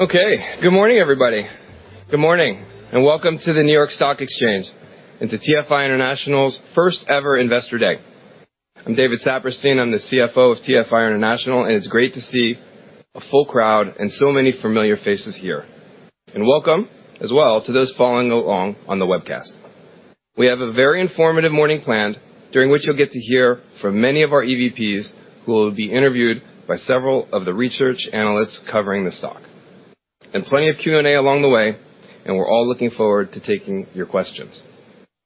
Okay. Good morning, everybody. Good morning, and welcome to the New York Stock Exchange and to TFI International's first ever Investor Day. I'm David Saperstein, I'm the CFO of TFI International, and it's great to see a full crowd and so many familiar faces here. Welcome as well to those following along on the webcast. We have a very informative morning planned, during which you'll get to hear from many of our EVPs, who will be interviewed by several of the research analysts covering the stock. Plenty of Q&A along the way, and we're all looking forward to taking your questions.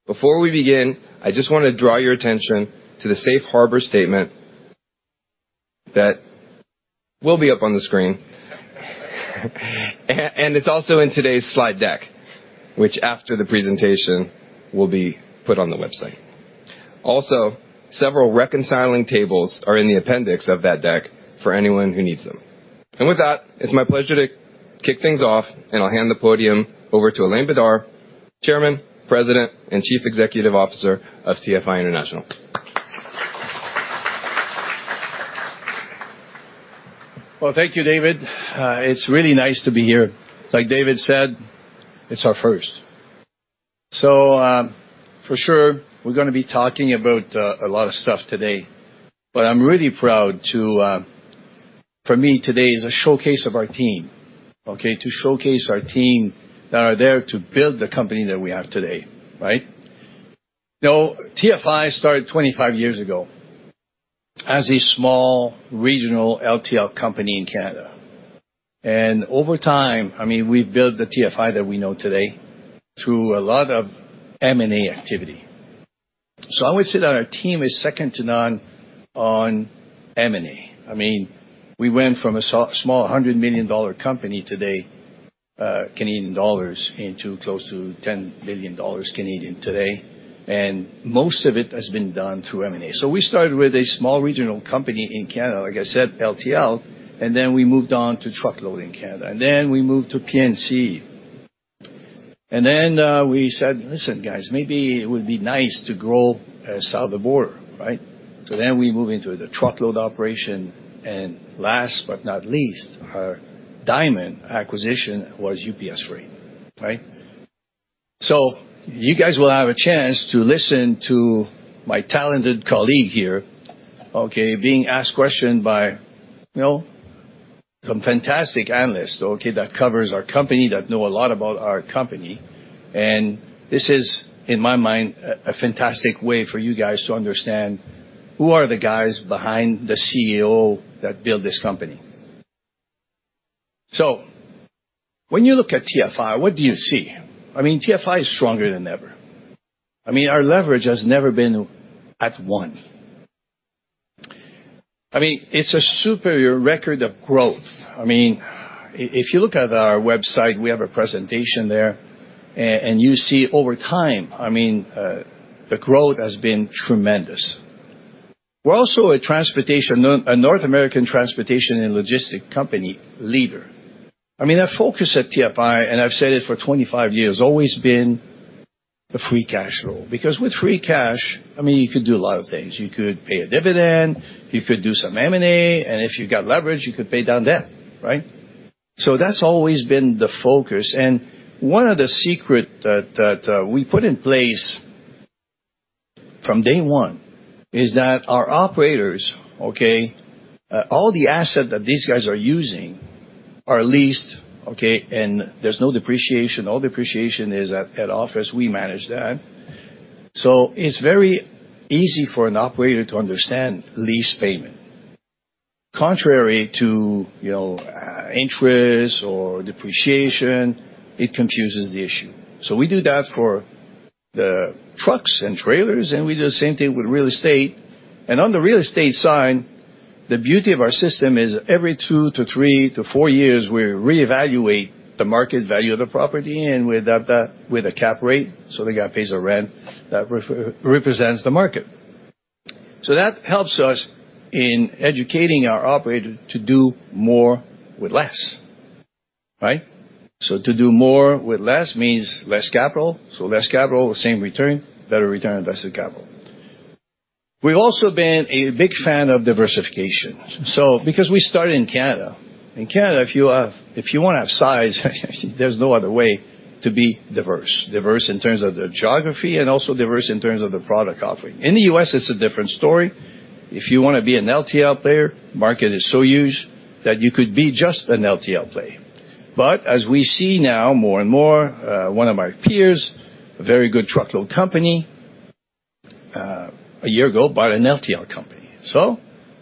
Before we begin, I just wanna draw your attention to the safe harbor statement that will be up on the screen. It's also in today's slide deck, which after the presentation will be put on the website. Also, several reconciling tables are in the appendix of that deck for anyone who needs them. With that, it's my pleasure to kick things off, and I'll hand the podium over to Alain Bédard, Chairman, President, and Chief Executive Officer of TFI International. Well, thank you, David. It's really nice to be here. Like David said, it's our first. For sure, we're gonna be talking about a lot of stuff today, but I'm really proud to. For me, today is a showcase of our team, okay? To showcase our team that are there to build the company that we have today, right? You know, TFI started 25 years ago as a small regional LTL company in Canada. Over time, I mean, we built the TFI that we know today through a lot of M&A activity. I would say that our team is second to none on M&A. I mean, we went from a so-small 100 million dollar company today, Canadian dollars, into close to 10 billion Canadian dollars Canadian today, and most of it has been done through M&A. We started with a small regional company in Canada, like I said, LTL, and then we moved on to truckload in Canada. Then we moved to P&C. Then we said, "Listen, guys, maybe it would be nice to grow south of the border," right? Then we move into the truckload operation, and last but not least, our dynamite acquisition was UPS Freight, right? You guys will have a chance to listen to my talented colleague here, okay, being asked question by, you know, some fantastic analysts, okay, that cover our company, that know a lot about our company. This is, in my mind, a fantastic way for you guys to understand who are the guys behind the CEO that built this company. When you look at TFI, what do you see? I mean, TFI is stronger than ever. I mean, our leverage has never been at one. I mean, it's a superior record of growth. I mean, if you look at our website, we have a presentation there. And you see over time, I mean, the growth has been tremendous. We're also a North American transportation and logistics company leader. I mean, our focus at TFI, and I've said it for 25 years, always been the free cash flow. Because with free cash, I mean, you could do a lot of things. You could pay a dividend, you could do some M&A, and if you've got leverage, you could pay down debt, right? That's always been the focus. One of the secret that we put in place from day one is that our operators, okay, all the assets that these guys are using are leased, okay, and there's no depreciation. All depreciation is at office. We manage that. So it's very easy for an operator to understand lease payment. Contrary to, you know, interest or depreciation, it confuses the issue. So we do that for the trucks and trailers, and we do the same thing with real estate. On the real estate side, the beauty of our system is every two to three to four years, we reevaluate the market value of the property, and we adapt that with a cap rate, so the guy pays a rent that represents the market. So that helps us in educating our operator to do more with less, right? To do more with less means less capital. Less capital, the same return, better return on invested capital. We've also been a big fan of diversification. Because we started in Canada. In Canada, if you wanna have size there's no other way to be diverse. Diverse in terms of the geography, and also diverse in terms of the product offering. In the U.S., it's a different story. If you wanna be an LTL player, market is so huge that you could be just an LTL player. As we see now more and more, one of my peers, a very good truckload company, a year ago bought an LTL company.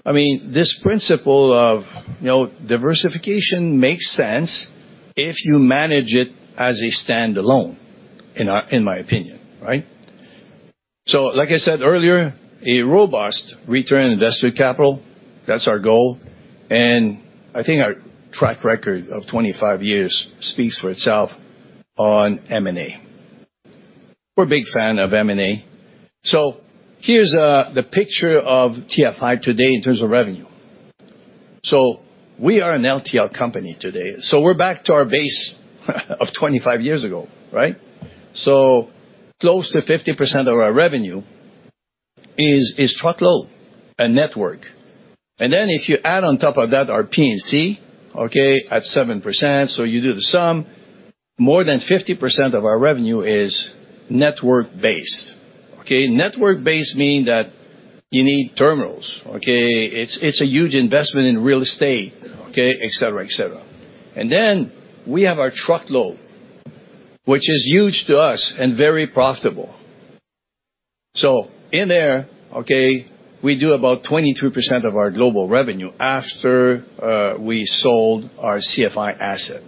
I mean, this principle of, you know, diversification makes sense if you manage it as a standalone, in my opinion, right? Like I said earlier, a robust return on invested capital, that's our goal. I think our track record of 25 years speaks for itself on M&A. We're a big fan of M&A. Here's the picture of TFI today in terms of revenue. We are an LTL company today, so we're back to our base of 25 years ago, right? Close to 50% of our revenue is truckload and network. Then if you add on top of that our P&C, okay, at 7%, so you do the sum, more than 50% of our revenue is network-based, okay. Network-based means that you need terminals, okay. It's a huge investment in real estate, okay, et cetera, et cetera. Then we have our truckload, which is huge to us and very profitable. In there, okay, we do about 22% of our global revenue after we sold our CFI asset.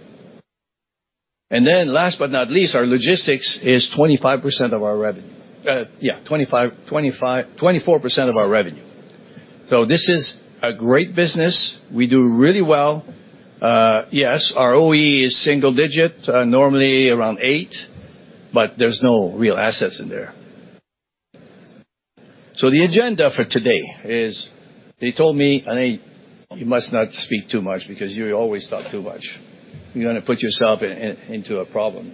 Then last but not least, our logistics is 25% of our revenue. Yeah, 25, 24% of our revenue. This is a great business. We do really well. Yes, our OE is single digit, normally around eight, but there's no real assets in there. The agenda for today is they told me, Alain, you must not speak too much because you always talk too much. You're gonna put yourself into a problem.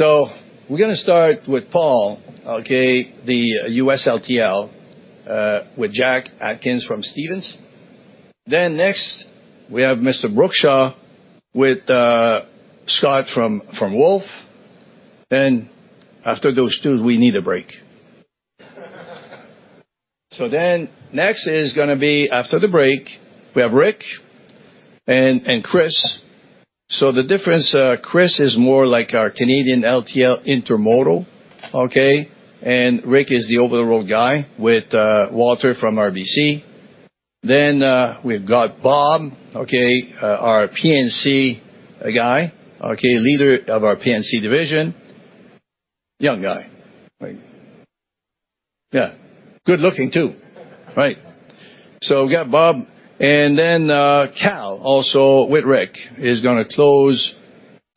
We're gonna start with Paul, okay, the U.S. LTL, with Jack Atkins from Stephens. Next, we have Mr. Brookshaw with Scott Group from Wolfe Research. After those two, we need a break. Next is gonna be after the break, we have Rick and Chris. The difference, Chris is more like our Canadian LTL intermodal, okay, and Rick is the over-the-road guy with Walter from RBC. We've got Bob, okay, our P&C guy, okay, leader of our P&C division. Young guy, right? Yeah. Good looking too. Right. We've got Bob, and then Cal also with Rick is gonna close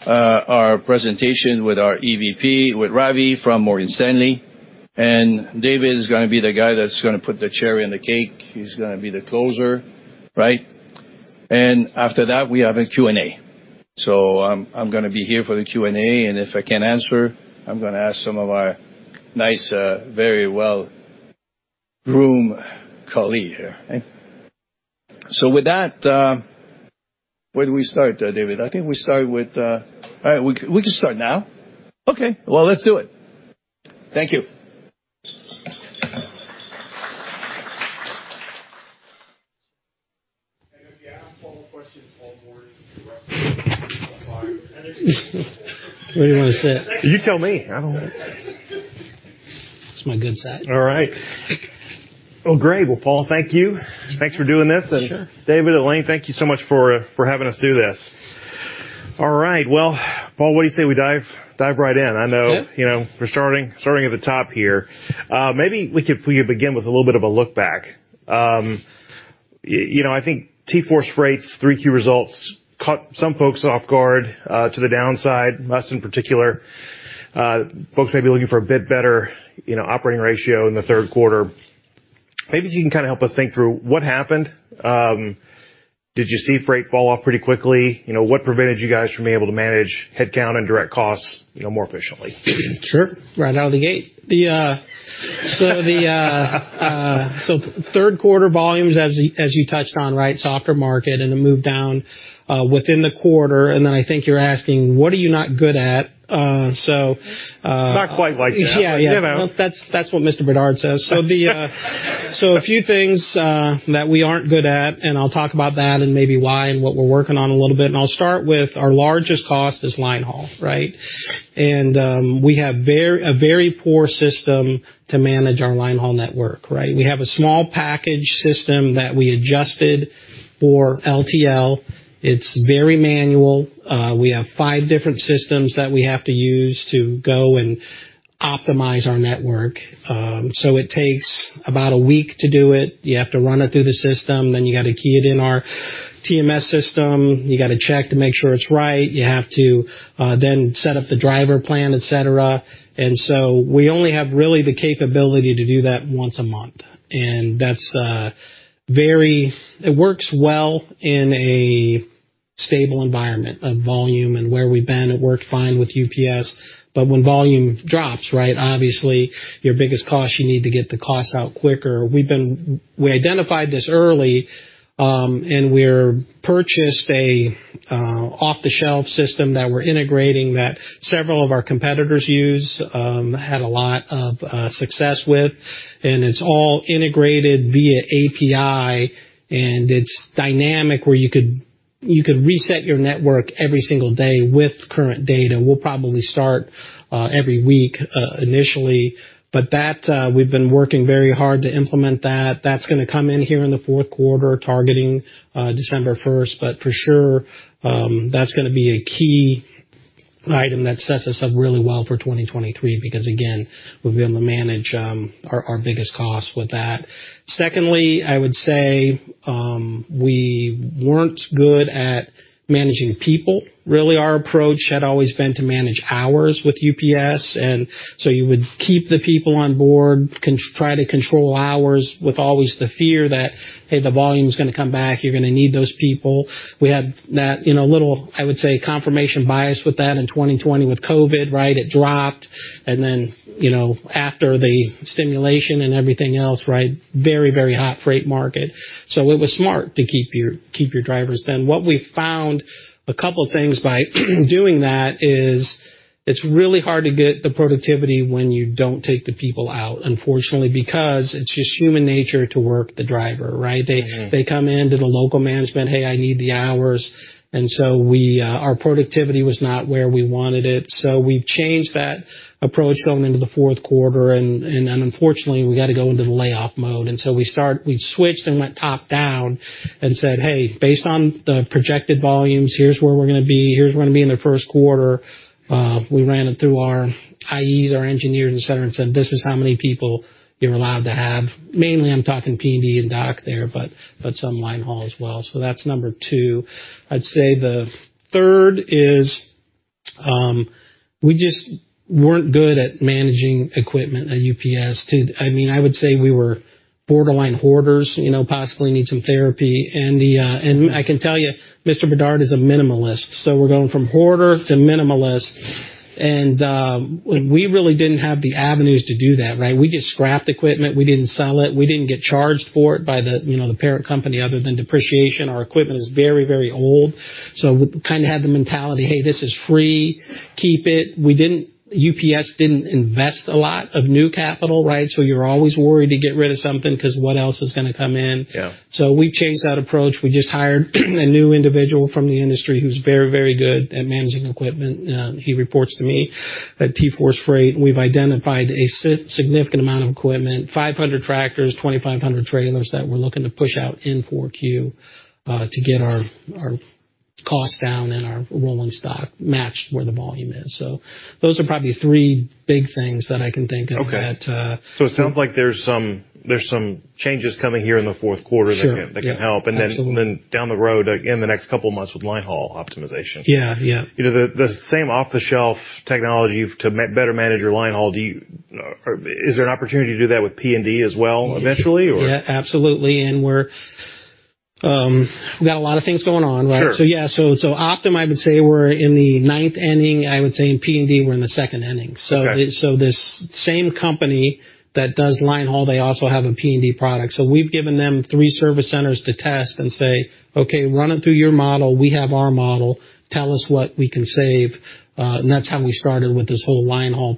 our presentation with our EVP, with Ravi from Morgan Stanley. David is gonna be the guy that's gonna put the cherry on the cake. He's gonna be the closer, right? After that, we have a Q&A. I'm gonna be here for the Q&A, and if I can't answer, I'm gonna ask some of our nice, very well-groomed colleague here. With that, where do we start, David? I think we start with. All right, we can start now. Okay. Well, let's do it. Thank you. If you ask Paul questions, Paul boards the rest of the time. Where do you wanna sit? You tell me. I don't. It's my good side. All right. Well, great. Well, Paul, thank you. Thanks for doing this. Sure. David, Alain Bédard, thank you so much for having us do this. All right, well, Paul, what do you say we dive right in? Yeah. I know, you know, we're starting at the top here. Will you begin with a little bit of a look back? You know, I think TForce's Q3 results caught some folks off guard, to the downside, us in particular. Folks may be looking for a bit better, you know, operating ratio in the third quarter. Maybe you can kinda help us think through what happened. Did you see freight fall off pretty quickly? You know, what prevented you guys from being able to manage headcount and direct costs, you know, more efficiently? Sure. Right out of the gate. Third quarter volumes as you touched on, right, softer market and a move down within the quarter, and then I think you're asking, what are you not good at? Not quite like that. Yeah, yeah. You know. That's what Mr. Bédard says. A few things that we aren't good at, and I'll talk about that and maybe why and what we're working on a little bit, and I'll start with our largest cost, line haul, right? We have a very poor system to manage our line haul network, right? We have a small package system that we adjusted for LTL. It's very manual. We have five different systems that we have to use to go and optimize our network. It takes about a week to do it. You have to run it through the system, then you got to key it in our TMS system. You gotta check to make sure it's right. You have to then set up the driver plan, et cetera. We only have really the capability to do that once a month. It works well in a stable environment of volume and where we've been. It worked fine with UPS. When volume drops, right, obviously, your biggest cost, you need to get the cost out quicker. We identified this early, and we purchased a off-the-shelf system that we're integrating that several of our competitors use, had a lot of success with. It's all integrated via API, and it's dynamic where you could reset your network every single day with current data. We'll probably start every week initially, but we've been working very hard to implement that. That's gonna come in here in the fourth quarter, targeting December first. For sure, that's gonna be a key item that sets us up really well for 2023 because, again, we'll be able to manage our biggest cost with that. Secondly, I would say, we weren't good at managing people. Really, our approach had always been to manage hours with UPS, and so you would keep the people on board, try to control hours with always the fear that, hey, the volume is gonna come back, you're gonna need those people. We had that, you know, little, I would say, confirmation bias with that in 2020 with COVID, right? It dropped, and then, you know, after the stimulus and everything else, right, very, very hot freight market. It was smart to keep your drivers. What we found a couple things by doing that is it's really hard to get the productivity when you don't take the people out, unfortunately, because it's just human nature to work the driver, right? Mm-hmm. They come into the local management, "Hey, I need the hours." Our productivity was not where we wanted it. We've changed that approach going into the fourth quarter, and unfortunately, we gotta go into the layoff mode. We switched and went top-down and said, "Hey, based on the projected volumes, here's where we're gonna be, here's where we're gonna be in the first quarter." We ran it through our IEs, our engineers, et cetera, and said, "This is how many people you're allowed to have." Mainly, I'm talking P&D and dock there, but some linehaul as well. That's number two. I'd say the third is, we just weren't good at managing equipment at UPS. I mean, I would say we were borderline hoarders, you know, possibly need some therapy. I can tell you, Mr. Bédard is a minimalist, so we're going from hoarder to minimalist. We really didn't have the avenues to do that, right? We just scrapped equipment. We didn't sell it. We didn't get charged for it by the, you know, the parent company, other than depreciation. Our equipment is very, very old. We kind of had the mentality, "Hey, this is free. Keep it." UPS didn't invest a lot of new capital, right? You're always worried to get rid of something 'cause what else is gonna come in. Yeah. We changed that approach. We just hired a new individual from the industry who's very, very good at managing equipment. He reports to me at TForce Freight. We've identified a significant amount of equipment, 500 tractors, 2,500 trailers that we're looking to push out in Q4 to get our costs down and our rolling stock matched where the volume is. Those are probably three big things that I can think of that. Okay. It sounds like there's some changes coming here in the fourth quarter. Sure. that can help. Absolutely. Down the road, again, the next couple of months with linehaul optimization. Yeah. Yeah. You know, the same off-the-shelf technology to better manage your linehaul, do you? Or is there an opportunity to do that with P&D as well eventually? Yeah, absolutely. We've got a lot of things going on, right? Sure. Yeah. Optym, I would say we're in the ninth inning. I would say in P&D, we're in the second inning. Okay. This same company that does linehaul, they also have a P&D product. We've given them three service centers to test and say, "Okay, run it through your model. We have our model. Tell us what we can save." And that's how we started with this whole linehaul.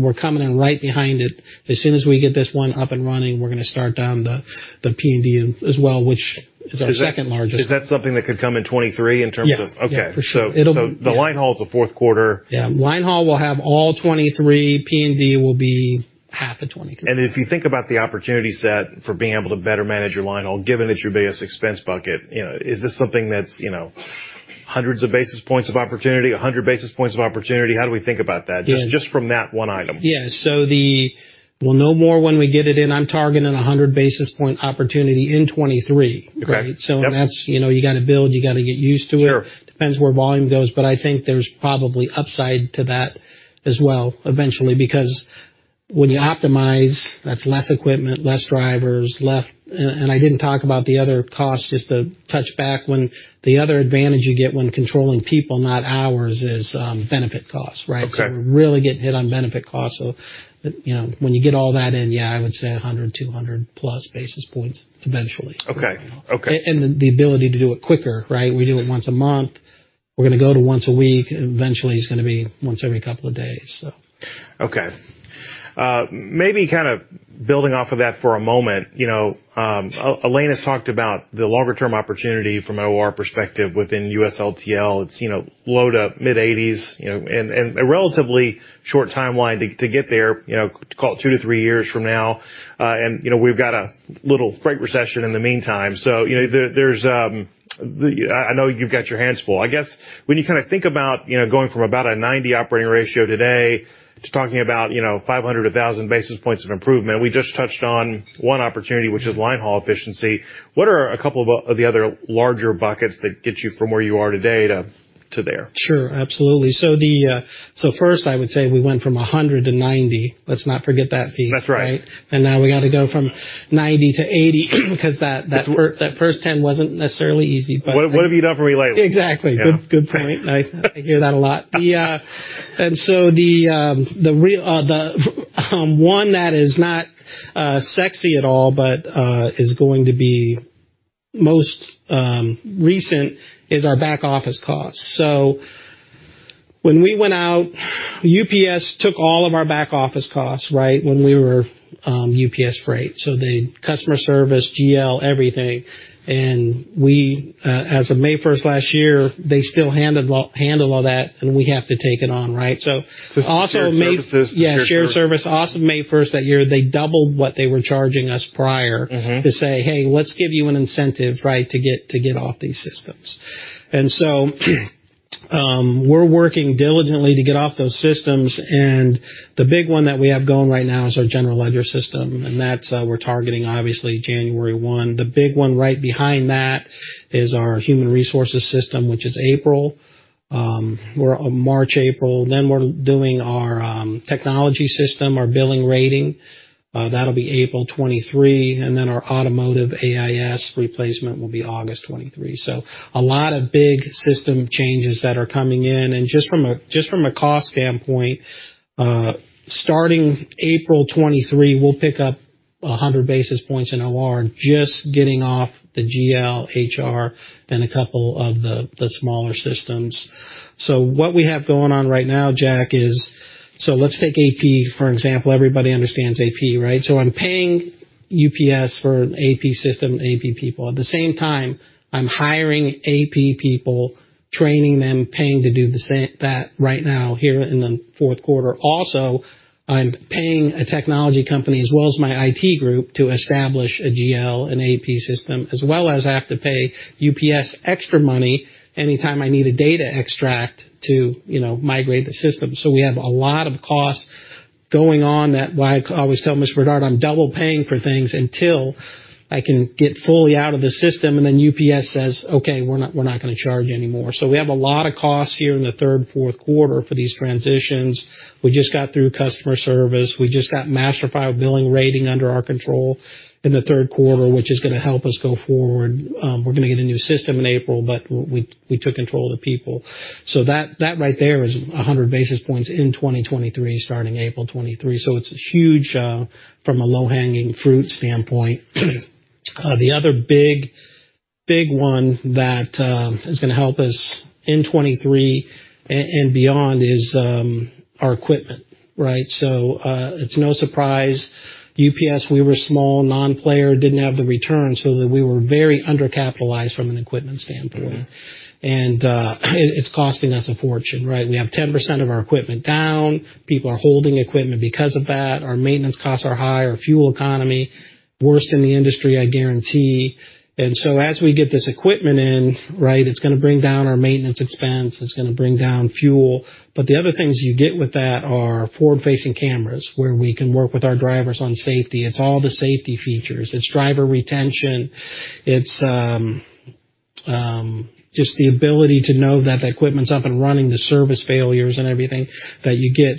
We're coming in right behind it. As soon as we get this one up and running, we're gonna start down the P&D as well, which is our second largest. Is that something that could come in 2023 in terms of? Yeah. Okay. Yeah, for sure. The linehaul is the fourth quarter. Yeah. Linehaul will have all 23. P&D will be half of 23. If you think about the opportunity set for being able to better manage your linehaul, given it's your biggest expense bucket, you know, is this something that's, you know, hundreds of basis points of opportunity, 100 basis points of opportunity? How do we think about that? Yeah. Just from that one item? We'll know more when we get it in. I'm targeting 100 basis point opportunity in 2023. Okay. Yep. Right? That's, you know, you gotta build, you gotta get used to it. Sure. Depends where volume goes, but I think there's probably upside to that as well eventually. Because when you optimize, that's less equipment, less drivers, less. I didn't talk about the other costs. Just to touch back when the other advantage you get when controlling people, not hours, is, benefit costs, right? Okay. We really get hit on benefit costs. You know, when you get all that in, yeah, I would say 100-200+ basis points eventually. Okay. Okay. The ability to do it quicker, right? We do it once a month. We're gonna go to once a week. Eventually, it's gonna be once every couple of days, so. Okay. Maybe kind of building off of that for a moment. You know, Alain's talked about the longer-term opportunity from our perspective within U.S. LTL. It's, you know, low to mid-80s, you know, and a relatively short timeline to get there, you know, call it two to three years from now. And, you know, we've got a little freight recession in the meantime. So, you know, there's, I know you've got your hands full. I guess when you kinda think about, you know, going from about a 90 operating ratio today to talking about, you know, 500-1,000 basis points of improvement, we just touched on one opportunity, which is linehaul efficiency. What are a couple of the other larger buckets that get you from where you are today to there? Sure. Absolutely. First, I would say we went from 100-90. Let's not forget that piece. That's right. Right? Now we got to go from 90-80 because that work that first 10 wasn't necessarily easy, but. What have you done for me lately? Exactly. Yeah. Good point. I hear that a lot. The one that is not sexy at all, but is going to be most recent is our back office costs. When we went out, UPS took all of our back office costs, right? When we were UPS Freight. The customer service, GL, everything. We, as of May first last year, they still handled all that, and we have to take it on, right? Also May- Shared services. Yeah, shared service. Also, May first that year, they doubled what they were charging us prior- Mm-hmm. to say, "Hey, let's give you an incentive, right? To get off these systems." We're working diligently to get off those systems, and the big one that we have going right now is our general ledger system, and that's we're targeting obviously January 1. The big one right behind that is our human resources system, which is March or April. Then we're doing our technology system, our billing rating. That'll be April 2023, and then our automotive AIS replacement will be August 2023. A lot of big system changes that are coming in. Just from a cost standpoint, starting April 2023, we'll pick up 100 basis points in OR just getting off the GL, HR, then a couple of the smaller systems. What we have going on right now, Jack, is so let's take AP, for example. Everybody understands AP, right? I'm paying UPS for an AP system, AP people. At the same time, I'm hiring AP people, training them, paying to do the same that right now here in the fourth quarter. Also, I'm paying a technology company as well as my IT group to establish a GL and AP system, as well as I have to pay UPS extra money any time I need a data extract to, you know, migrate the system. We have a lot of costs going on that's why I always tell Mr. Alain Bédard, I'm double-paying for things until I can get fully out of the system, and then UPS says, "Okay, we're not gonna charge you anymore." We have a lot of costs here in the third, fourth quarter for these transitions. We just got through customer service. We just got Master File billing rating under our control in the third quarter, which is gonna help us go forward. We're gonna get a new system in April, but we took control of the people. That right there is 100 basis points in 2023, starting April 2023. It's huge from a low-hanging fruit standpoint. The other big one that is gonna help us in 2023 and beyond is our equipment, right? It's no surprise, UPS, we were a small non-player, didn't have the returns, so that we were very undercapitalized from an equipment standpoint. Mm-hmm. It's costing us a fortune, right? We have 10% of our equipment down. People are holding equipment because of that. Our maintenance costs are high. Our fuel economy, worst in the industry, I guarantee. As we get this equipment in, right, it's gonna bring down our maintenance expense, it's gonna bring down fuel. But the other things you get with that are forward-facing cameras, where we can work with our drivers on safety. It's all the safety features. It's driver retention. It's just the ability to know that the equipment's up and running, the service failures and everything that you get.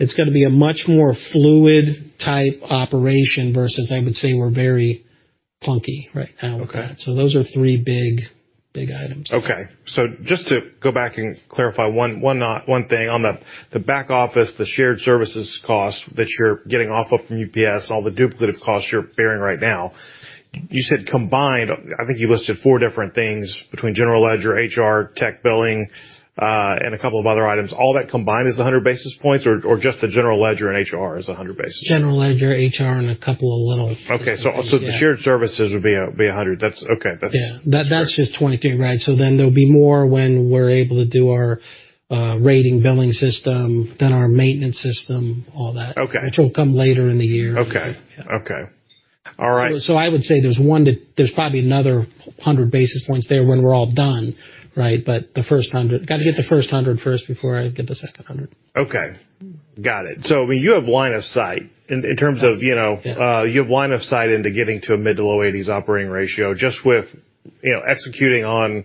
It's gonna be a much more fluid type operation versus I would say we're very clunky right now with that. Okay. Those are three big items. Just to go back and clarify one thing. On the back office, the shared services cost that you're getting off of from UPS, all the duplicative costs you're bearing right now, you said combined, I think you listed four different things between general ledger, HR, tech billing, and a couple of other items. All that combined is 100 basis points or just the general ledger and HR is 100 basis points? General ledger, HR, and a couple of little Okay. Also the shared services would be 100. Yeah. That's just 23, right? There'll be more when we're able to do our rating billing system, then our maintenance system, all that. Okay. Which will come later in the year. Okay. Yeah. Okay. All right. I would say there's probably another 100 basis points there when we're all done, right? The first 100. Gotta get the first 100 first before I get the second 100. Okay. Got it. You have line of sight in terms of, you know. Yeah. You have line of sight into getting to a mid- to low-80s% operating ratio just with, you know, executing on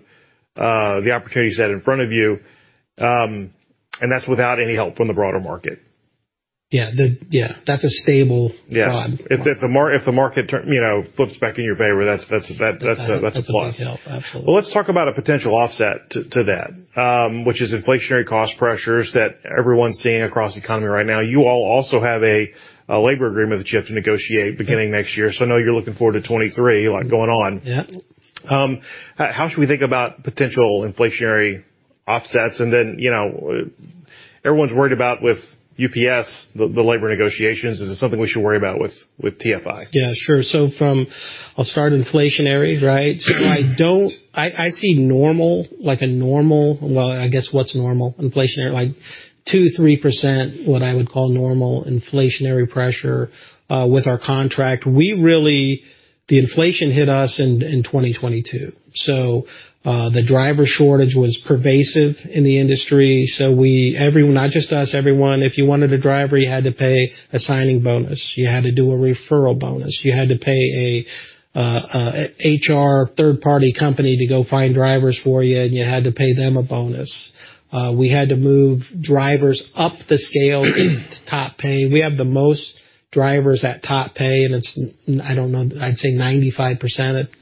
the opportunities set in front of you, and that's without any help from the broader market. Yeah. That's a stable- Yeah. -broad. If the market turn, you know, flips back in your favor, that's a plus. Absolutely. Well, let's talk about a potential offset to that, which is inflationary cost pressures that everyone's seeing across the economy right now. You all also have a labor agreement that you have to negotiate beginning next year. I know you're looking forward to 2023, a lot going on. Yeah. How should we think about potential inflationary offsets? Then, you know, everyone's worried about with UPS, the labor negotiations. Is it something we should worry about with TFI? Yeah, sure. I'll start with inflation, right? I see normal inflation. Well, I guess what's normal inflation like 2%-3% what I would call normal inflationary pressure with our contract. The inflation hit us in 2022. The driver shortage was pervasive in the industry. Not just us, everyone, if you wanted a driver, you had to pay a signing bonus, you had to do a referral bonus, you had to pay a HR third-party company to go find drivers for you, and you had to pay them a bonus. We had to move drivers up the scale to top pay. We have the most drivers at top pay, and it's I don't know, I'd say 95%,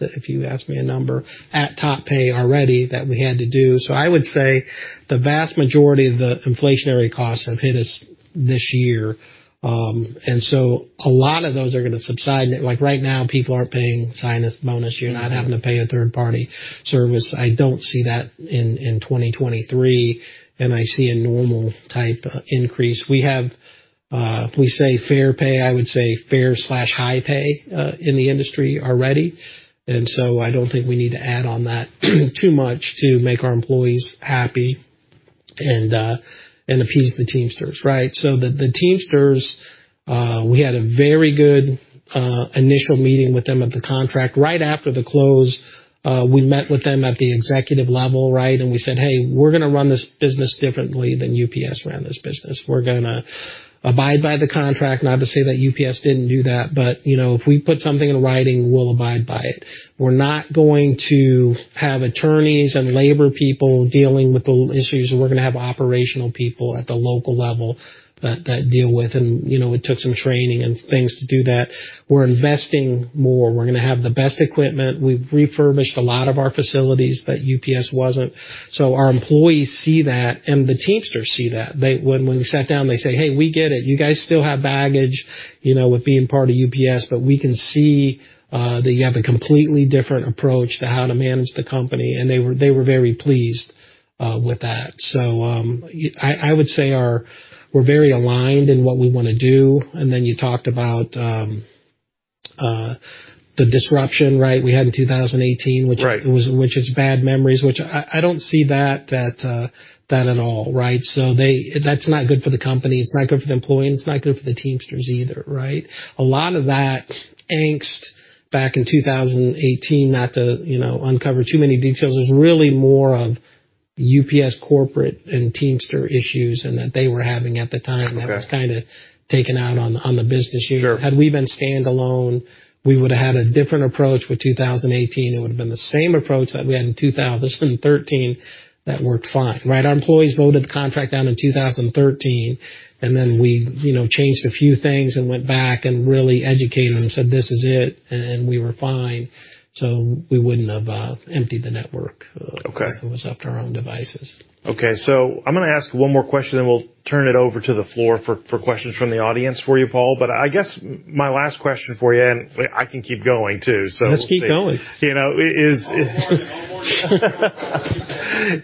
if you asked me a number, at top pay already that we had to do. I would say the vast majority of the inflationary costs have hit us this year. A lot of those are gonna subside. Like, right now, people aren't paying signing bonus. You're not having to pay a third-party service. I don't see that in 2023, and I see a normal type increase. We have, we say fair pay, I would say fair/high pay, in the industry already. I don't think we need to add on that too much to make our employees happy. Appease the Teamsters, right? The Teamsters, we had a very good initial meeting with them at the contract. Right after the close, we met with them at the executive level, right? We said, "Hey, we're gonna run this business differently than UPS ran this business. We're gonna abide by the contract." Not to say that UPS didn't do that, but, you know, if we put something in writing, we'll abide by it. We're not going to have attorneys and labor people dealing with the issues. We're gonna have operational people at the local level that deal with. You know, it took some training and things to do that. We're investing more. We're gonna have the best equipment. We've refurbished a lot of our facilities that UPS wasn't. So our employees see that, and the Teamsters see that. When we sat down, they say, "Hey, we get it. You guys still have baggage, you know, with being part of UPS, but we can see that you have a completely different approach to how to manage the company. They were very pleased with that. I would say we're very aligned in what we wanna do. Then you talked about the disruption, right, we had in 2018, which Right. which is bad memories, which I don't see that at all, right? That's not good for the company, it's not good for the employees, and it's not good for the Teamsters either, right? A lot of that angst back in 2018, not to, you know, uncover too many details, was really more of UPS corporate and Teamsters issues and that they were having at the time. Okay. That was kinda taken out on the business unit. Sure. Had we been standalone, we would've had a different approach with 2018. It would have been the same approach that we had in 2013 that worked fine, right? Our employees voted the contract down in 2013, and then we, you know, changed a few things and went back and really educated them and said, "This is it," and we were fine. We wouldn't have emptied the network. Okay. If it was up to our own devices. Okay. I'm gonna ask one more question, then we'll turn it over to the floor for questions from the audience for you, Paul. I guess my last question for you, and I can keep going too, so. Let's keep going. You know, is Onward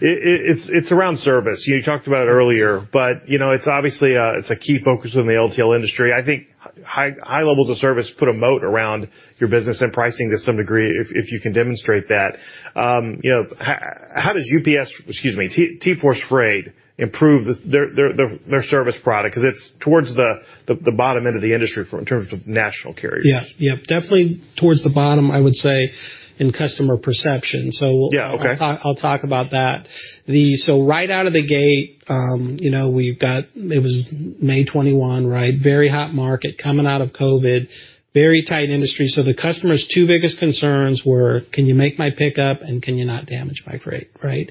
and onward. It's around service. You talked about it earlier, but you know, it's obviously a key focus in the LTL industry. I think high levels of service put a moat around your business and pricing to some degree if you can demonstrate that. You know, how does UPS, excuse me, TForce Freight improve their service product? 'Cause it's towards the bottom end of the industry in terms of national carriers. Yeah. Definitely towards the bottom, I would say, in customer perception. Yeah. Okay. I'll talk about that. Right out of the gate, it was May 21, right? Very hot market coming out of COVID, very tight industry. The customer's two biggest concerns were, can you make my pickup and can you not damage my freight, right?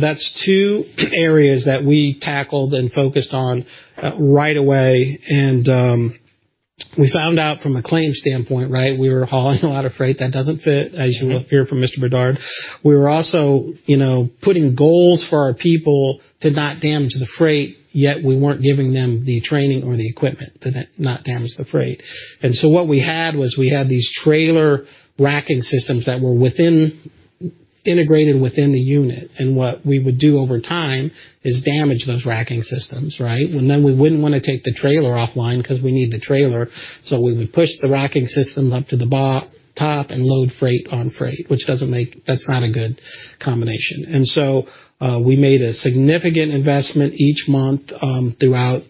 That's two areas that we tackled and focused on right away. We found out from a claim standpoint, right? We were hauling a lot of freight that doesn't fit, as you will hear from Mr. Bédard. We were also putting goals for our people to not damage the freight, yet we weren't giving them the training or the equipment to not damage the freight. What we had was we had these trailer racking systems that were integrated within the unit, and what we would do over time is damage those racking systems, right? Then we wouldn't wanna take the trailer offline 'cause we need the trailer, so we would push the racking system up to the top and load freight on freight, which that's not a good combination. We made a significant investment each month throughout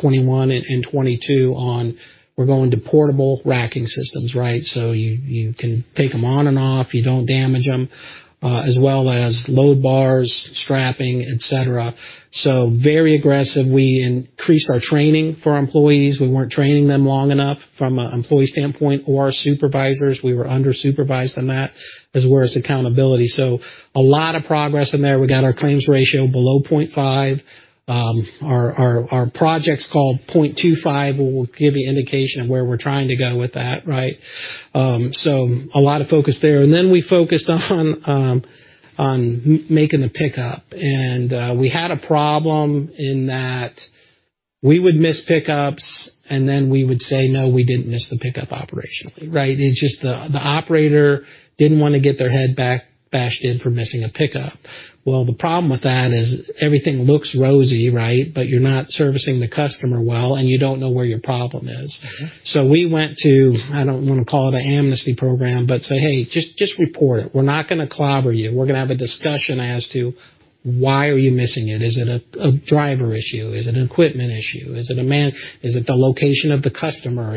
2021 and 2022 in we're going to portable racking systems, right? So you can take them on and off, you don't damage them as well as load bars, strapping, et cetera. So very aggressive. We increased our training for our employees. We weren't training them long enough from an employee standpoint or supervisors. We were under-supervised on that as far as accountability. A lot of progress in there. We got our claims ratio below 0.5. Our project is called 0.25, will give you indication of where we're trying to go with that, right? A lot of focus there. We focused on making the pickup. We had a problem in that we would miss pickups, and then we would say, "No, we didn't miss the pickup operationally." Right? It's just the operator didn't wanna get their head bashed in for missing a pickup. Well, the problem with that is everything looks rosy, right? You're not servicing the customer well, and you don't know where your problem is. Mm-hmm. We went to, I don't wanna call it an amnesty program, but say, "Hey, just report it. We're not gonna clobber you. We're gonna have a discussion as to why are you missing it. Is it a driver issue? Is it an equipment issue? Is it a man? Is it the location of the customer?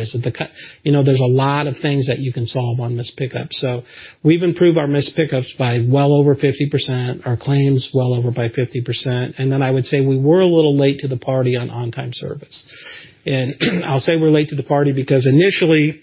You know, there's a lot of things that you can solve on missed pickups." We've improved our missed pickups by well over 50%, our claims well over by 50%. I would say we were a little late to the party on on-time service. I'll say we're late to the party because initially,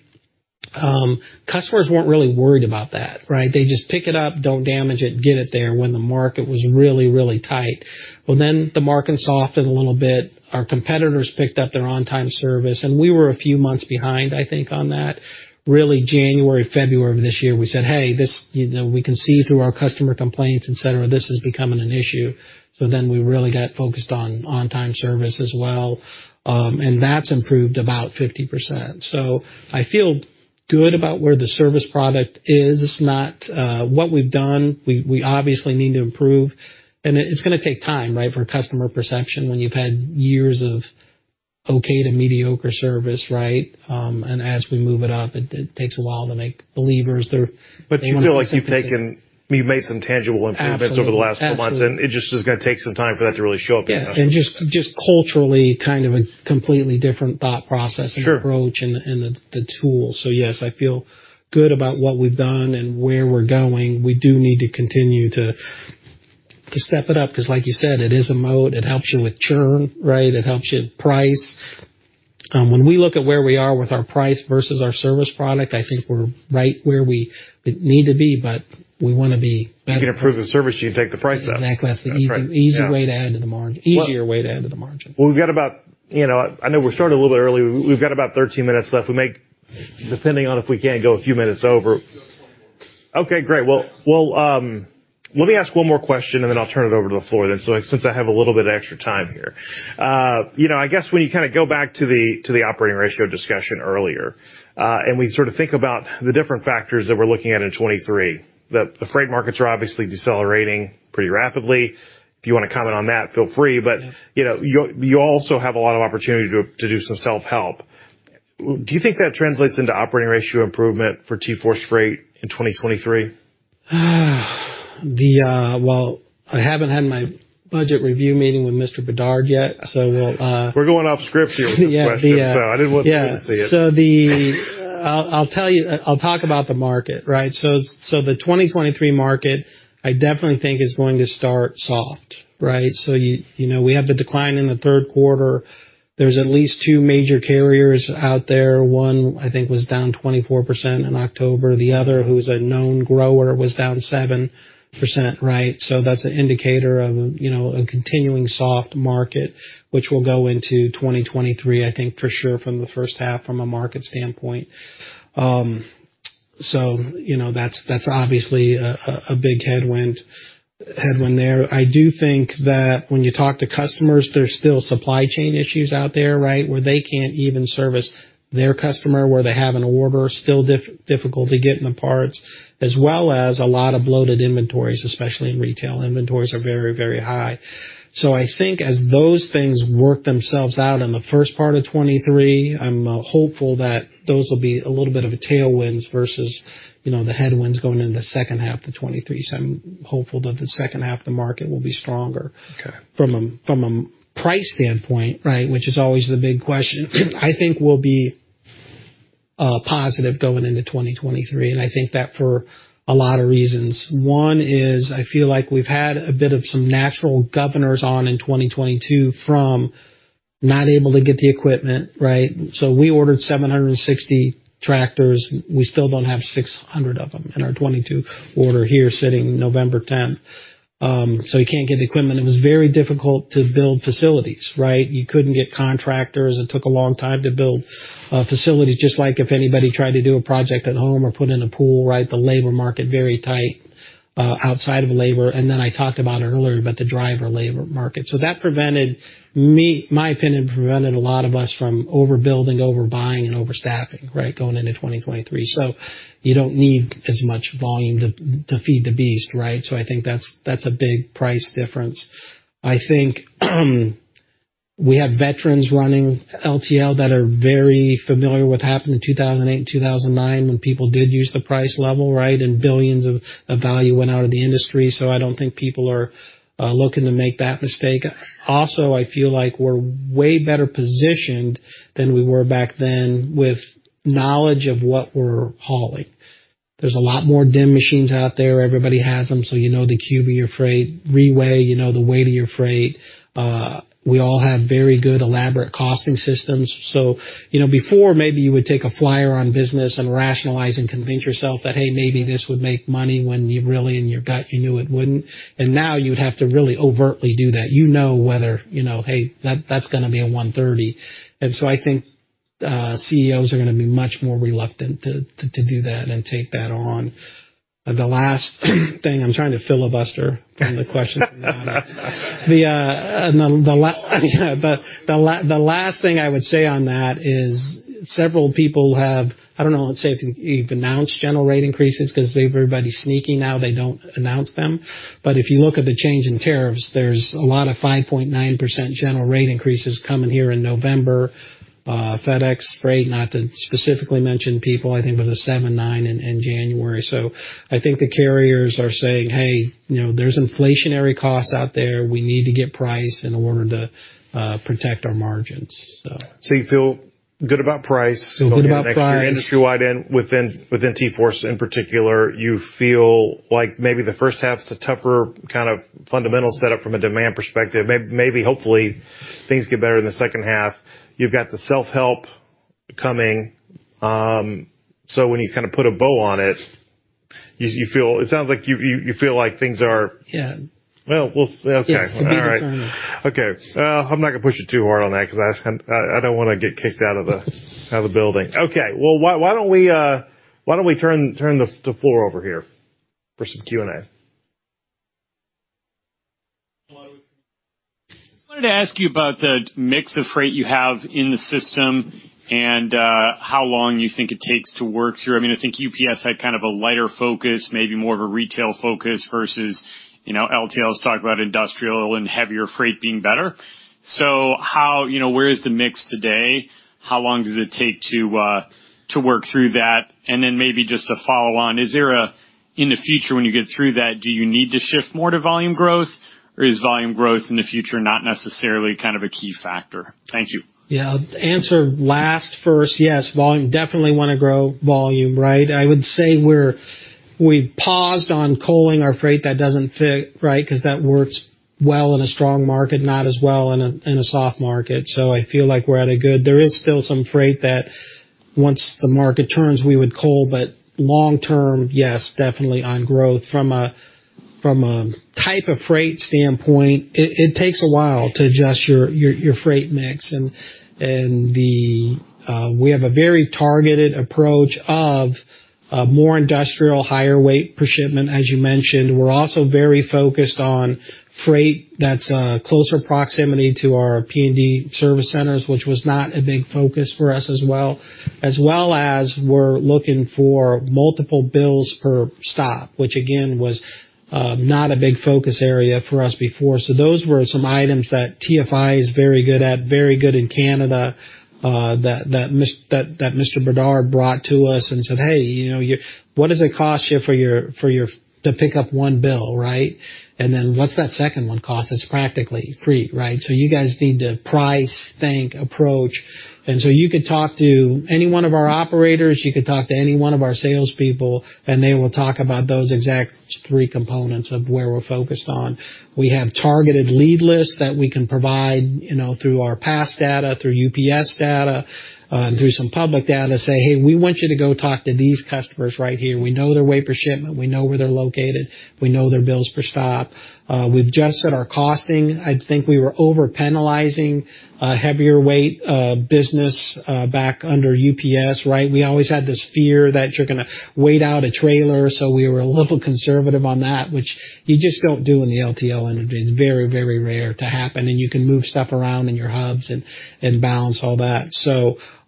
customers weren't really worried about that, right? They just pick it up, don't damage it, get it there when the market was really, really tight. Well, then the market softened a little bit. Our competitors picked up their on-time service, and we were a few months behind, I think, on that. Really, January, February of this year, we said, "Hey, this, you know, we can see through our customer complaints, et cetera, this is becoming an issue." We really got focused on on-time service as well. That's improved about 50%. I feel good about where the service product is. It's not what we've done. We obviously need to improve. It's gonna take time, right? For customer perception when you've had years of okay to mediocre service, right? As we move it up, it takes a while to make believers there. You feel like you've made some tangible improvements. Absolutely. Over the last couple of months, and it just is gonna take some time for that to really show up in the customers. Yeah. Just culturally, kind of a completely different thought process. Sure. Approach and the tool. Yes, I feel good about what we've done and where we're going. We do need to continue to step it up because like you said, it is a mode. It helps you with churn, right? It helps you price. When we look at where we are with our price versus our service product, I think we're right where we need to be, but we wanna be better. If you can improve the service, you can take the price up. Exactly. That's right. Yeah. That's the easy way to add to the margin. Easier way to add to the margin. Well, we've got about, you know. I know we're starting a little bit early. We've got about 13 minutes left. We may, depending on if we can go a few minutes over. Just one more. Okay, great. Well, let me ask one more question, and then I'll turn it over to the floor, so since I have a little bit of extra time here. You know, I guess when you kinda go back to the operating ratio discussion earlier, and we sort of think about the different factors that we're looking at in 2023, the freight markets are obviously decelerating pretty rapidly. If you wanna comment on that, feel free. You know, you also have a lot of opportunity to do some self-help. Do you think that translates into operating ratio improvement for TForce Freight in 2023? Well, I haven't had my budget review meeting with Mr. Bédard yet, so we'll. We're going off script here with these questions. Yeah. I didn't want you to see it. I'll tell you. I'll talk about the market, right? The 2023 market, I definitely think, is going to start soft, right? You know, we have the decline in the third quarter. There's at least two major carriers out there. One, I think, was down 24% in October. The other, who's a known grower, was down 7%, right? That's an indicator of a, you know, a continuing soft market, which will go into 2023, I think, for sure, from the first half from a market standpoint. You know, that's obviously a big headwind there. I do think that when you talk to customers, there's still supply chain issues out there, right? Where they can't even service their customer, where they have an order, still difficult to get the parts, as well as a lot of bloated inventories, especially in retail. Inventories are very, very high. I think as those things work themselves out in the first part of 2023, I'm hopeful that those will be a little bit of a tailwinds versus, you know, the headwinds going into the second half of 2023. I'm hopeful that the second half of the market will be stronger. Okay. From a price standpoint, right, which is always the big question, I think we'll be positive going into 2023, and I think that for a lot of reasons. One is, I feel like we've had a bit of some natural governors on in 2022 from not able to get the equipment, right? So we ordered 760 tractors. We still don't have 600 of them in our 2022 order here sitting November 10. So you can't get the equipment. It was very difficult to build facilities, right? You couldn't get contractors. It took a long time to build facilities, just like if anybody tried to do a project at home or put in a pool, right? The labor market very tight outside of labor. Then I talked about it earlier about the driver labor market. That, my opinion, prevented a lot of us from overbuilding, overbuying and overstaffing, right, going into 2023. You don't need as much volume to feed the beast, right? I think that's a big price difference. I think we have veterans running LTL that are very familiar with what happened in 2008 and 2009 when people did lose the price level, right, and billions of value went out of the industry. I don't think people are looking to make that mistake. Also, I feel like we're way better positioned than we were back then with knowledge of what we're hauling. There's a lot more DIM machines out there. Everybody has them, so you know the cubic of your freight. Reweigh, you know the weight of your freight. We all have very good, elaborate costing systems. You know, before, maybe you would take a flyer on business and rationalize and convince yourself that, hey, maybe this would make money when you really in your gut you knew it wouldn't. Now you'd have to really overtly do that. You know whether, you know, hey, that's gonna be a $1.30. I think, CEOs are gonna be much more reluctant to do that and take that on. The last thing, I'm trying to filibuster from the question. The last thing I would say on that is several people have, I don't know, I would say, if you've announced general rate increases 'cause everybody's sneaky now, they don't announce them. If you look at the change in tariffs, there's a lot of 5.9% general rate increases coming here in November. FedEx Freight, not to specifically mention people, I think it was a 7.9% in January. I think the carriers are saying, "Hey, you know, there's inflationary costs out there. We need to get price in order to protect our margins. You feel good about price? Feel good about price. Industry-wide and within TForce in particular, you feel like maybe the first half's the tougher kind of fundamental setup from a demand perspective. Maybe hopefully things get better in the second half. You've got the self-help coming. So when you kind of put a bow on it, you feel. It sounds like you feel like things are. Yeah. Okay. Yeah. All right. Okay. I'm not gonna push you too hard on that 'cause I don't wanna get kicked out of the building. Okay. Well, why don't we turn the floor over here for some Q&A? Hello. I just wanted to ask you about the mix of freight you have in the system and how long you think it takes to work through. I mean, I think UPS had kind of a lighter focus, maybe more of a retail focus versus, you know, LTL is talking about industrial and heavier freight being better. How, you know, where is the mix today? How long does it take to work through that? Then maybe just to follow on, is there a in the future, when you get through that, do you need to shift more to volume growth, or is volume growth in the future not necessarily kind of a key factor? Thank you. Yeah. Answer last first. Yes, volume, definitely wanna grow volume, right? I would say we've paused on hauling our freight that doesn't fit, right? 'Cause that works well in a strong market, not as well in a soft market. There is still some freight that, once the market turns, we would haul. Long-term, yes, definitely on growth. From a type of freight standpoint, it takes a while to adjust your freight mix. We have a very targeted approach of more industrial, higher weight per shipment, as you mentioned. We're also very focused on freight that's closer proximity to our P&D service centers, which was not a big focus for us as well. As well as we're looking for multiple bills per stop, which, again, was not a big focus area for us before. Those were some items that TFI is very good at, very good in Canada, that Mr. Bédard brought to us and said, "Hey, you know, what does it cost you for your truck to pick up one bill, right? And then what's that second one cost? It's practically free, right? So you guys need to price, think, approach." You could talk to any one of our operators, you could talk to any one of our salespeople, and they will talk about those exact three components of where we're focused on. We have targeted lead lists that we can provide, you know, through our past data, through UPS data, and through some public data, say, "Hey, we want you to go talk to these customers right here. We know their weight per shipment. We know where they're located. We know their bills per stop." We've just set our costing. I think we were overpenalizing heavier weight business back under UPS, right? We always had this fear that you're gonna weigh out a trailer, so we were a little conservative on that, which you just don't do in the LTL industry. It's very, very rare to happen, and you can move stuff around in your hubs and balance all that.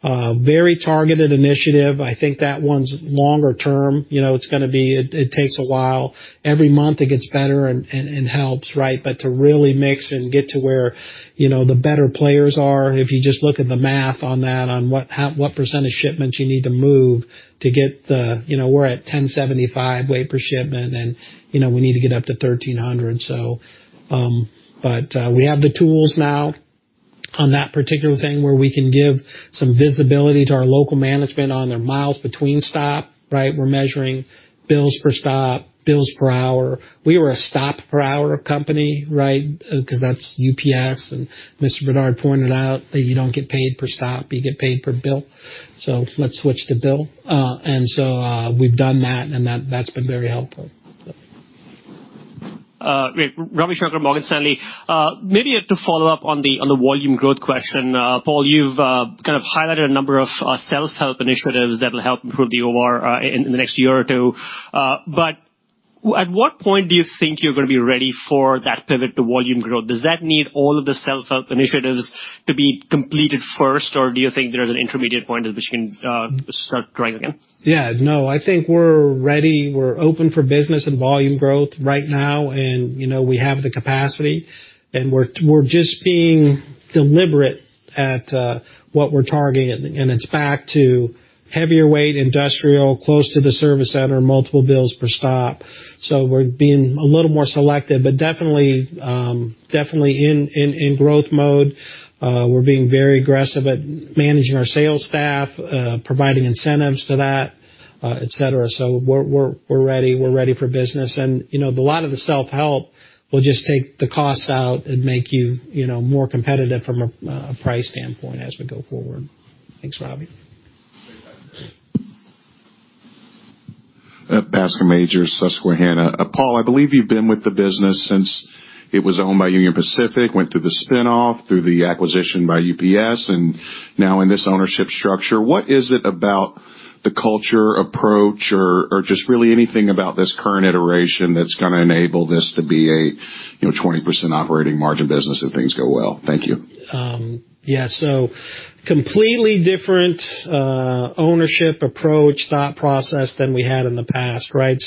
Very targeted initiative. I think that one's longer-term. You know, it's gonna be. It takes a while. Every month it gets better and helps, right? To really mix and get to where, you know, the better players are, if you just look at the math on that, on what % of shipments you need to move to get the, you know, we're at 1,075 weight per shipment, and, you know, we need to get up to 1,300, so we have the tools now on that particular thing, where we can give some visibility to our local management on their miles between stops, right? We're measuring bills per stop, bills per hour. We were a stop per hour company, right? 'Cause that's UPS, and Mr. Bédard pointed out that you don't get paid per stop. You get paid per bill. Let's switch to bill. We've done that, and that's been very helpful. Ravi Shanker, Morgan Stanley. Maybe to follow up on the volume growth question, Paul, you've kind of highlighted a number of self-help initiatives that will help improve the OR in the next year or two. At what point do you think you're gonna be ready for that pivot to volume growth? Does that need all of the self-help initiatives to be completed first, or do you think there's an intermediate point at which you can start growing again? Yeah, no. I think we're ready. We're open for business and volume growth right now, and, you know, we have the capacity, and we're just being deliberate at what we're targeting, and it's back to heavier weight industrial, close to the service center, multiple bills per stop. We're being a little more selective, but definitely in growth mode. We're being very aggressive at managing our sales staff, providing incentives to that, et cetera. We're ready. We're ready for business. You know, a lot of the self-help will just take the costs out and make you know, more competitive from a price standpoint as we go forward. Thanks, Ravi. Bascome Majors, Susquehanna. Paul, I believe you've been with the business since it was owned by Union Pacific, went through the spin-off, through the acquisition by UPS, and now in this ownership structure. What is it about the culture, approach, or just really anything about this current iteration that's gonna enable this to be a, you know, 20% operating margin business if things go well? Thank you. Yeah. Completely different ownership approach, thought process than we had in the past, right?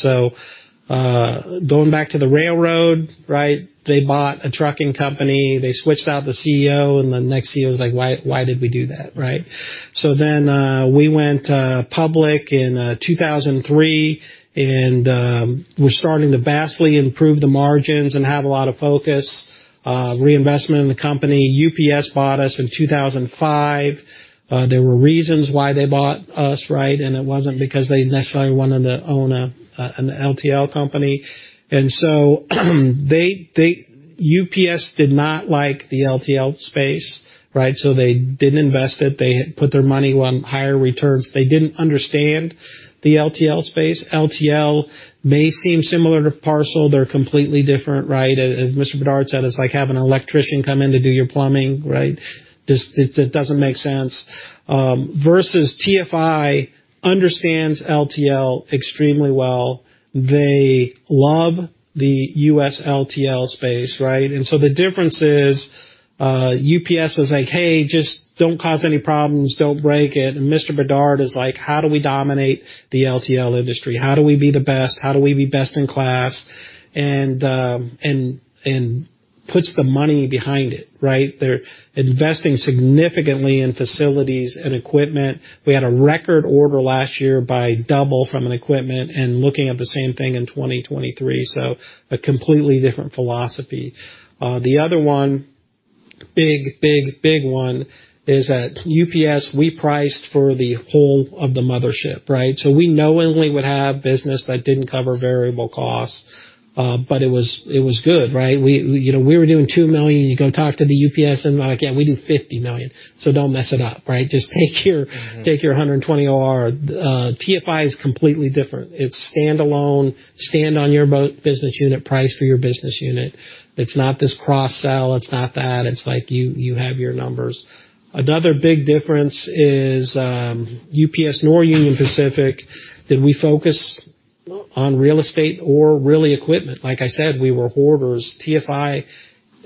Going back to the railroad, right? They bought a trucking company. They switched out the CEO, and the next CEO was like, "Why, why did we do that?" Right? We went public in 2003, and we're starting to vastly improve the margins and have a lot of focus reinvestment in the company. UPS bought us in 2005. There were reasons why they bought us, right? It wasn't because they necessarily wanted to own a, an LTL company. They UPS did not like the LTL space, right? They didn't invest it. They put their money on higher returns. They didn't understand the LTL space. LTL may seem similar to parcel. They're completely different, right? As Mr. Bédard said, it's like having an electrician come in to do your plumbing, right? Just, it doesn't make sense. Versus TFI understands LTL extremely well. They love the U.S. LTL space, right? The difference is, UPS was like, "Hey, just don't cause any problems. Don't break it." Mr. Bédard is like, "How do we dominate the LTL industry? How do we be the best? How do we be best in class?" Puts the money behind it, right? They're investing significantly in facilities and equipment. We had a record order last year by double for equipment and looking at the same thing in 2023. A completely different philosophy. The other big one is at UPS, we priced for the whole of the mothership, right? We knowingly would have business that didn't cover variable costs, but it was good, right? You know, we were doing $2 million. You go talk to UPS, and like, "Yeah, we do $50 million, so don't mess it up," right? Just take your 120 OR. TFI is completely different. It's standalone, stand on your business unit, price for your business unit. It's not this cross-sell. It's not that. It's like you have your numbers. Another big difference is, UPS nor Union Pacific did we focus on real estate or really equipment. Like I said, we were hoarders. TFI,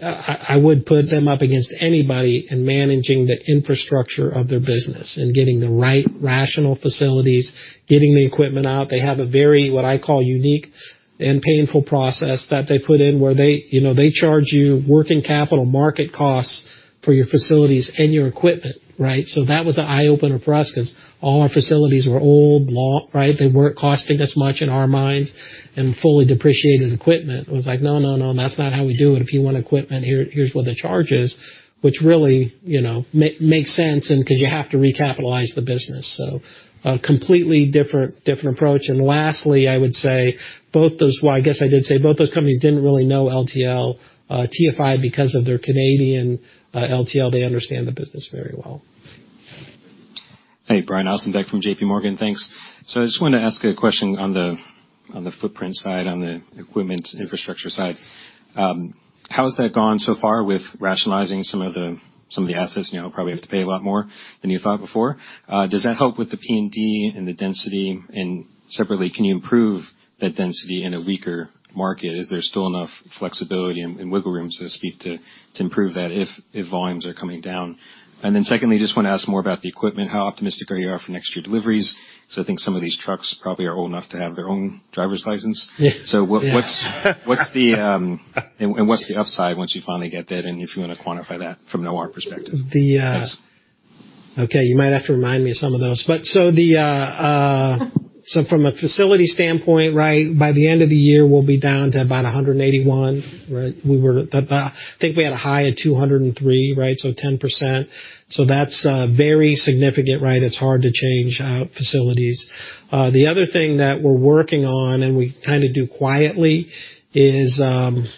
I would put them up against anybody in managing the infrastructure of their business and getting the right rational facilities, getting the equipment out. They have a very, what I call, unique and painful process that they put in where they, you know, they charge you working capital market costs for your facilities and your equipment, right? So that was an eye-opener for us 'cause all our facilities were old, blah, right? They weren't costing as much in our minds, and fully depreciated equipment. It was like, "No, no. That's not how we do it. If you want equipment, here's what the charge is," which really, you know, makes sense and 'cause you have to recapitalize the business. So a completely different approach. Lastly, I would say both those companies didn't really know LTL. TFI, because of their Canadian LTL, they understand the business very well. Hey, Brian Ossenbeck from J.P. Morgan. Thanks. I just wanted to ask a question on the footprint side, on the equipment infrastructure side. How has that gone so far with rationalizing some of the assets you now probably have to pay a lot more than you thought before? Does that help with the P&D and the density? And separately, can you improve that density in a weaker market? Is there still enough flexibility and wiggle room, so to speak, to improve that if volumes are coming down? Secondly, just wanna ask more about the equipment. How optimistic are you for next year deliveries? I think some of these trucks probably are old enough to have their own driver's license. Yeah. What's the upside once you finally get that and if you wanna quantify that from an OR perspective? The, uh... Thanks. Okay, you might have to remind me of some of those. From a facility standpoint, right, by the end of the year, we'll be down to about 181, right? We were at about, I think we had a high of 203, right? Ten percent. That's very significant, right? It's hard to change out facilities. The other thing that we're working on, and we kinda do quietly, is,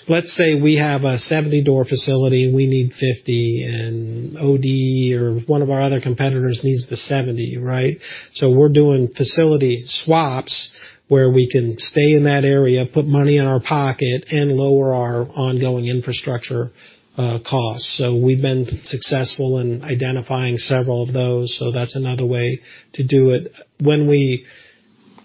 let's say we have a 70-door facility, and we need 50, and OD or one of our other competitors needs the 70, right? We're doing facility swaps, where we can stay in that area, put money in our pocket, and lower our ongoing infrastructure costs. We've been successful in identifying several of those. That's another way to do it.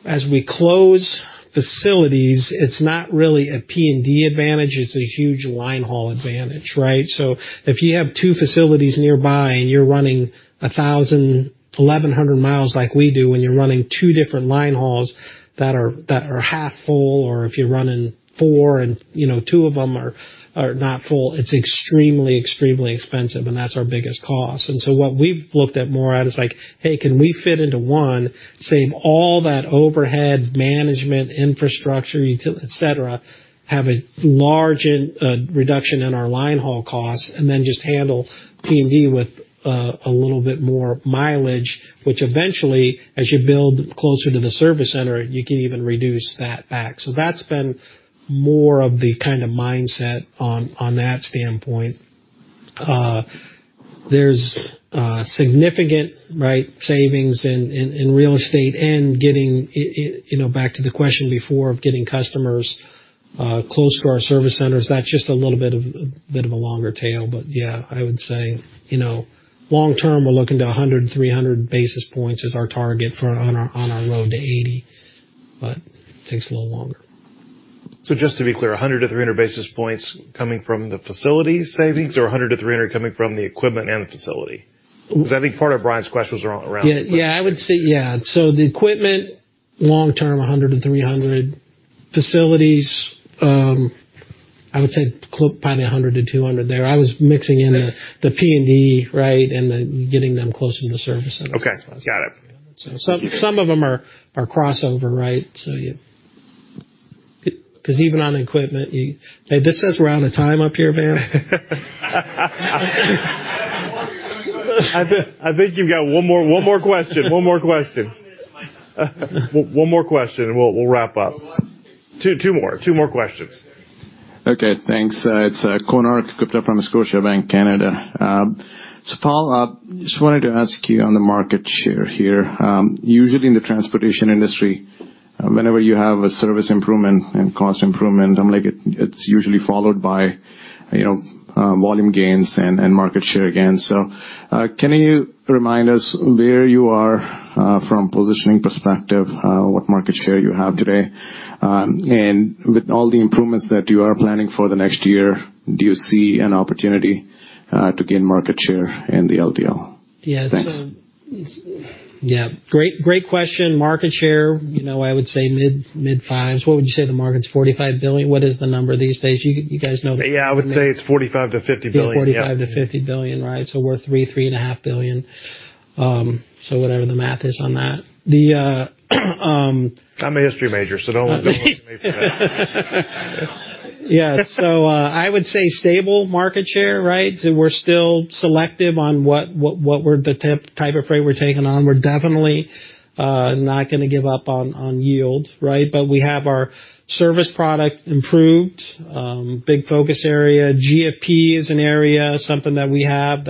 As we close facilities, it's not really a P&D advantage. It's a huge line haul advantage, right? So if you have two facilities nearby, and you're running 1,000, 1,100 miles like we do, and you're running two different line hauls that are half full, or if you're running four and, you know, two of them are not full, it's extremely expensive, and that's our biggest cost. What we've looked at more at is like, "Hey, can we fit into one, saving all that overhead management, infrastructure, util, et cetera, have a large reduction in our line haul costs, and then just handle P&D with a little bit more mileage?" Which eventually, as you build closer to the service center, you can even reduce that back. That's been more of the kinda mindset on that standpoint. There's significant, right, savings in real estate and getting you know, back to the question before of getting customers close to our service centers. That's just a little bit of a longer tail. Yeah, I would say, you know, long-term, we're looking to 100-300 basis points as our target for our road to 80. Takes a little longer. Just to be clear, 100-300 basis points coming from the facilities savings or 100-300 coming from the equipment and the facility? 'Cause I think part of Brian's questions are around- I would say the equipment, long-term, $100-$300. Facilities, I would say probably $100-$200 there. I was mixing in the P&D, right? Getting them closer to the service centers. Okay. Got it. Some of them are crossover, right? Cause even on equipment. Hey, this says we're out of time up here, Van. I think you've got one more question. One more question, and we'll wrap up. Two more questions. Okay. Thanks. It's Konark Gupta from Scotiabank Canada. Paul, just wanted to ask you on the market share here. Usually in the transportation industry, whenever you have a service improvement and cost improvement, like, it's usually followed by, you know, volume gains and market share again. Can you remind us where you are from positioning perspective, what market share you have today? And with all the improvements that you are planning for the next year, do you see an opportunity to gain market share in the LTL? Yeah. Thanks. Yeah. Great question. Market share, you know, I would say mid-5%. What would you say the market's $45 billion? What is the number these days? You guys know- Yeah, I would say it's $45 billion-$50 billion. $45 billion-$50 billion, right. We're $3 billion-$3.5 billion. Whatever the math is on that. I'm a history major, so don't look to me for that. Yeah. I would say stable market share, right? We're still selective on what we're the type of freight we're taking on. We're definitely not gonna give up on yield, right? We have our service product improved. Big focus area. GFP is an area, something that we have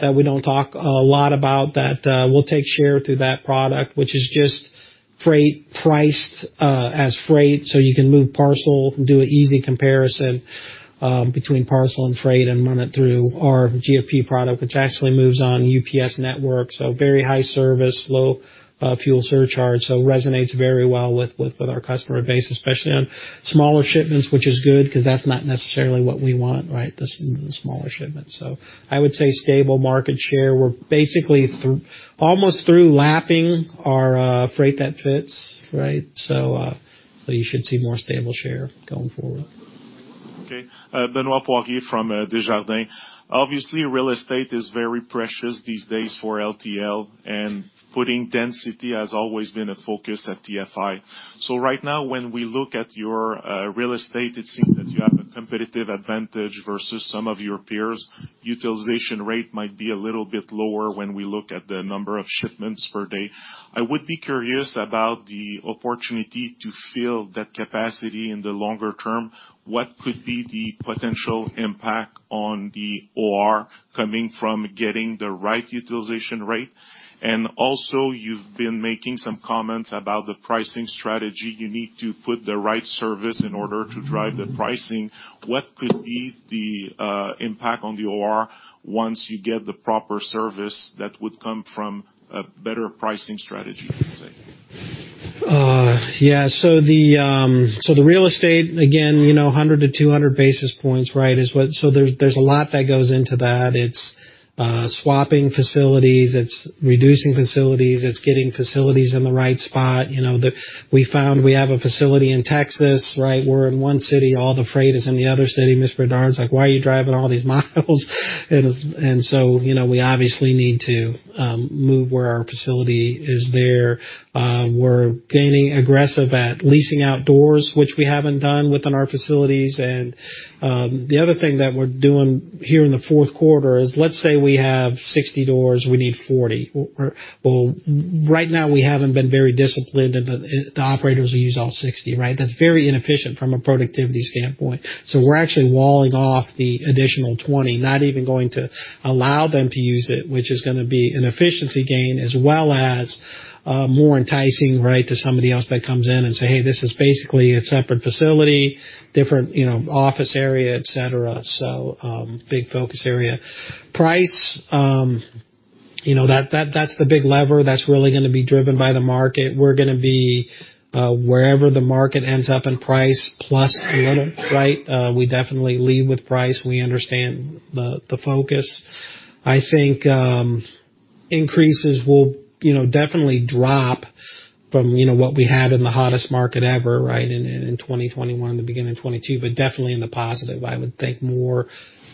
that we don't talk a lot about that we'll take share through that product, which is just freight priced as freight, so you can move parcel and do an easy comparison between parcel and freight and run it through our GFP product, which actually moves on UPS network. Very high service, low fuel surcharge, so resonates very well with our customer base, especially on smaller shipments, which is good 'cause that's not necessarily what we want, right? The smaller shipments. I would say stable market share. We're basically almost through lapping our Freight That Fits, right? You should see more stable share going forward. Okay. Benoît Poirier from Desjardins. Obviously, real estate is very precious these days for LTL, and building density has always been a focus at TFI. Right now, when we look at your real estate, it seems that you have a competitive advantage versus some of your peers. Utilization rate might be a little bit lower when we look at the number of shipments per day. I would be curious about the opportunity to fill that capacity in the longer-term. What could be the potential impact on the OR coming from getting the right utilization rate? And also, you've been making some comments about the pricing strategy. You need to put the right service in order to drive the pricing. What could be the impact on the OR once you get the proper service that would come from a better pricing strategy, let's say? Yeah. The real estate, again, you know, 100-200 basis points, right, is what. There's a lot that goes into that. It's swapping facilities, it's reducing facilities, it's getting facilities in the right spot. You know, we found we have a facility in Texas, right. We're in one city, all the freight is in the other city. Mr. Bédard's like, "Why are you driving all these miles?" you know, we obviously need to move where our facility is there. We're getting aggressive at leasing out doors, which we haven't done within our facilities. The other thing that we're doing here in the fourth quarter is, let's say we have 60 doors, we need 40. Well, right now, we haven't been very disciplined, and the operators will use all 60, right? That's very inefficient from a productivity standpoint. We're actually walling off the additional 20, not even going to allow them to use it, which is gonna be an efficiency gain, as well as, more enticing, right, to somebody else that comes in and say, "Hey, this is basically a separate facility, different, you know, office area, et cetera." Big focus area. Price, you know, that's the big lever that's really gonna be driven by the market. We're gonna be wherever the market ends up in price plus a little, right? We definitely lead with price. We understand the focus. I think increases will, you know, definitely drop from, you know, what we had in the hottest market ever, right, in 2021, the beginning of 2022, but definitely in the positive. I would think more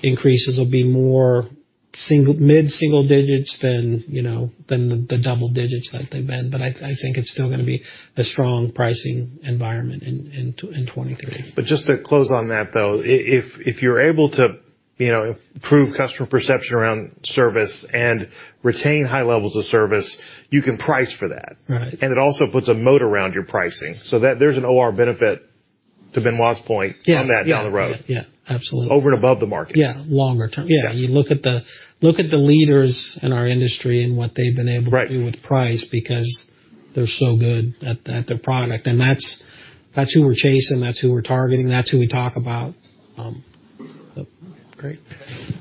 increases will be mid single digits% than, you know, than the double digits% that they've been. I think it's still gonna be a strong pricing environment in 2023. Just to close on that, though, if you're able to, you know, improve customer perception around service and retain high levels of service, you can price for that. Right. It also puts a moat around your pricing. There's an OR benefit to Benoit's point. Yeah. on that down the road. Yeah. Yeah. Absolutely. Over and above the market. Yeah. Longer-term. Yeah. You look at the leaders in our industry and what they've been able Right. to do with price because they're so good at their product, and that's who we're chasing, that's who we're targeting, that's who we talk about. Great.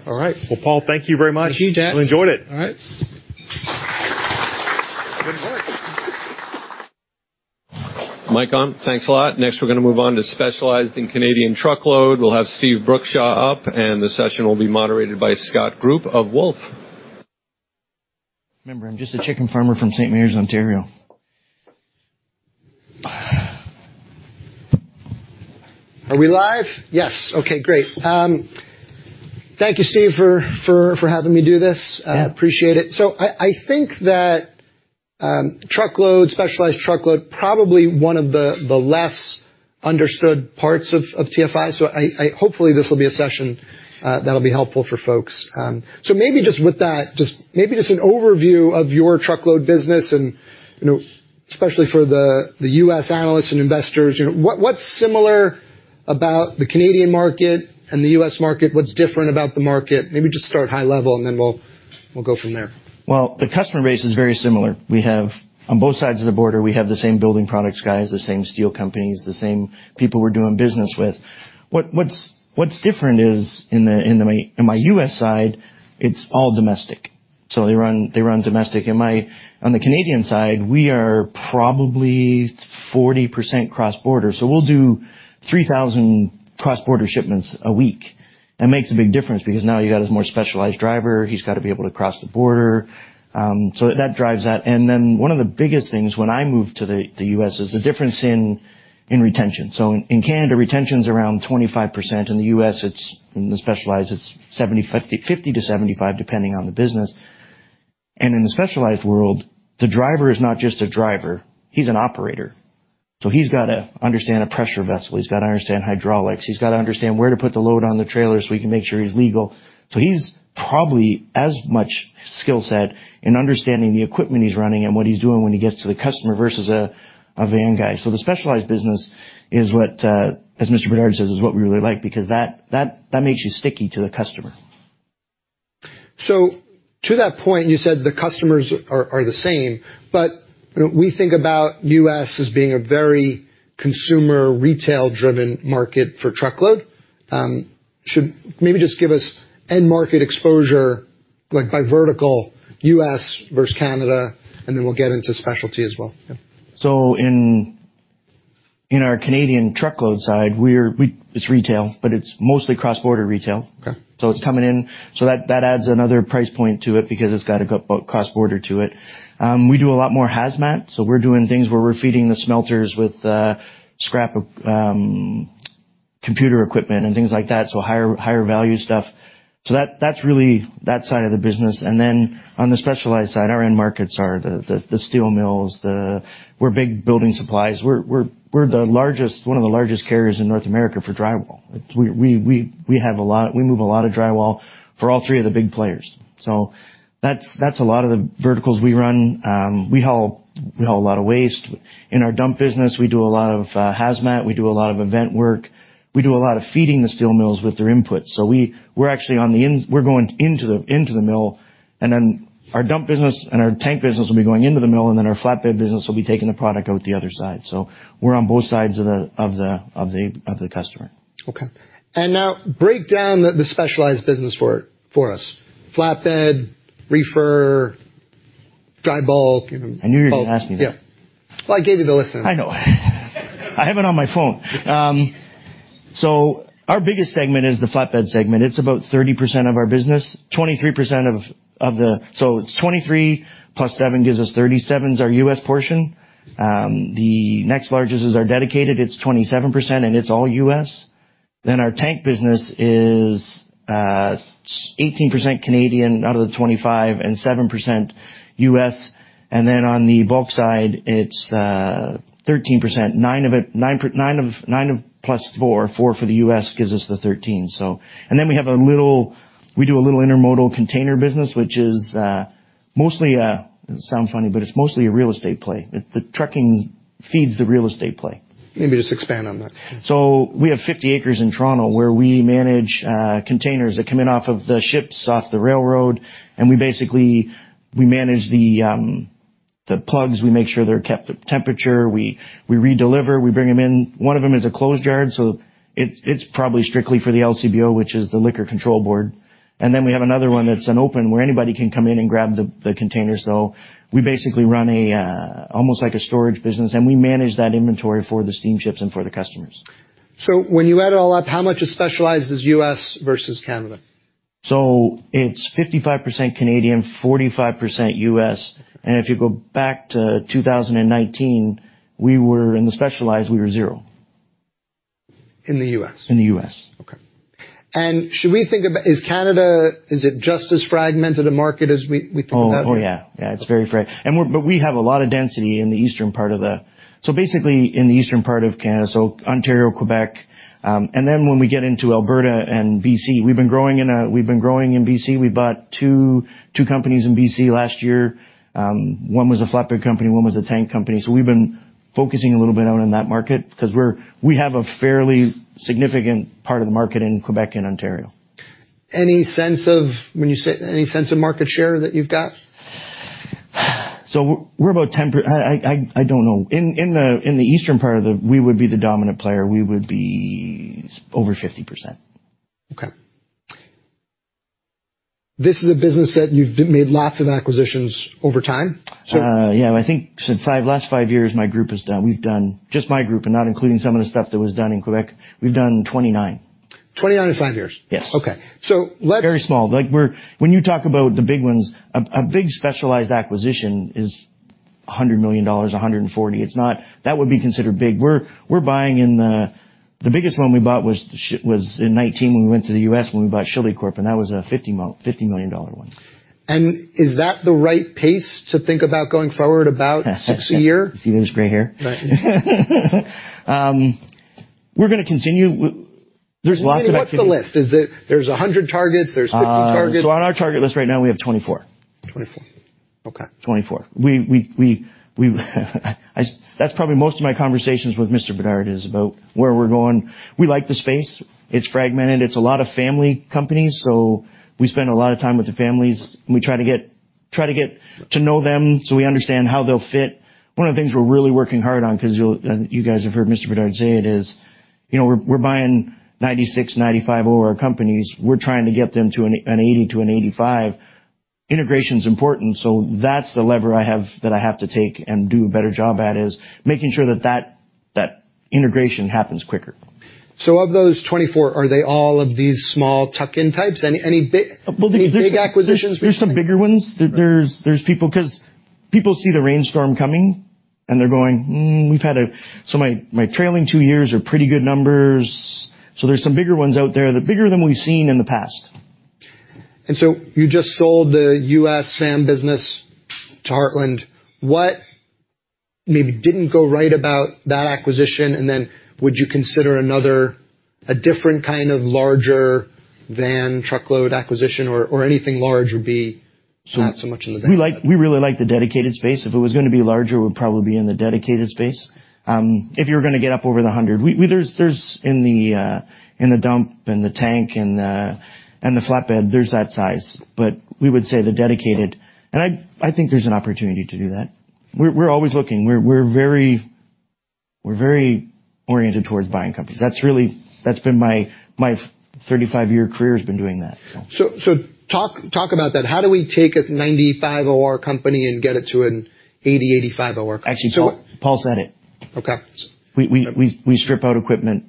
All right. Well, Paul, thank you very much. Thank you, Jack. We enjoyed it. All right. Good work. Mic on. Thanks a lot. Next, we're gonna move on to specialized and Canadian truckload. We'll have Steven Brookshaw up, and the session will be moderated by Scott Group of Wolfe. Remember, I'm just a chicken farmer from St. Mary's, Ontario. Are we live? Yes. Okay, great. Thank you, Steve, for having me do this. Yeah. Appreciate it. I think that truckload, specialized truckload, probably one of the less understood parts of TFI. Hopefully, this will be a session that'll be helpful for folks. Maybe just with that, maybe just an overview of your truckload business and, you know, especially for the U.S. analysts and investors, you know, what's similar about the Canadian market and the U.S. market? What's different about the market? Maybe just start high level, and then we'll go from there. Well, the customer base is very similar. We have, on both sides of the border, we have the same building products guys, the same steel companies, the same people we're doing business with. What's different is in my U.S. side, it's all domestic. They run domestic. On the Canadian side, we are probably 40% cross-border. We'll do 3,000 cross-border shipments a week. That makes a big difference because now you got a more specialized driver. He's got to be able to cross the border. That drives that. One of the biggest things when I moved to the U.S. Is the difference in retention. In Canada, retention is around 25%. In the U.S., in the specialized, it's 50-75 depending on the business. In the specialized world, the driver is not just a driver, he's an operator. He's gotta understand a pressure vessel. He's gotta understand hydraulics. He's gotta understand where to put the load on the trailer so we can make sure he's legal. He's probably as much skill set in understanding the equipment he's running and what he's doing when he gets to the customer versus a van guy. The specialized business is what, as Mr. Bédard says, is what we really like because that makes you sticky to the customer. To that point, you said the customers are the same, but we think about the U.S. as being a very consumer, retail-driven market for truckload. Should maybe just give us end market exposure like by vertical, U.S. versus Canada, and then we'll get into specialty as well. Yeah. In our Canadian truckload side, it's retail, but it's mostly cross-border retail. Okay. It's coming in. That adds another price point to it because it's got a cross-border to it. We do a lot more hazmat, so we're doing things where we're feeding the smelters with scrap of computer equipment and things like that, so higher-value stuff. That's really that side of the business. Then on the specialized side, our end markets are the steel mills. We're big building supplies. We're one of the largest carriers in North America for drywall. We move a lot of drywall for all three of the big players. That's a lot of the verticals we run. We haul a lot of waste. In our dump business, we do a lot of hazmat. We do a lot of event work. We do a lot of feeding the steel mills with their inputs. We're actually on the ends. We're going into the mill, and then our dump business and our tank business will be going into the mill, and then our flatbed business will be taking the product out the other side. We're on both sides of the customer. Okay. Now break down the specialized business for us. Flatbed, reefer, dry bulk, you know. I knew you're gonna ask me that. Yeah. Well, I gave you the list. I know. I have it on my phone. Our biggest segment is the flatbed segment. It's about 30% of our business. 23% of the. It's 23 plus seven gives us 37 is our U.S. portion. The next largest is our dedicated. It's 27%, and it's all U.S. Our tank business is 18% Canadian out of the 25, and 7% U.S. On the bulk side, it's 13%. Nine of it plus four for the U.S. gives us the 13. We do a little intermodal container business, which is mostly, it sounds funny, but it's mostly a real estate play. The trucking feeds the real estate play. Maybe just expand on that. We have 50 acres in Toronto, where we manage containers that come in off of the ships, off the railroad, and we basically manage the plugs. We make sure they're kept at temperature. We redeliver. We bring them in. One of them is a closed yard, so it's probably strictly for the LCBO, which is the Liquor Control Board. Then we have another one that's an open, where anybody can come in and grab the containers. We basically run almost like a storage business, and we manage that inventory for the steamships and for the customers. When you add it all up, how much is specialized as U.S. versus Canada? It's 55% Canadian, 45% U.S. If you go back to 2019, we were zero. In the U.S.? In the U.S. Okay. Is Canada just as fragmented a market as we think about here? Yeah. It's very. We have a lot of density in the eastern part of Canada, so Ontario, Quebec. Basically in the eastern part of Canada, so Ontario, Quebec. Then when we get into Alberta and BC, we've been growing in BC. We bought two companies in BC last year. One was a flatbed company, one was a tank company. We've been focusing a little bit out in that market because we have a fairly significant part of the market in Quebec and Ontario. Any sense of market share that you've got? We're about 10%. I don't know. In the eastern part, we would be the dominant player. We would be over 50%. Okay. This is a business that you've made lots of acquisitions over time, so I think since last five years, we've done 29, just my group and not including some of the stuff that was done in Quebec. 29 in five years? Yes. Okay. Very small. Like, when you talk about the big ones, a big specialized acquisition is $100 million, $140 million. It's not that. That would be considered big. We're buying in. The biggest one we bought was in 2019 when we went to the U.S. when we bought Schilli Corporation, and that was a $50 million one. Is that the right pace to think about going forward about six a year? You see this gray hair? Right. There's lots of activity. What's the list? Is it there's 100 targets, there's 50 targets? On our target list right now, we have 24. 2024. Okay. 24. That's probably most of my conversations with Mr. Bédard is about where we're going. We like the space. It's fragmented. It's a lot of family companies, so we spend a lot of time with the families, and we try to get to know them, so we understand how they'll fit. One of the things we're really working hard on, 'cause you guys have heard Mr. Bédard say it is, you know, we're buying 96, 95 OR of our companies. We're trying to get them to an 80-85. Integration is important, so that's the lever I have to take and do a better job at is making sure that integration happens quicker. Of those 24, are they all of these small tuck-in types? Any big acquisitions? There's some bigger ones. There's people 'cause people see the rainstorm coming, and they're going, "we've had so my trailing two years are pretty good numbers." There's some bigger ones out there. They're bigger than we've seen in the past. You just sold the U.S. van business to Heartland. What maybe didn't go right about that acquisition, and then would you consider another, a different kind of larger van truckload acquisition or anything large would be not so much in the van? We really like the dedicated space. If it was gonna be larger, it would probably be in the dedicated space. If you're gonna get up over the hundred. There's in the dump and the tank and the flatbed, there's that size. We would say the dedicated. I think there's an opportunity to do that. We're always looking. We're very oriented towards buying companies. That's been my 35-year career has been doing that. Talk about that. How do we take a 95 OR company and get it to an 80-85 OR? Actually, Paul said it. Okay. We strip out equipment.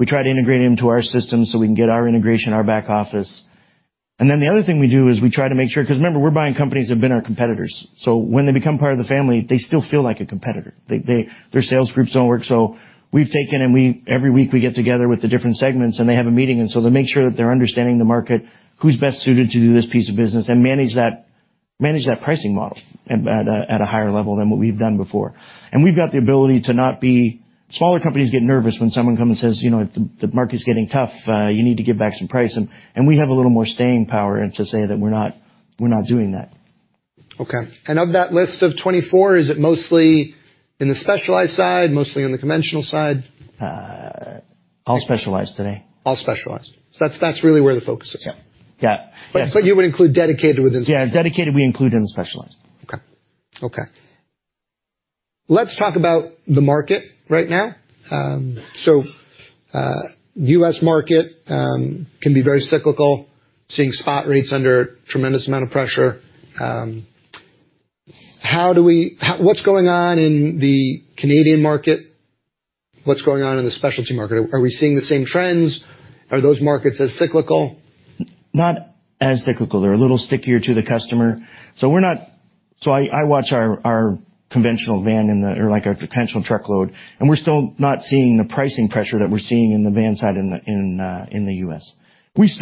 We try to integrate them to our system, so we can get our integration, our back office. Then the other thing we do is we try to make sure 'cause remember, we're buying companies that have been our competitors. When they become part of the family, they still feel like a competitor. Their sales groups don't work. We've taken every week, we get together with the different segments, and they have a meeting to make sure that they're understanding the market, who's best suited to do this piece of business and manage that pricing model at a higher level than what we've done before. We've got the ability. Smaller companies get nervous when someone comes and says, "You know, the market is getting tough, you need to give back some price." And we have a little more staying power, and to say that we're not doing that. Okay. Of that list of 24, is it mostly in the specialized side, mostly on the conventional side? All specialized today. All specialized. That's really where the focus is. Yeah. Yeah. It's like you would include dedicated within specialized. Yeah, dedicated, we include in specialized. Let's talk about the market right now. U.S. market can be very cyclical, seeing spot rates under tremendous amount of pressure. What's going on in the Canadian market? What's going on in the specialty market? Are we seeing the same trends? Are those markets as cyclical? Not as cyclical. They're a little stickier to the customer. I watch our conventional van or like our conventional truckload, and we're still not seeing the pricing pressure that we're seeing in the van side in the U.S. There's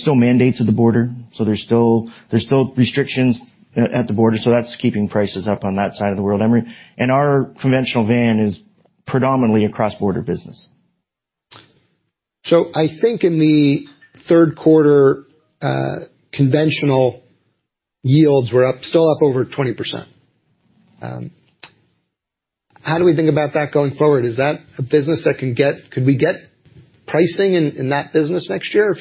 still mandates at the border, so there's still restrictions at the border, so that's keeping prices up on that side of the world. I mean, our conventional van is predominantly a cross-border business. I think in the third quarter, conventional yields were up, still up over 20%. How do we think about that going forward? Is that a business that could we get pricing in that business next year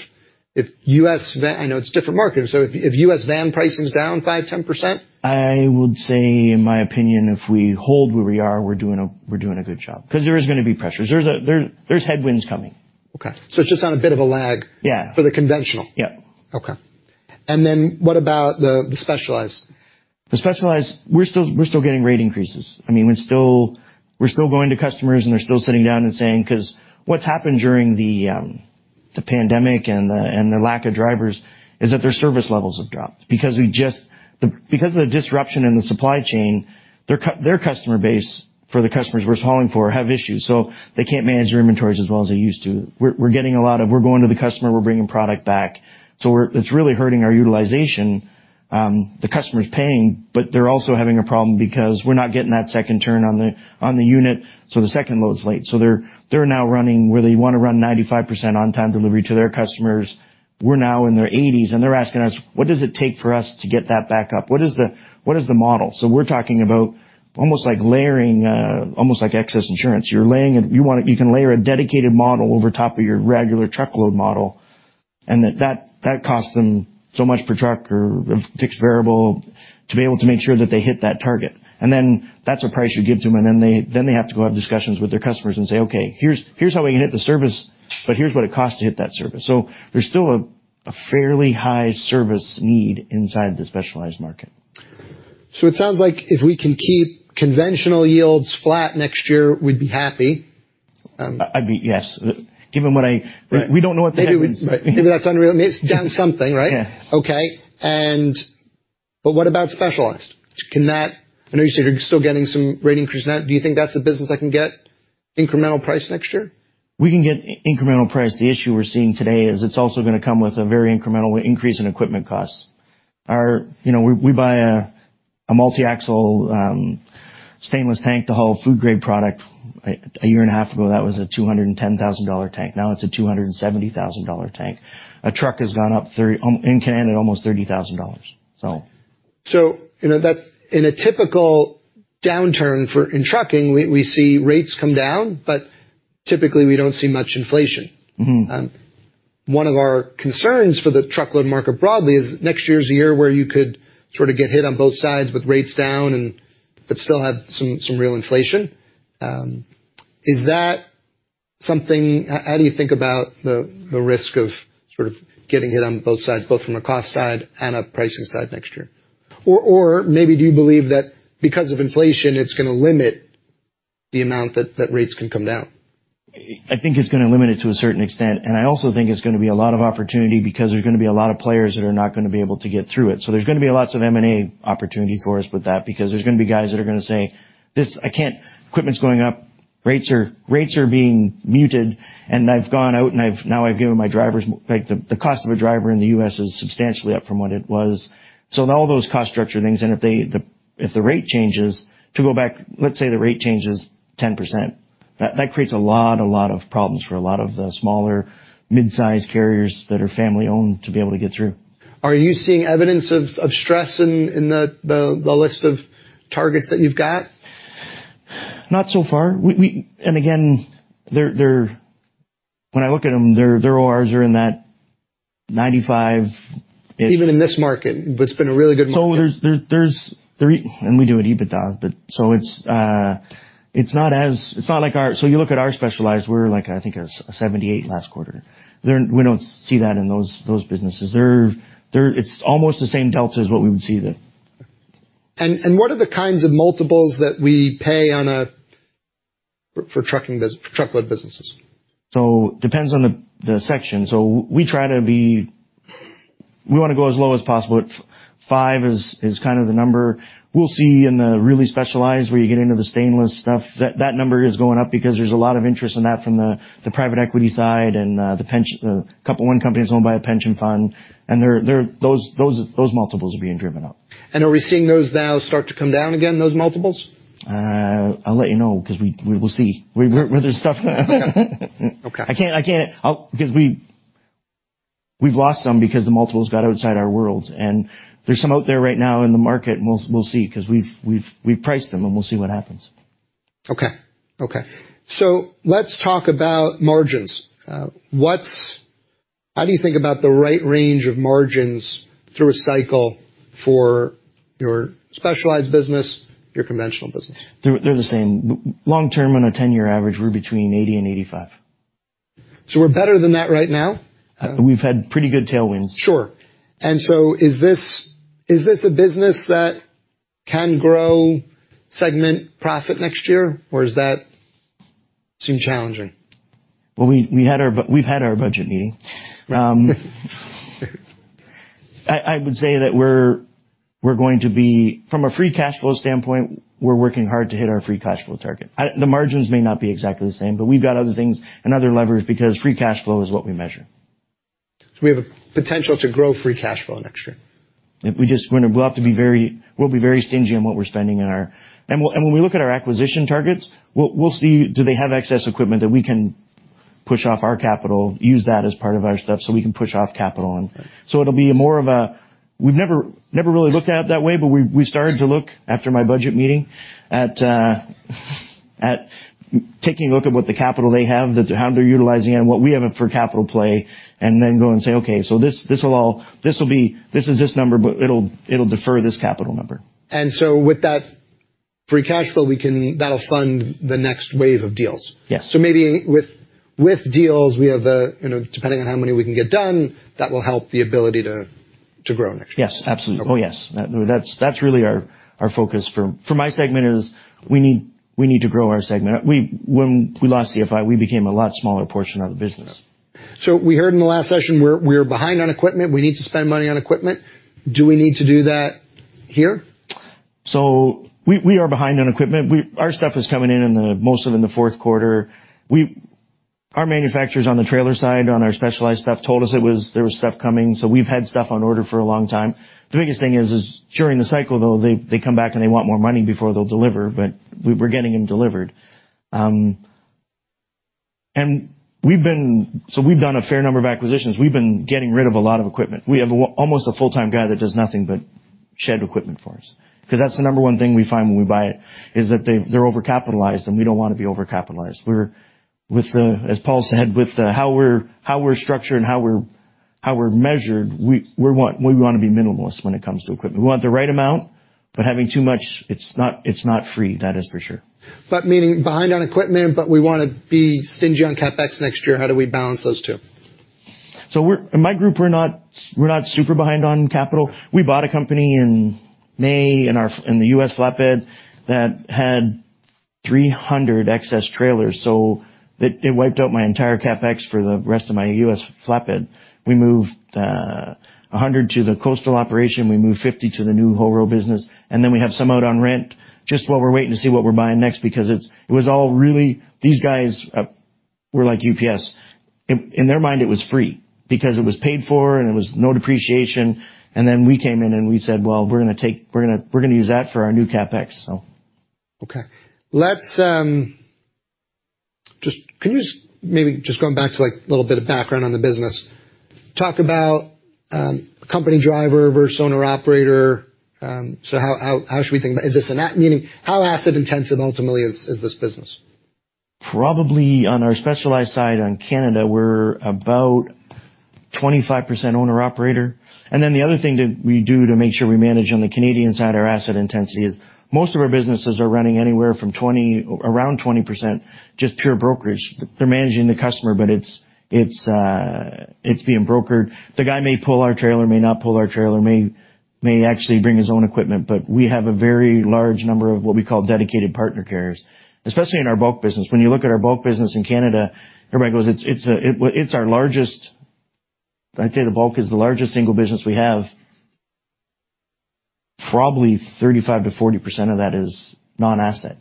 if U.S. Van? I know it's different markets, so if U.S. van pricing is down 5%-10%? I would say, in my opinion, if we hold where we are, we're doing a good job because there is gonna be pressures. There's headwinds coming. Okay. It's just on a bit of a lag. Yeah. for the conventional. Yeah. Okay. What about the specialized? The specialized, we're still getting rate increases. I mean, we're still going to customers, and they're still sitting down and saying, because what's happened during the pandemic and the lack of drivers is that their service levels have dropped because of the disruption in the supply chain, their customer base for the customers we're hauling for have issues. They can't manage their inventories as well as they used to. We're getting a lot of we're going to the customer, we're bringing product back. It's really hurting our utilization. The customer's paying, but they're also having a problem because we're not getting that second turn on the unit, so the second load's late. They're now running where they wanna run 95% on-time delivery to their customers. We're now in their eighties, and they're asking us, "What does it take for us to get that back up? What is the model?" We're talking about almost like layering, almost like excess insurance. You can layer a dedicated model over top of your regular truckload model, and that costs them so much per truck or fixed variable to be able to make sure that they hit that target. That's a price you give to them, and then they have to go have discussions with their customers and say, "Okay, here's how we can hit the service, but here's what it costs to hit that service." There's still a fairly high service need inside the specialized market. It sounds like if we can keep conventional yields flat next year, we'd be happy. We don't know what the headwinds. Maybe that's unrealistic. Down something, right? Yeah. Okay. What about specialized? Can that. I know you said you're still getting some rate increase in that. Do you think that's a business that can get incremental price next year? We can get incremental price. The issue we're seeing today is it's also gonna come with a very incremental increase in equipment costs. We buy a multi-axle stainless tank to haul food-grade product. A year and a half ago, that was a $210,000 tank. Now it's a $270,000 tank. A truck has gone up almost $30,000 in Canada, so. You know, that in a typical downturn in trucking, we see rates come down, but typically, we don't see much inflation. Mm-hmm. One of our concerns for the truckload market broadly is next year is a year where you could sort of get hit on both sides with rates down, but still have some real inflation. How do you think about the risk of sort of getting it on both sides, both from a cost side and a pricing side next year? Or maybe do you believe that because of inflation, it's gonna limit the amount that rates can come down? I think it's gonna limit it to a certain extent, and I also think it's gonna be a lot of opportunity because there's gonna be a lot of players that are not gonna be able to get through it. There's gonna be lots of M&A opportunities for us with that because there's gonna be guys that are gonna say, "This. I can't. Equipment's going up, rates are being muted, and I've gone out and I've given my drivers—like, the cost of a driver in the U.S. is substantially up from what it was. All those cost structure things, and if the rate changes, to go back, let's say the rate changes 10%, that creates a lot of problems for a lot of the smaller midsize carriers that are family-owned to be able to get through. Are you seeing evidence of stress in the list of targets that you've got? Not so far. When I look at them, their ORs are in that 95%. Even in this market, but it's been a really good market. We do an EBITDA, but it's not like our specialized. You look at our specialized, we're like, I think, 78% last quarter. We don't see that in those businesses. It's almost the same delta as what we would see there. What are the kinds of multiples that we pay for truckload businesses? Depends on the section. We wanna go as low as possible. five is kind of the number. We'll see in the really specialized where you get into the stainless stuff, that number is going up because there's a lot of interest in that from the private equity side and the pension, a couple of companies owned by a pension fund. Those multiples are being driven up. Are we seeing those now start to come down again, those multiples? I'll let you know 'cause we will see. Where there's stuff Okay. Okay. I can't. Because we've lost some because the multiples got outside our worlds. There's some out there right now in the market. We'll see, 'cause we've priced them, and we'll see what happens. Okay. Let's talk about margins. How do you think about the right range of margins through a cycle for your specialized business, your conventional business? They're the same. Long-term, on a ten-year average, we're between 80% and 85%. We're better than that right now? We've had pretty good tailwinds. Sure. Is this a business that can grow segment profit next year, or does that seem challenging? Well, we had our budget meeting. I would say that from a free cash flow standpoint, we're working hard to hit our free cash flow target. The margins may not be exactly the same, but we've got other things and other levers because free cash flow is what we measure. We have a potential to grow free cash flow next year. We'll be very stingy on what we're spending in our. When we look at our acquisition targets, we'll see, do they have excess equipment that we can push off our capital, use that as part of our stuff so we can push off capital. It'll be more of a. We've never really looked at it that way, but we started to look after my budget meeting at taking a look at what capital they have, how they're utilizing it and what we have it for capital play, and then go and say, "Okay, so this will be this number, but it'll defer this capital number. With that free cash flow, that'll fund the next wave of deals. Yes. Maybe with deals, we have a, you know, depending on how many we can get done, that will help the ability to grow next year. Yes. Absolutely. Oh, yes. That's really our focus for my segment is we need to grow our segment. When we lost CFI, we became a lot smaller portion of the business. We heard in the last session we're behind on equipment. We need to spend money on equipment. Do we need to do that here? We are behind on equipment. Our stuff is coming in mostly in the fourth quarter. Our manufacturers on the trailer side, on our specialized stuff, told us there was stuff coming, so we've had stuff on order for a long time. The biggest thing is during the cycle though, they come back, and they want more money before they'll deliver, but we're getting them delivered. We've done a fair number of acquisitions. We've been getting rid of a lot of equipment. We have almost a full-time guy that does nothing but shed equipment for us 'cause that's the number one thing we find when we buy it, is that they're overcapitalized, and we don't wanna be overcapitalized. As Paul said, with how we're structured and how we're measured, we wanna be minimalists when it comes to equipment. We want the right amount, but having too much, it's not free. That is for sure. We're behind on equipment, but we wanna be stingy on CapEx next year. How do we balance those two? In my group, we're not super behind on capital. We bought a company in May, in the U.S. flatbed that had 300 excess trailers. It wiped out my entire CapEx for the rest of my U.S. flatbed. We moved 100 to the coastal operation, we moved 50 to the new Bolero business, and then we have some out on rent, just while we're waiting to see what we're buying next because it was all really. These guys were like UPS. In their mind, it was free because it was paid for and it was no depreciation. We came in, and we said, "Well, we're gonna use that for our new CapEx, so. Can you maybe just going back to, like, a little bit of background on the business, talk about company driver versus owner-operator. So how should we think about meaning how asset intensive ultimately is this business? Probably on our specialized side in Canada, we're about 25% owner/operator. Then the other thing that we do to make sure we manage on the Canadian side, our asset intensity, is most of our businesses are running anywhere from around 20% just pure brokerage. They're managing the customer, but it's being brokered. The guy may pull our trailer, may not pull our trailer, may actually bring his own equipment, but we have a very large number of what we call dedicated partner carriers. Especially in our bulk business. When you look at our bulk business in Canada, everybody goes, "It's our largest." I'd say the bulk is the largest single business we have. Probably 35%-40% of that is non-asset.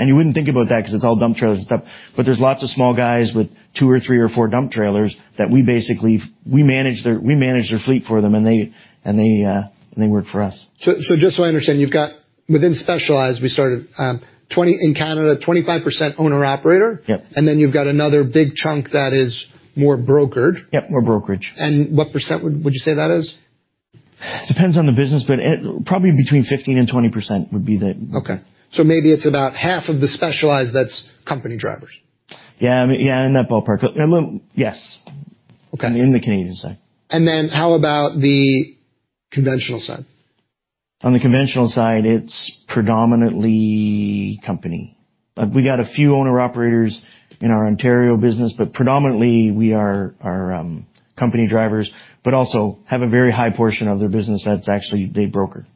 You wouldn't think about that 'cause it's all dump trailers and stuff, but there's lots of small guys with two or three or four dump trailers that we basically manage their fleet for them, and they work for us. Just so I understand, you've got within specialized, we started in Canada, 25% owner/operator. Yep. You've got another big chunk that is more brokered. Yep, more brokerage. What % would you say that is? Depends on the business, but probably between 15% and 20% would be the- Okay. Maybe it's about half of the specialized that's company drivers. Yeah, I mean, yeah, in that ballpark. Yes. Okay. In the Canadian side. How about the conventional side? On the conventional side, it's predominantly company. We got a few owner/operators in our Ontario business, but predominantly we are company drivers, but also have a very high portion of their business that's actually they broker.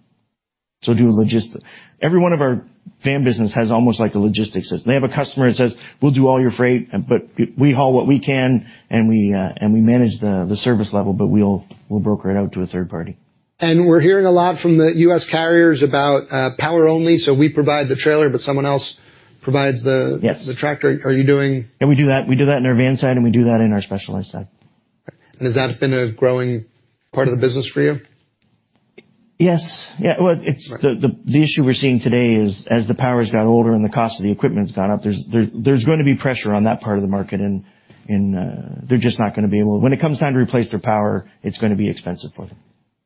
So do logistics. Every one of our van business has almost like a logistics system. They have a customer that says, "We'll do all your freight, but we haul what we can, and we manage the service level, but we'll broker it out to a third party. We're hearing a lot from the U.S. carriers about power only, so we provide the trailer, but someone else provides the- Yes. The tractor. Are you doing? Yeah, we do that. We do that in our van side, and we do that in our specialized side. Has that been a growing part of the business for you? Yes. Yeah. Well, Right. The issue we're seeing today is as the power's got older and the cost of the equipment's gone up, there's gonna be pressure on that part of the market, and they're just not gonna be able. When it comes time to replace their power, it's gonna be expensive for them.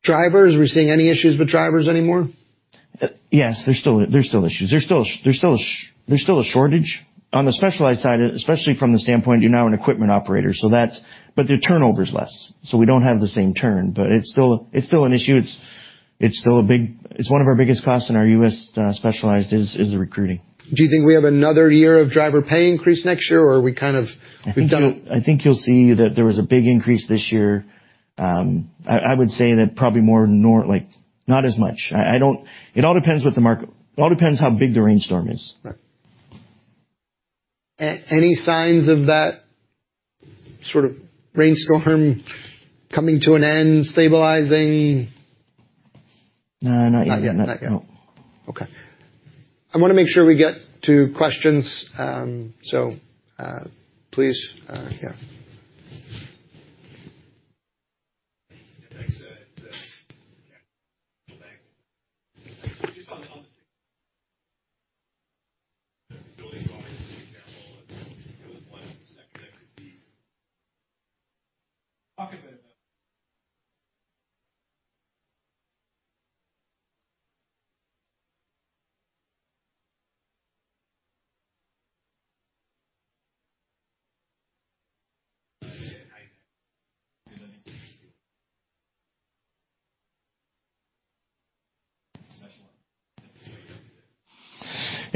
Drivers. Are we seeing any issues with drivers anymore? Yes. There's still issues. There's still a shortage. On the specialized side, especially from the standpoint, you're now an equipment operator, so that's. The turnover is less. We don't have the same turn, but it's still an issue. It's still a big. It's one of our biggest costs in our U.S. specialized is the recruiting. Do you think we have another year of driver pay increase next year, or are we kind of done? I think you'll see that there was a big increase this year. I would say that probably not as much. It all depends how big the rainstorm is. Right. Any signs of that sort of rainstorm coming to an end, stabilizing? No, not yet. Not yet. No. Okay. I wanna make sure we get to questions. Please,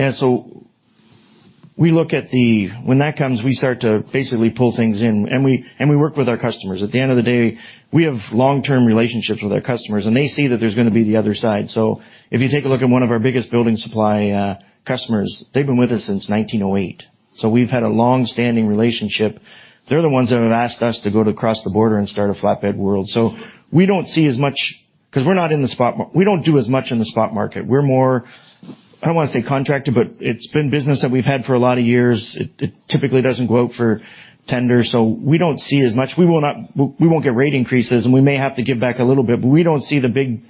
yeah. Thanks. Thanks. Just on the building supplies example, if there was one second that could be. Talk a bit about that. When that comes, we start to basically pull things in, and we work with our customers. At the end of the day, we have long-term relationships with our customers, and they see that there's gonna be the other side. If you take a look at one of our biggest building supply customers, they've been with us since 1908. We've had a long-standing relationship. They're the ones that have asked us to go across the border and start a flatbed world. We don't see as much, 'cause we're not in the spot market. We don't do as much in the spot market. We're more, I don't wanna say contracted, but it's been business that we've had for a lot of years. It typically doesn't go out for tender, so we don't see as much. We won't get rate increases, and we may have to give back a little bit, but we don't see the big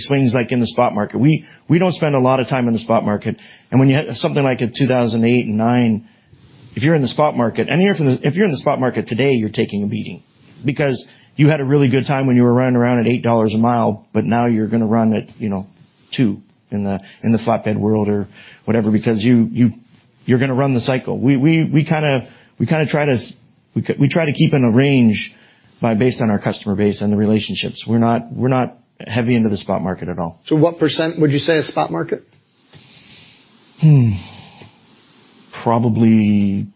swings like in the spot market. We don't spend a lot of time in the spot market. When you have something like in 2008 and 2009, if you're in the spot market, if you're in the spot market today, you're taking a beating because you had a really good time when you were running around at $8 a mile, but now you're gonna run at, you know, $2 in the flatbed world or whatever because you're gonna run the cycle. We kinda try to keep in a range based on our customer base and the relationships. We're not heavy into the spot market at all. What % would you say is spot market? Probably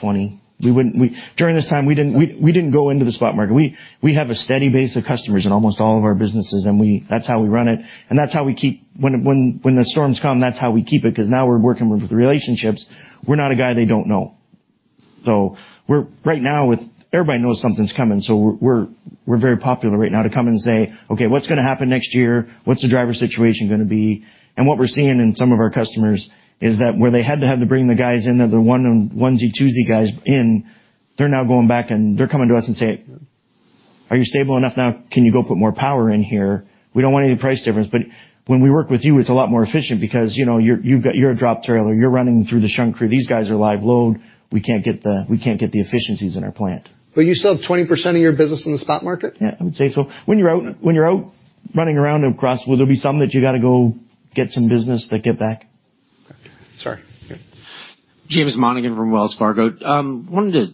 20. During this time, we didn't go into the spot market. We have a steady base of customers in almost all of our businesses. That's how we run it. That's how we keep it. When the storms come, that's how we keep it, because now we're working with relationships. We're not a guy they don't know. We're right now with everybody knows something's coming, so we're very popular right now to come and say, "Okay, what's gonna happen next year? What's the driver situation gonna be?" What we're seeing in some of our customers is that, where they had to bring the guys in, the one and onesie, twosie guys in, they're now going back, and they're coming to us and say, "Are you stable enough now? Can you go put more power in here? We don't want any price difference. When we work with you, it's a lot more efficient because, you know, you're a drop trailer. You're running through the shunt crew. These guys are live load. We can't get the efficiencies in our plant. You still have 20% of your business in the spot market? Yeah, I would say so. When you're out running around across, well, there'll be some that you gotta go get some business that get back. Sorry. Yeah. James Monahan from Wells Fargo. Wanted to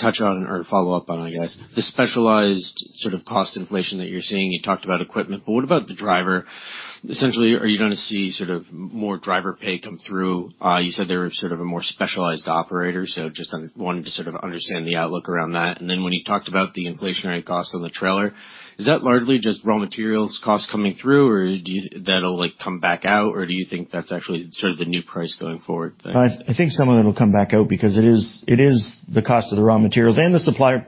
touch on or follow up on, guys, the specialized sort of cost inflation that you're seeing. You talked about equipment, but what about the driver? Essentially, are you gonna see sort of more driver pay come through? You said they were sort of a more specialized operator, so just wanted to sort of understand the outlook around that. Then when you talked about the inflationary costs on the trailer, is that largely just raw materials costs coming through, or do you think that'll, like, come back out, or do you think that's actually sort of the new price going forward? I think some of it will come back out because it is the cost of the raw materials and the supply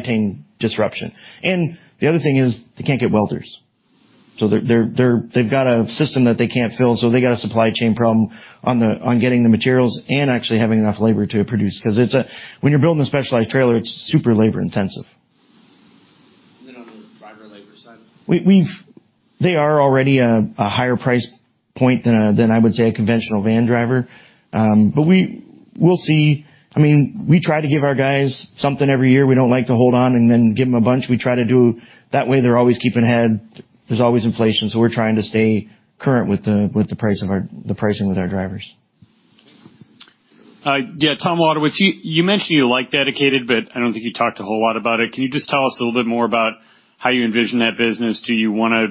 chain disruption. The other thing is they can't get welders. They've got a system that they can't fill, so they got a supply chain problem on getting the materials and actually having enough labor to produce 'cause when you're building a specialized trailer, it's super labor intensive. On the driver labor side. They are already at a higher price point than I would say a conventional van driver. We'll see. I mean, we try to give our guys something every year. We don't like to hold on and then give them a bunch. That way they're always keeping ahead. There's always inflation, so we're trying to stay current with the pricing with our drivers. Tom Wadewitz. You mentioned you like dedicated, but I don't think you talked a whole lot about it. Can you just tell us a little bit more about how you envision that business? Do you wanna,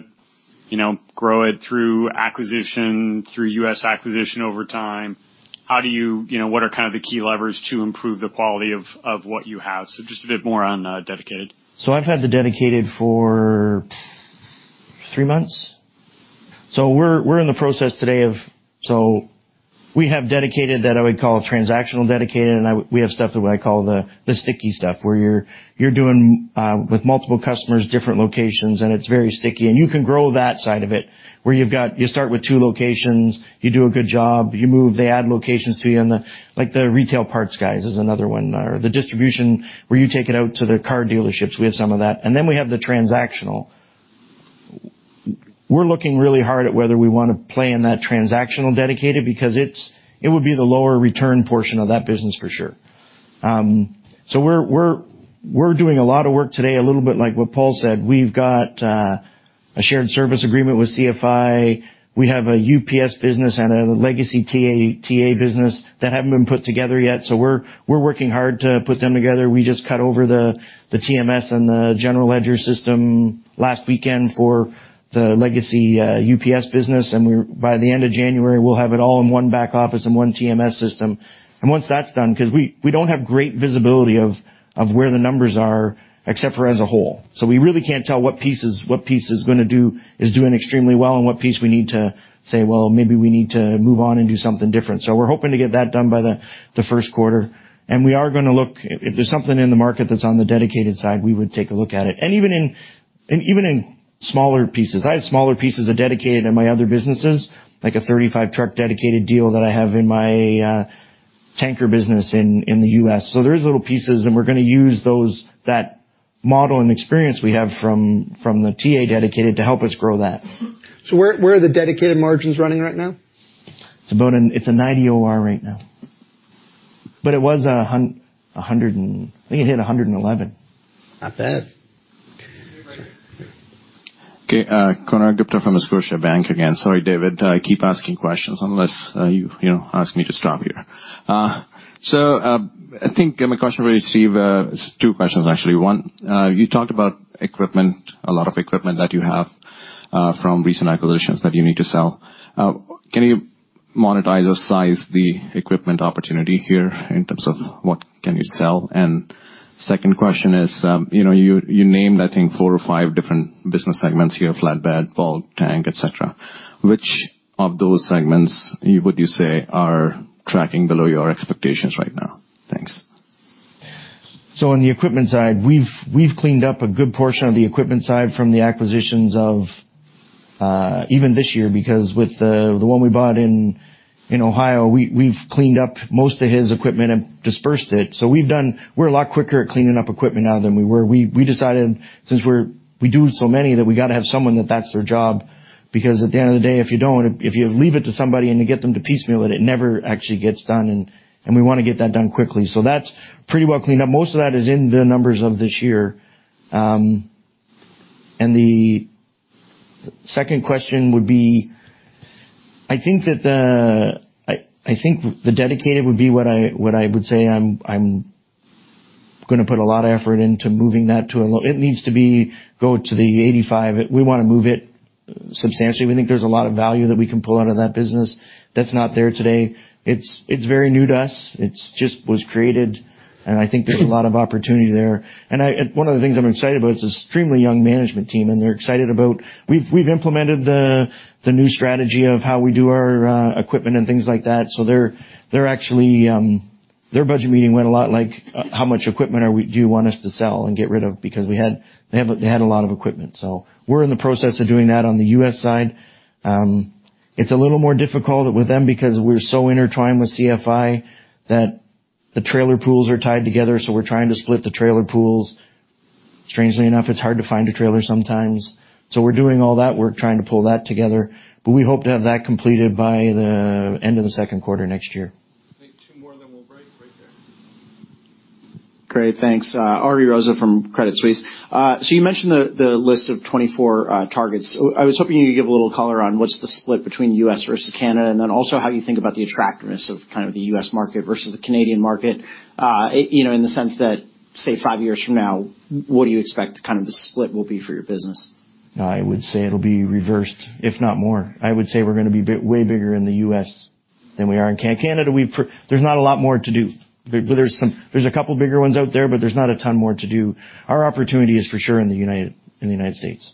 you know, grow it through acquisition, through U.S. acquisition over time? You know, what are kind of the key levers to improve the quality of what you have? Just a bit more on dedicated. I've had the dedicated for three months. We have dedicated that I would call transactional dedicated, and we have stuff that I call the sticky stuff, where you're doing with multiple customers, different locations, and it's very sticky. You can grow that side of it. You start with two locations. You do a good job. You move. They add locations to you. Like, the retail parts guys is another one, or the distribution where you take it out to the car dealerships. We have some of that. Then we have the transactional. We're looking really hard at whether we wanna play in that transactional dedicated because it would be the lower return portion of that business for sure. We're doing a lot of work today, a little bit like what Paul said. We've got a shared service agreement with CFI. We have a UPS business and a legacy TA business that haven't been put together yet. We're working hard to put them together. We just cut over the TMS and the general ledger system last weekend for the legacy UPS business. By the end of January, we'll have it all in one back office and one TMS system. Once that's done 'cause we don't have great visibility of where the numbers are except for as a whole. We really can't tell what piece is doing extremely well and what piece we need to say, well, maybe we need to move on and do something different. We're hoping to get that done by the first quarter. We are gonna look. If there's something in the market that's on the dedicated side, we would take a look at it. Even in smaller pieces. I have smaller pieces of dedicated in my other businesses, like a 35-truck dedicated deal that I have in my tanker business in the U.S. There is little pieces, and we're gonna use those, that model and experience we have from the TA dedicated to help us grow that. Where are the dedicated margins running right now? It's a 90% OR right now. But it was a 100% and I think it hit 111%. Not bad. Sure. Okay. Konark Gupta from Scotiabank again. Sorry, David. I keep asking questions unless you know ask me to stop here. I think my question for you, Steve, it's two questions actually. One, you talked about equipment, a lot of equipment that you have from recent acquisitions that you need to sell. Can you monetize or size the equipment opportunity here in terms of what can you sell? And second question is, you know, you named, I think, four or five different business segments here, flatbed, bulk, tank, et cetera. Which of those segments would you say are tracking below your expectations right now? Thanks. On the equipment side, we've cleaned up a good portion of the equipment side from the acquisitions of even this year, because with the one we bought in Ohio, we've cleaned up most of his equipment and dispersed it. We're a lot quicker at cleaning up equipment now than we were. We decided since we do so many that we gotta have someone that's their job because at the end of the day, if you leave it to somebody and you get them to piecemeal it never actually gets done. We wanna get that done quickly. That's pretty well cleaned up. Most of that is in the numbers of this year. The second question would be, I think that the... I think the dedicated would be what I would say I'm gonna put a lot of effort into moving that. It needs to go to the 85. We wanna move it substantially. We think there's a lot of value that we can pull out of that business that's not there today. It's very new to us. It's just was created, and I think there's a lot of opportunity there. One of the things I'm excited about is extremely young management team, and they're excited about. We've implemented the new strategy of how we do our equipment and things like that. So they're actually. Their budget meeting went a lot like how much equipment do you want us to sell and get rid of? They had a lot of equipment. We're in the process of doing that on the U.S. side. It's a little more difficult with them because we're so intertwined with CFI that the trailer pools are tied together, so we're trying to split the trailer pools. Strangely enough, it's hard to find a trailer sometimes. We're doing all that work trying to pull that together. We hope to have that completed by the end of the second quarter next year. I think two more, then we'll break right there. Great. Thanks. Ari Rosa from Credit Suisse. So you mentioned the list of 24 targets. I was hoping you could give a little color on what's the split between U.S. Versus Canada, and then also how you think about the attractiveness of kind of the U.S. market versus the Canadian market, you know, in the sense that, say, five years from now, what do you expect kind of the split will be for your business? I would say it'll be reversed, if not more. I would say we're gonna be way bigger in the U.S. than we are in Canada. There's not a lot more to do. There's a couple bigger ones out there, but there's not a ton more to do. Our opportunity is for sure in the United States.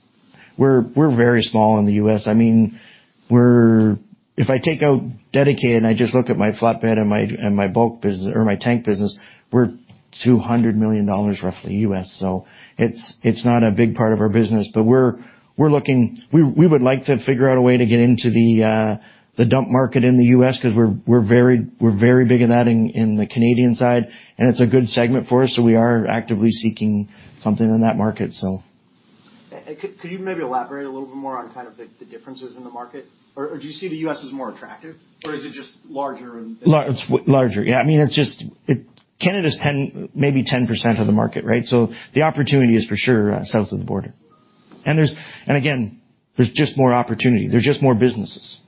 We're very small in the U.S. I mean, we're if I take out dedicated, and I just look at my flatbed and my bulk business or my tank business, we're $200 million roughly US. So it's not a big part of our business. We would like to figure out a way to get into the dump market in the U.S. because we're very big in that in the Canadian side, and it's a good segment for us, so we are actively seeking something in that market, so. Could you maybe elaborate a little bit more on kind of the differences in the market? Or do you see the U.S. as more attractive, or is it just larger and- It's larger. Yeah. I mean, it's just Canada's 10, maybe 10% of the market, right? So the opportunity is for sure south of the border. Again, there's just more opportunity. There's just more businesses.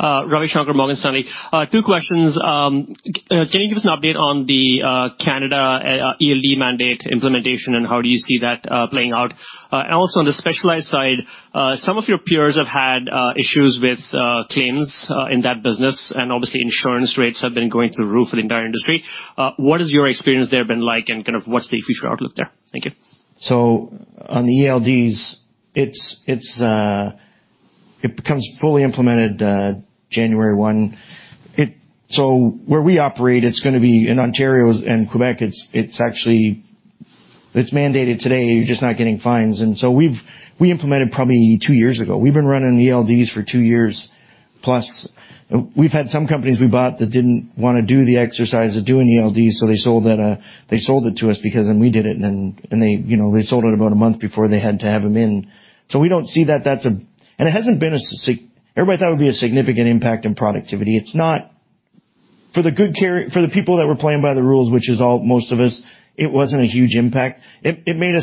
Ravi Shanker, Morgan Stanley. Two questions. Can you give us an update on the Canada ELD mandate implementation, and how do you see that playing out? Also on the specialized side, some of your peers have had issues with claims in that business, and obviously, insurance rates have been going through the roof for the entire industry. What has your experience there been like and kind of what's the future outlook there? Thank you. On the ELDs, it becomes fully implemented January one. Where we operate, it's gonna be in Ontario and Quebec. It's actually mandated today. You're just not getting fines. We implemented probably two years ago. We've been running ELDs for two years. Plus we've had some companies we bought that didn't wanna do the exercise of doing ELDs, so they sold that, they sold it to us because then we did it, and they, you know, they sold it about a month before they had to have them in. We don't see that that's a significant impact in productivity. It hasn't been. Everybody thought it would be a significant impact in productivity. It's not. For the people that were playing by the rules, which is almost all of us, it wasn't a huge impact. It made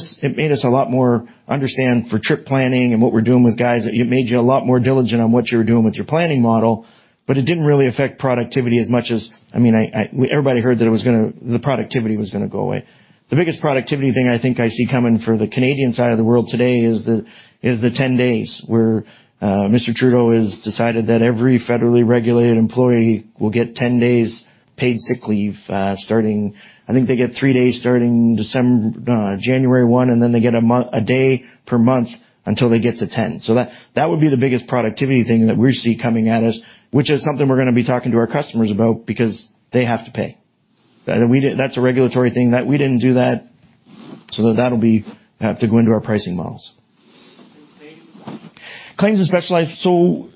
us a lot more understanding for trip planning and what we're doing with guys. It made you a lot more diligent on what you were doing with your planning model, but it didn't really affect productivity as much. I mean, everybody heard that the productivity was gonna go away. The biggest productivity thing I think I see coming for the Canadian side of the world today is the 10 days where Mr. Trudeau has decided that every federally regulated employee will get 10 days paid sick leave, starting January 1. I think they get three days, and then they get a day per month until they get to 10. That would be the biggest productivity thing that we see coming at us, which is something we're gonna be talking to our customers about because they have to pay. That's a regulatory thing that we didn't do. That'll have to go into our pricing models. Claims? Claims is specialized.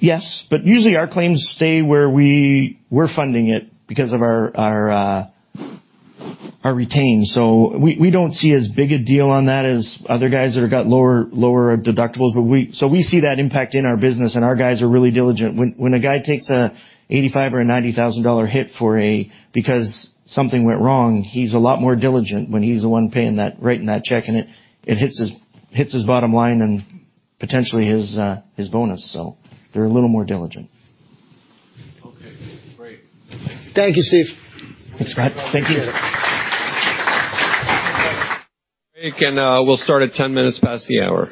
Yes, but usually our claims stay where we're funding it because of our retention. We don't see as big a deal on that as other guys that have got lower deductibles. We see that impact in our business, and our guys are really diligent. When a guy takes an $85,000 or a $90,000 hit because something went wrong, he's a lot more diligent when he's the one paying that, writing that check, and it hits his bottom line and potentially his bonus. They're a little more diligent. Okay. Great. Thank you. Thank you, Steve. Thanks, Brad. Thank you. We'll start at 10 minutes past the hour.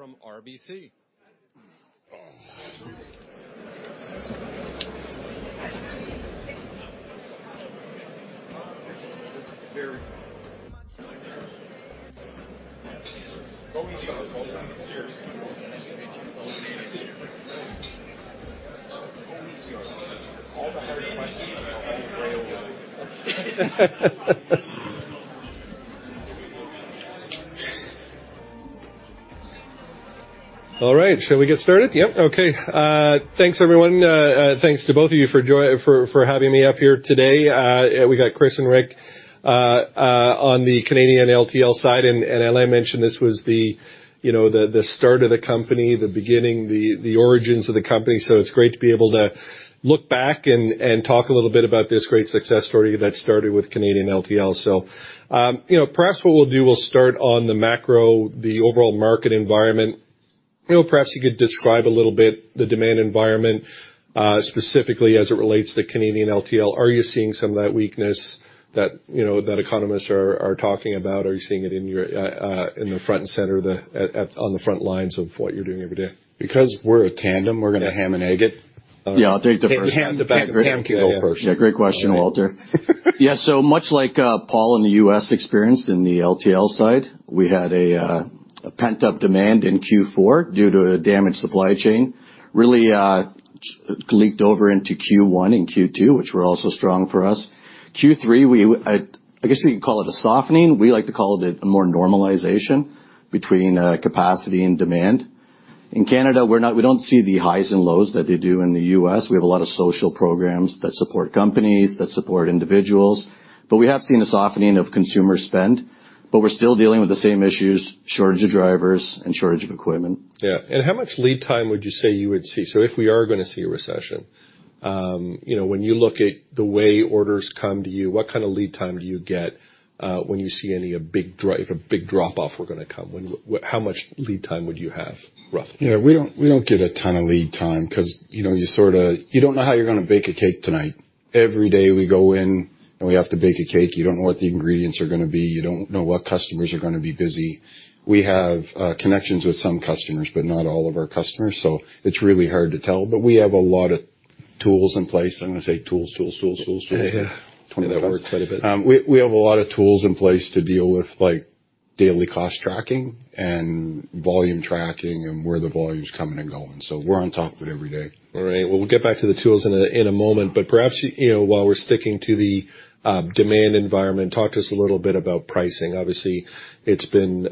From RBC. Oh. All right, shall we get started? Yep. Okay. Thanks, everyone. Thanks to both of you for having me up here today. We got Chris and Rick on the Canadian LTL side. As I mentioned this was the, you know, the start of the company, the beginning, the origins of the company. It's great to be able to look back and talk a little bit about this great success story that started with Canadian LTL. You know, perhaps what we'll do, we'll start on the macro, the overall market environment. You know, perhaps you could describe a little bit the demand environment, specifically as it relates to Canadian LTL. Are you seeing some of that weakness that, you know, that economists are talking about? Are you seeing it in the front and center on the front lines of what you're doing every day? Because we're a tandem, we're gonna ham and egg it. Yeah, I'll take the first. Take the ham to the bacon. Ham can go first. Yeah, great question, Walter. Yeah. Much like Paul in the U.S. experienced in the LTL side, we had a pent-up demand in Q4 due to a damaged supply chain. Really, leaked over into Q1 and Q2, which were also strong for us. Q3, I guess we can call it a softening. We like to call it a normalization between capacity and demand. In Canada, we don't see the highs and lows that they do in the U.S. We have a lot of social programs that support companies, that support individuals. But we have seen a softening of consumer spending, but we're still dealing with the same issues, shortage of drivers and shortage of equipment. How much lead time would you say you would see? If we are gonna see a recession, you know, when you look at the way orders come to you, what kind of lead time do you get if a big drop-off were gonna come? How much lead time would you have, roughly? Yeah. We don't get a ton of lead time 'cause, you know, you sorta. You don't know how you're gonna bake a cake tonight. Every day we go in, and we have to bake a cake. You don't know what the ingredients are gonna be. You don't know what customers are gonna be busy. We have connections with some customers, but not all of our customers, so it's really hard to tell. We have a lot of tools in place. I'm gonna say tools. Yeah. We work quite a bit. We have a lot of tools in place to deal with, like daily cost tracking and volume tracking and where the volume's coming and going. We're on top of it every day. All right. Well, we'll get back to the tools in a moment, but perhaps, you know, while we're sticking to the demand environment, talk to us a little bit about pricing. Obviously, it's been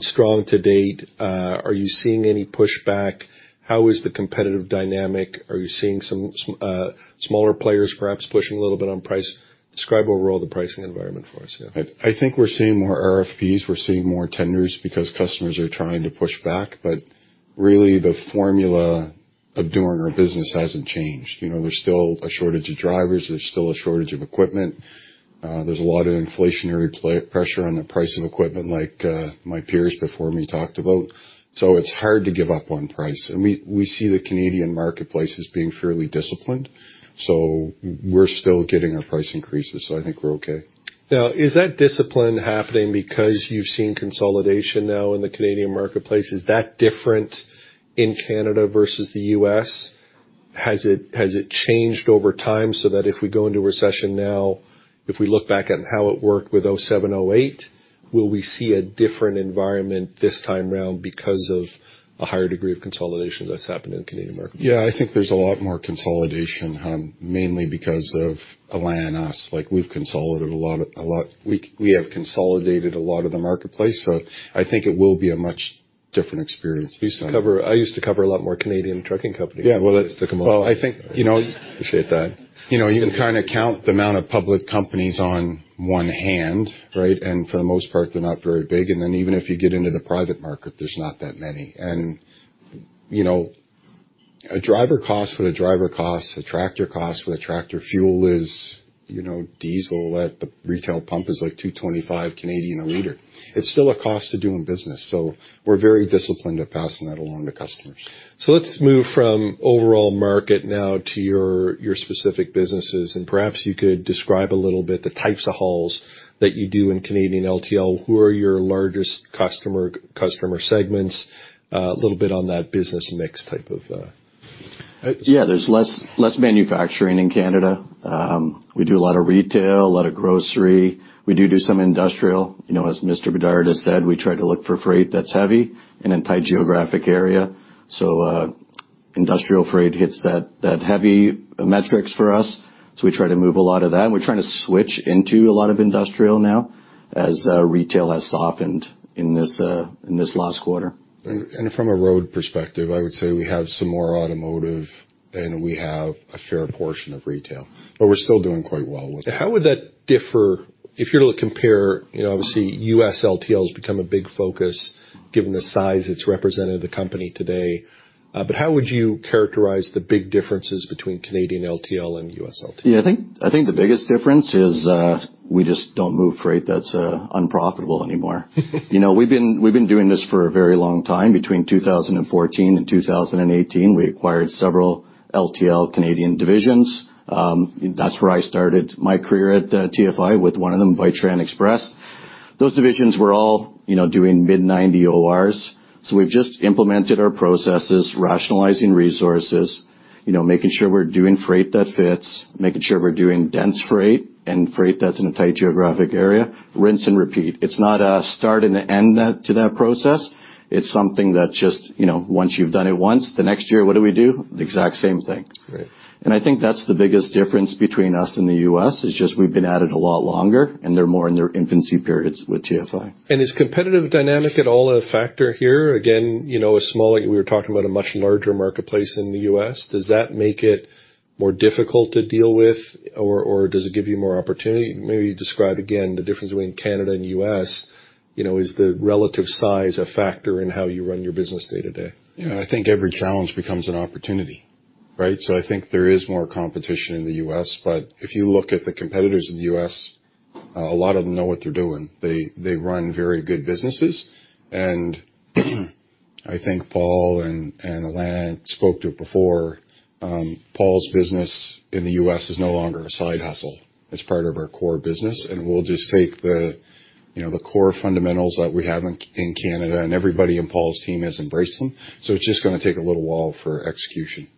strong to date. Are you seeing any pushback? How is the competitive dynamic? Are you seeing some smaller players perhaps pushing a little bit on price? Describe overall the pricing environment for us, yeah. I think we're seeing more RFPs. We're seeing more tenders because customers are trying to push back. Really, the formula of doing our business hasn't changed. You know, there's still a shortage of drivers. There's still a shortage of equipment. There's a lot of inflationary pressure on the price of equipment like, my peers before me talked about, so it's hard to give up on price. We see the Canadian marketplace as being fairly disciplined, so we're still getting our price increases, so I think we're okay. Now, is that discipline happening because you've seen consolidation now in the Canadian marketplace? Is that different in Canada versus the U.S.? Has it changed over time so that if we go into a recession now, if we look back at how it worked with 2007, 2008, will we see a different environment this time around because of a higher degree of consolidation that's happened in the Canadian marketplace? Yeah, I think there's a lot more consolidation, mainly because of Alain and us. Like, we've consolidated a lot of the marketplace, so I think it will be a much different experience this time. I used to cover a lot more Canadian trucking companies. Yeah, well. Just to come up. Well, I think, you know. Appreciate that. You know, you can kinda count the amount of public companies on one hand, right? For the most part, they're not very big. Even if you get into the private market, there's not that many. You know, a driver cost what a driver costs. A tractor costs what a tractor. Fuel is, you know, diesel at the retail pump is, like, 2.25 a liter. It's still a cost to doing business, so we're very disciplined at passing that along to customers. Let's move from overall market now to your specific businesses, and perhaps you could describe a little bit the types of hauls that you do in Canadian LTL. Who are your largest customer segments? A little bit on that business mix type of. Yeah, there's less manufacturing in Canada. We do a lot of retail, a lot of grocery. We do some industrial. You know, as Mr. Bédard has said, we try to look for freight that's heavy in a tight geographic area. Industrial freight hits that heavy metrics for us, so we try to move a lot of that. We're trying to switch into a lot of industrial now as retail has softened in this last quarter. From a road perspective, I would say we have some more automotive, and we have a fair portion of retail. We're still doing quite well with it. How would that differ if you were to compare, you know, obviously, U.S. LTL has become a big focus given the size it's represented the company today. How would you characterize the big differences between Canadian LTL and U.S. LTL? Yeah, I think the biggest difference is, we just don't move freight that's unprofitable anymore. You know, we've been doing this for a very long time. Between 2014 and 2018, we acquired several LTL Canadian divisions. That's where I started my career at TFI, with one of them, Vitran Express. Those divisions were all, you know, doing mid-90 ORs. We've just implemented our processes, rationalizing resources, you know, making sure we're doing freight that fits, making sure we're doing dense freight and freight that's in a tight geographic area, rinse and repeat. It's not a start and an end to that process. It's something that just, you know, once you've done it once, the next year, what do we do? The exact same thing. Right. I think that's the biggest difference between us and the U.S., is just we've been at it a lot longer, and they're more in their infancy periods with TFI. Is competitive dynamic at all a factor here? Again, you know, We were talking about a much larger marketplace in the U.S. Does that make it more difficult to deal with, or does it give you more opportunity? Maybe describe again the difference between Canada and U.S. You know, is the relative size a factor in how you run your business day to day? Yeah. I think every challenge becomes an opportunity, right? I think there is more competition in the U.S., but if you look at the competitors in the U.S., a lot of them know what they're doing. They run very good businesses. I think Paul and Alain spoke to it before, Paul's business in the U.S. is no longer a side hustle. It's part of our core business, and we'll just take the you know, the core fundamentals that we have in Canada, and everybody in Paul's team has embraced them, so it's just gonna take a little while for execution.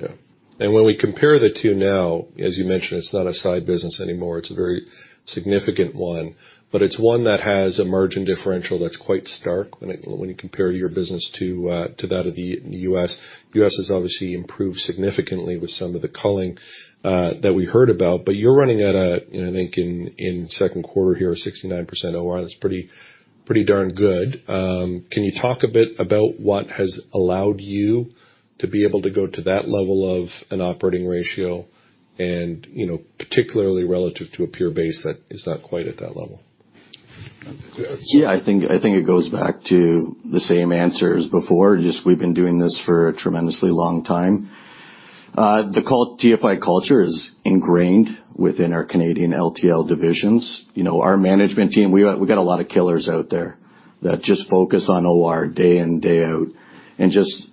Yeah. When we compare the two now, as you mentioned, it's not a side business anymore. It's a very significant one, but it's one that has a margin differential that's quite stark when you compare your business to that of the U.S.. U.S. has obviously improved significantly with some of the culling that we heard about. But you're running at, I think in second quarter here, a 69% OR. That's pretty darn good. Can you talk a bit about what has allowed you to be able to go to that level of an operating ratio and, you know, particularly relative to a peer base that is not quite at that level? Yeah, I think it goes back to the same answer as before, just we've been doing this for a tremendously long time. TFI culture is ingrained within our Canadian LTL divisions. You know, our management team, we got a lot of killers out there that just focus on OR day in, day out, and just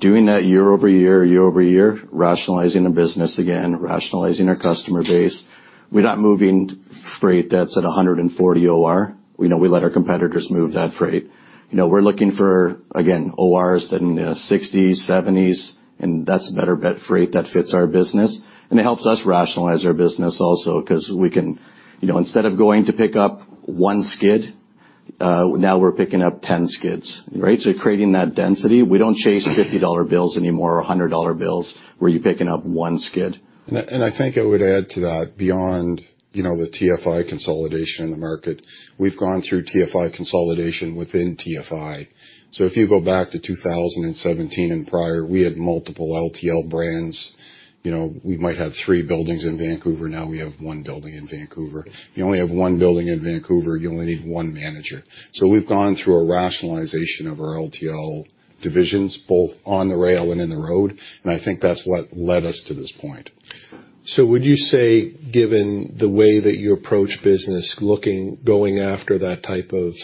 doing that year-over-year, rationalizing the business again, rationalizing our customer base. We're not moving freight that's at 140 OR. You know, we let our competitors move that freight. You know, we're looking for, again, ORs that in the 60s, 70s, and that's better bet freight that fits our business, and it helps us rationalize our business also 'cause we can. You know, instead of going to pick up one skid, now we're picking up 10 skids, right? Creating that density. We don't chase $50 bills anymore or $100 bills where you're picking up 1 skid. I think I would add to that, beyond, you know, the TFI consolidation in the market, we've gone through TFI consolidation within TFI. If you go back to 2017 and prior, we had multiple LTL brands. You know, we might have three buildings in Vancouver. Now we have one building in Vancouver. You only have one building in Vancouver, you only need one manager. We've gone through a rationalization of our LTL divisions, both on the rail and in the road, and I think that's what led us to this point. Would you say, given the way that you approach business, looking, going after that type of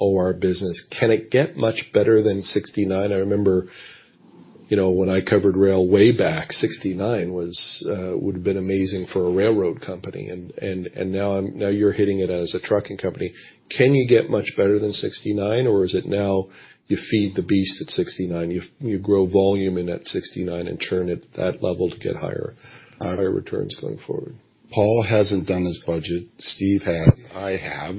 OR business, can it get much better than 69%? I remember, you know, when I covered rail, way back, 69% would've been amazing for a railroad company. Now you're hitting it as a trucking company. Can you get much better than 69%, or is it now you feed the beast at 69%? You grow volume in that 69% and churn at that level to get higher returns going forward. Paul hasn't done his budget. Steve has. I have.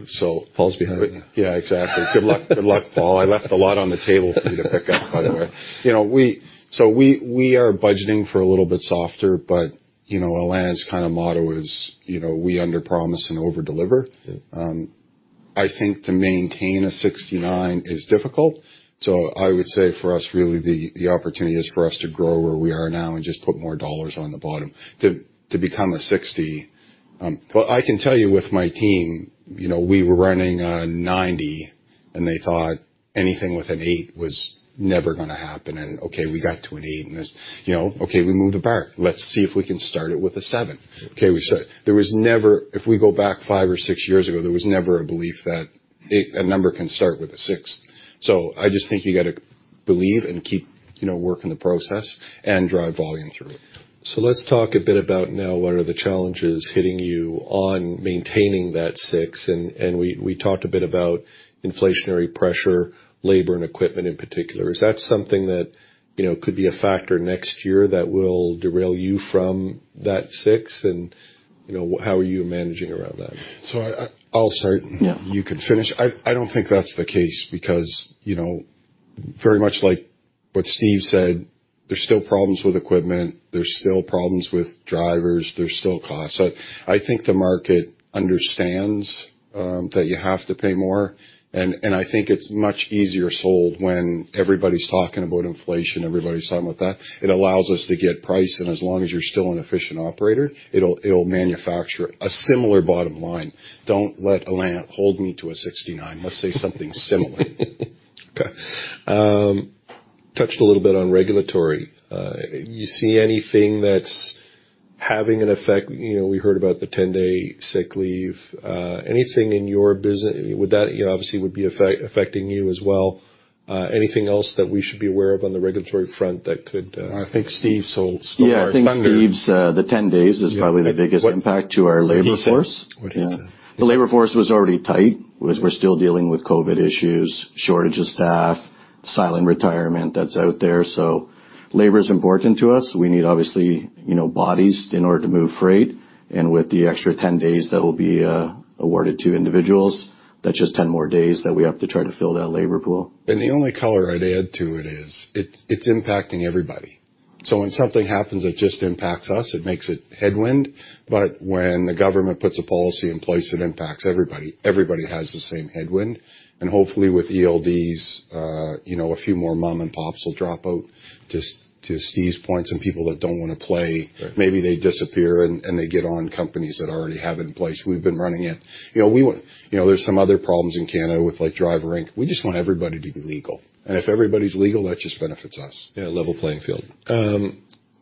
Paul's behind you. Yeah, exactly. Good luck. Good luck, Paul. I left a lot on the table for you to pick up, by the way. You know, we are budgeting for a little bit softer, but, you know, Alain's kind of motto is, you know, we underpromise and overdeliver. I think to maintain a 69% is difficult, so I would say for us, really, the opportunity is for us to grow where we are now and just put more dollars on the bottom. To become a 69%, but I can tell you with my team, you know, we were running 90%, and they thought anything with an eight was never gonna happen. Okay, we got to an eight. You know, okay, we moved the bar. Let's see if we can start it with a seven. If we go back five or six years ago, there was never a belief that a number can start with a six. I just think you gotta believe and keep, you know, working the process and drive volume through it. Let's talk a bit about now what are the challenges hitting you on maintaining that six, and we talked a bit about inflationary pressure, labor and equipment in particular. Is that something that, you know, could be a factor next year that will derail you from that six? You know, how are you managing around that? I'll start. Yeah. You can finish. I don't think that's the case because, you know, very much like what Steve said, there's still problems with equipment. There's still problems with drivers. There's still costs. I think the market understands that you have to pay more, and I think it's much easier sold when everybody's talking about inflation. Everybody's talking about that. It allows us to get price, and as long as you're still an efficient operator, it'll manufacture a similar bottom line. Don't let Alain hold me to a 69. Let's say something similar. Okay. Touched a little bit on regulatory. You see anything that's having an effect? You know, we heard about the 10-day sick leave. Anything in your business? Would that, you know, obviously would be affecting you as well. Anything else that we should be aware of on the regulatory front that could, I think Steve stole my thunder. Yeah, I think Steve's the 10 days is probably the biggest impact to our labor force. What he said. The labor force was already tight. We're still dealing with COVID issues, shortage of staff, silent retirement that's out there, so labor is important to us. We need, obviously, you know, bodies in order to move freight. With the extra 10 days that will be awarded to individuals, that's just 10 more days that we have to try to fill that labor pool. The only color I'd add to it is, it's impacting everybody. When something happens that just impacts us, it makes it headwind. When the government puts a policy in place that impacts everybody has the same headwind. Hopefully, with ELDs, you know, a few more mom and pops will drop out. To Steve's point, some people that don't wanna play. Right Maybe they disappear, and they get on companies that already have it in place. We've been running it. You know, we want. You know, there's some other problems in Canada with, like, Driver Inc. We just want everybody to be legal. If everybody's legal, that just benefits us. Yeah, level playing field.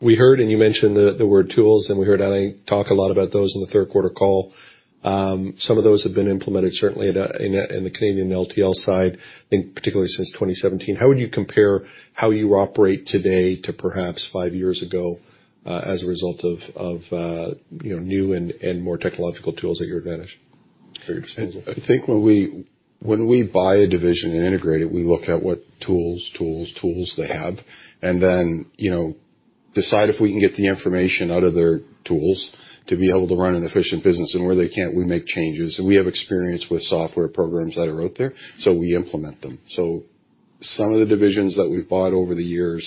We heard, and you mentioned the word tools, and we heard Alain talk a lot about those in the third quarter call. Some of those have been implemented certainly in the Canadian LTL side, I think particularly since 2017. How would you compare how you operate today to perhaps five years ago, as a result of you know, new and more technological tools at your advantage? I think when we buy a division and integrate it, we look at what tools they have and then, you know, decide if we can get the information out of their tools to be able to run an efficient business. Where they can't, we make changes. We have experience with software programs that are out there, so we implement them. Some of the divisions that we've bought over the years,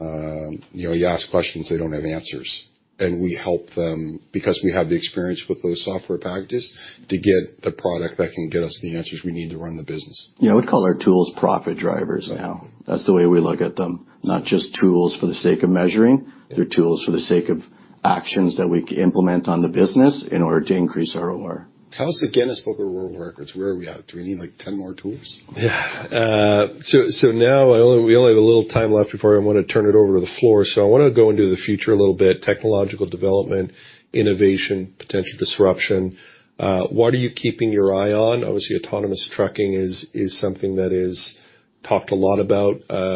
you know, you ask questions, they don't have answers. We help them, because we have the experience with those software packages, to get the product that can get us the answers we need to run the business. Yeah, we call our tools profit drivers now. That's the way we look at them. Not just tools for the sake of measuring. They're tools for the sake of actions that we implement on the business in order to increase our OR. Tell us again, Guinness Book of World Records, where are we at? Do we need, like, 10 more tools? Yeah. Now, we only have a little time left before I wanna turn it over to the floor, so I wanna go into the future a little bit. Technological development, innovation, potential disruption. What are you keeping your eye on? Obviously, autonomous trucking is something that is talked a lot about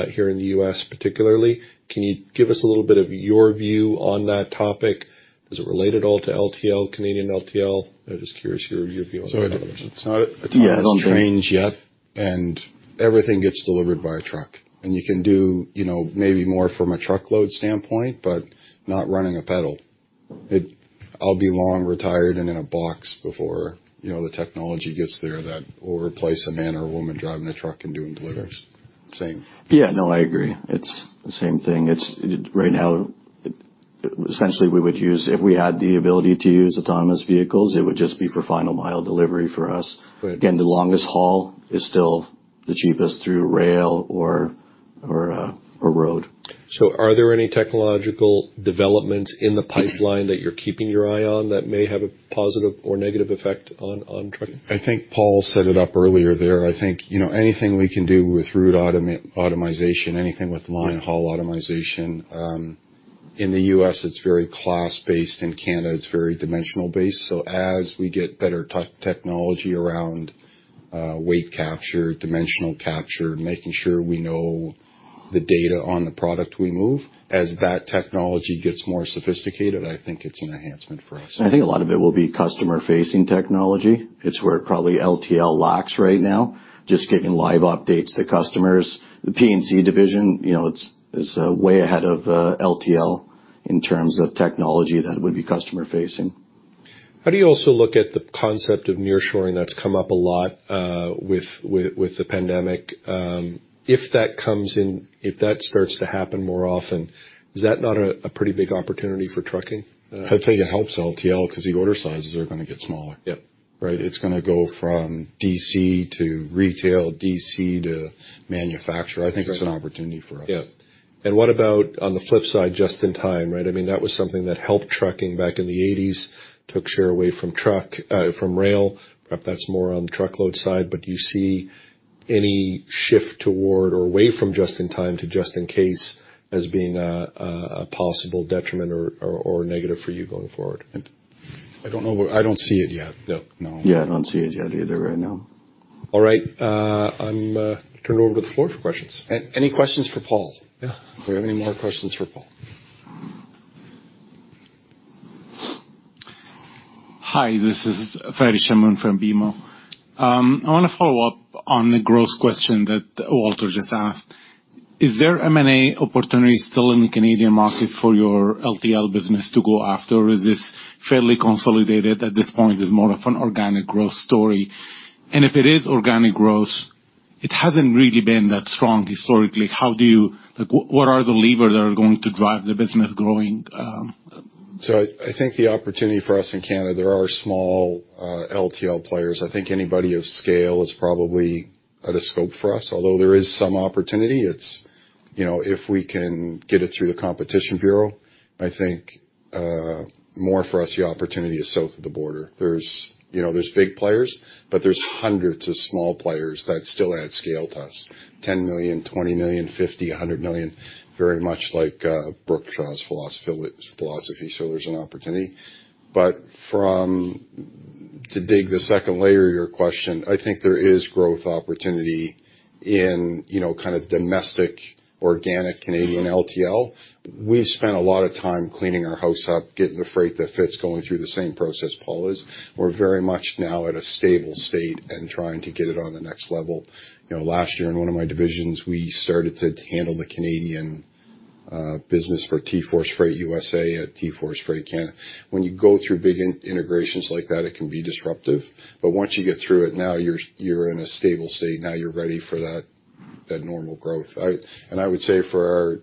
here in the U.S. particularly. Can you give us a little bit of your view on that topic? Does it relate at all to LTL, Canadian LTL? I'm just curious your view on that. It's not autonomous trains yet, and everything gets delivered by a truck. You can do, you know, maybe more from a truckload standpoint, but not running a P&D. I'll be long retired and in a box before, you know, the technology gets there that will replace a man or a woman driving a truck and doing deliveries. Same. Yeah. No, I agree. It's the same thing. Right now, essentially, if we had the ability to use autonomous vehicles, it would just be for final mile delivery for us. Right. Again, the longest haul is still the cheapest through rail or a road. Are there any technological developments in the pipeline that you're keeping your eye on that may have a positive or negative effect on trucking? I think Paul set it up earlier there. I think, you know, anything we can do with route automation, anything with line haul automation. In the U.S., it's very class-based. In Canada, it's very dimensional-based. So as we get better technology around, weight capture, dimensional capture, making sure we know the data on the product we move, as that technology gets more sophisticated, I think it's an enhancement for us. I think a lot of it will be customer-facing technology. It's where probably LTL lacks right now, just getting live updates to customers. The P&C division, you know, it's way ahead of LTL in terms of technology that would be customer-facing. How do you also look at the concept of nearshoring that's come up a lot with the pandemic? If that starts to happen more often, is that not a pretty big opportunity for trucking? I'd say it helps LTL 'cause the order sizes are gonna get smaller. Yep. Right? It's gonna go from DC to retail, DC to manufacturer. I think it's an opportunity for us. Yeah. What about on the flip side, just in time, right? I mean, that was something that helped trucking back in the eighties, took share away from rail. Perhaps that's more on the truckload side, but do you see any shift toward or away from just in time to just in case as being a possible detriment or negative for you going forward? I don't know where. I don't see it yet. No. Yeah, I don't see it yet either right now. All right. I'm gonna turn it over to the floor for questions. Any questions for Paul? Yeah. Do we have any more questions for Paul? Hi, this is Fadi Chamoun from BMO. I wanna follow up on the growth question that Walter just asked. Is there M&A opportunity still in the Canadian market for your LTL business to go after, or is this fairly consolidated at this point as more of an organic growth story? If it is organic growth, it hasn't really been that strong historically. Like, what are the levers that are going to drive the business growing? I think the opportunity for us in Canada. There are small LTL players. I think anybody of scale is probably out of scope for us, although there is some opportunity. You know, if we can get it through the Competition Bureau, I think more for us, the opportunity is south of the border. You know, there are big players, but there are hundreds of small players that still add scale to us. $10 million, $20 million, $50 million, $100 million, very much like Brookshaw's philosophy, so there's an opportunity. But to dig the second layer of your question, I think there is growth opportunity in you know, kind of domestic, organic Canadian LTL. We've spent a lot of time cleaning our house up, getting the freight that fits, going through the same process Paul is. We're very much now at a stable state and trying to get it on the next level. You know, last year in one of my divisions, we started to handle the Canadian business for TForce Freight USA at TForce Freight Canada. When you go through big integrations like that, it can be disruptive. But once you get through it, now you're in a stable state. Now you're ready for that normal growth. I would say for our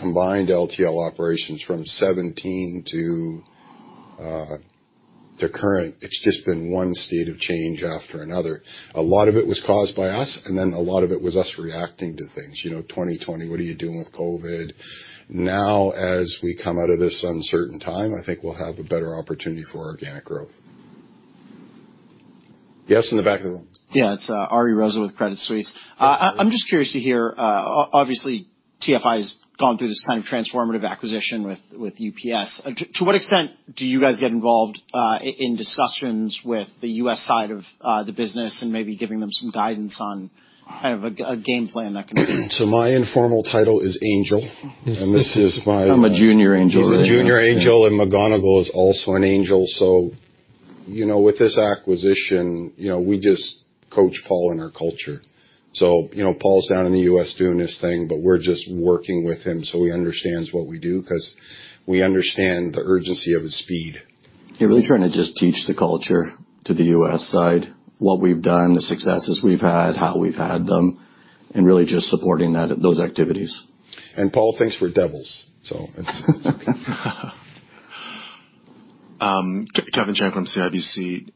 combined LTL operations from 2017 to current, it's just been one state of change after another. A lot of it was caused by us, and then a lot of it was us reacting to things. You know, 2020, what are you doing with COVID? Now, as we come out of this uncertain time, I think we'll have a better opportunity for organic growth. Yes, in the back of the room. Yeah, it's Ari Rosa with Credit Suisse. I'm just curious to hear, obviously, TFI has gone through this kind of transformative acquisition with UPS. To what extent do you guys get involved in discussions with the U.S. side of the business and maybe giving them some guidance on kind of a game plan that can? My informal title is Angel, and this is my- I'm a junior angel. He's a junior angel, and McGonigal is also an angel, so, you know, with this acquisition, you know, we just coach Paul in our culture. You know, Paul's down in the U.S. doing his thing, but we're just working with him, so he understands what we do 'cause we understand the urgency of his speed. Yeah, we're trying to just teach the culture to the U.S. side, what we've done, the successes we've had, how we've had them, and really just supporting that, those activities. Paul thinks we're devils, so it's okay. Kevin Chiang from CIBC.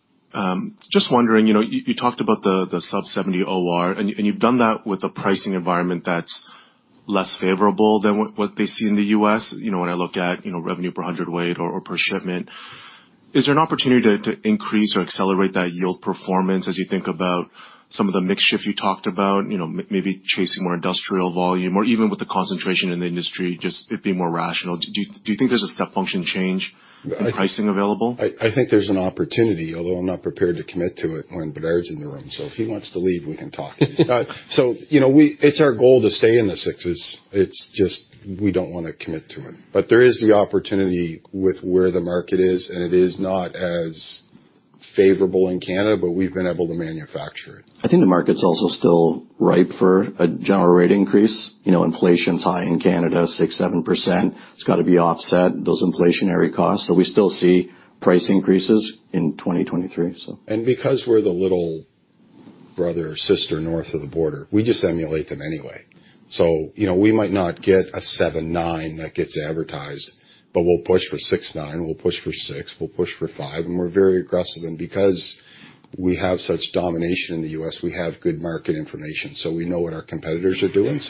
Just wondering, you know, you talked about the sub-70 OR, and you've done that with a pricing environment that's less favorable than what they see in the U.S.. You know, when I look at, you know, revenue per hundredweight or per shipment. Is there an opportunity to increase or accelerate that yield performance as you think about some of the mix shift you talked about, you know, maybe chasing more industrial volume, or even with the concentration in the industry, just it being more rational? Do you think there's a step function change in pricing available? I think there's an opportunity, although I'm not prepared to commit to it when Bédard's in the room, so if he wants to leave, we can talk. You know, it's our goal to stay in the sixes. It's just, we don't wanna commit to it. There is the opportunity with where the market is, and it is not as favorable in Canada, but we've been able to manufacture it. I think the market's also still ripe for a general rate increase. You know, inflation's high in Canada, 6%-7%. It's got to be offset, those inflationary costs. We still see price increases in 2023. Because we're the little brother or sister north of the border, we just emulate them anyway. You know, we might not get a 7.9% that gets advertised, but we'll push for 6.9%, we'll push for 6%, we'll push for 5%, and we're very aggressive. Because we have such domination in the U.S., we have good market information, so we know what our competitors are doing.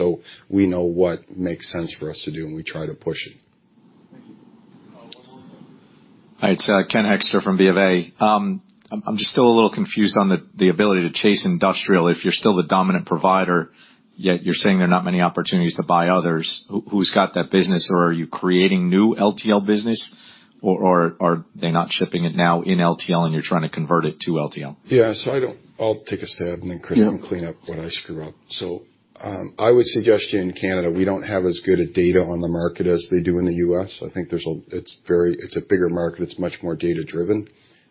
We know what makes sense for us to do, and we try to push it. Thank you. Hi, it's Ken Hoexter from BofA. I'm just still a little confused on the ability to chase industrial if you're still the dominant provider, yet you're saying there are not many opportunities to buy others. Who's got that business? Or are you creating new LTL business? Or are they not shipping it now in LTL and you're trying to convert it to LTL? Yeah. I don't... I'll take a stab, and then Chris can clean up what I screw up. I would suggest to you in Canada, we don't have as good a data on the market as they do in the U.S. I think it's a bigger market. It's much more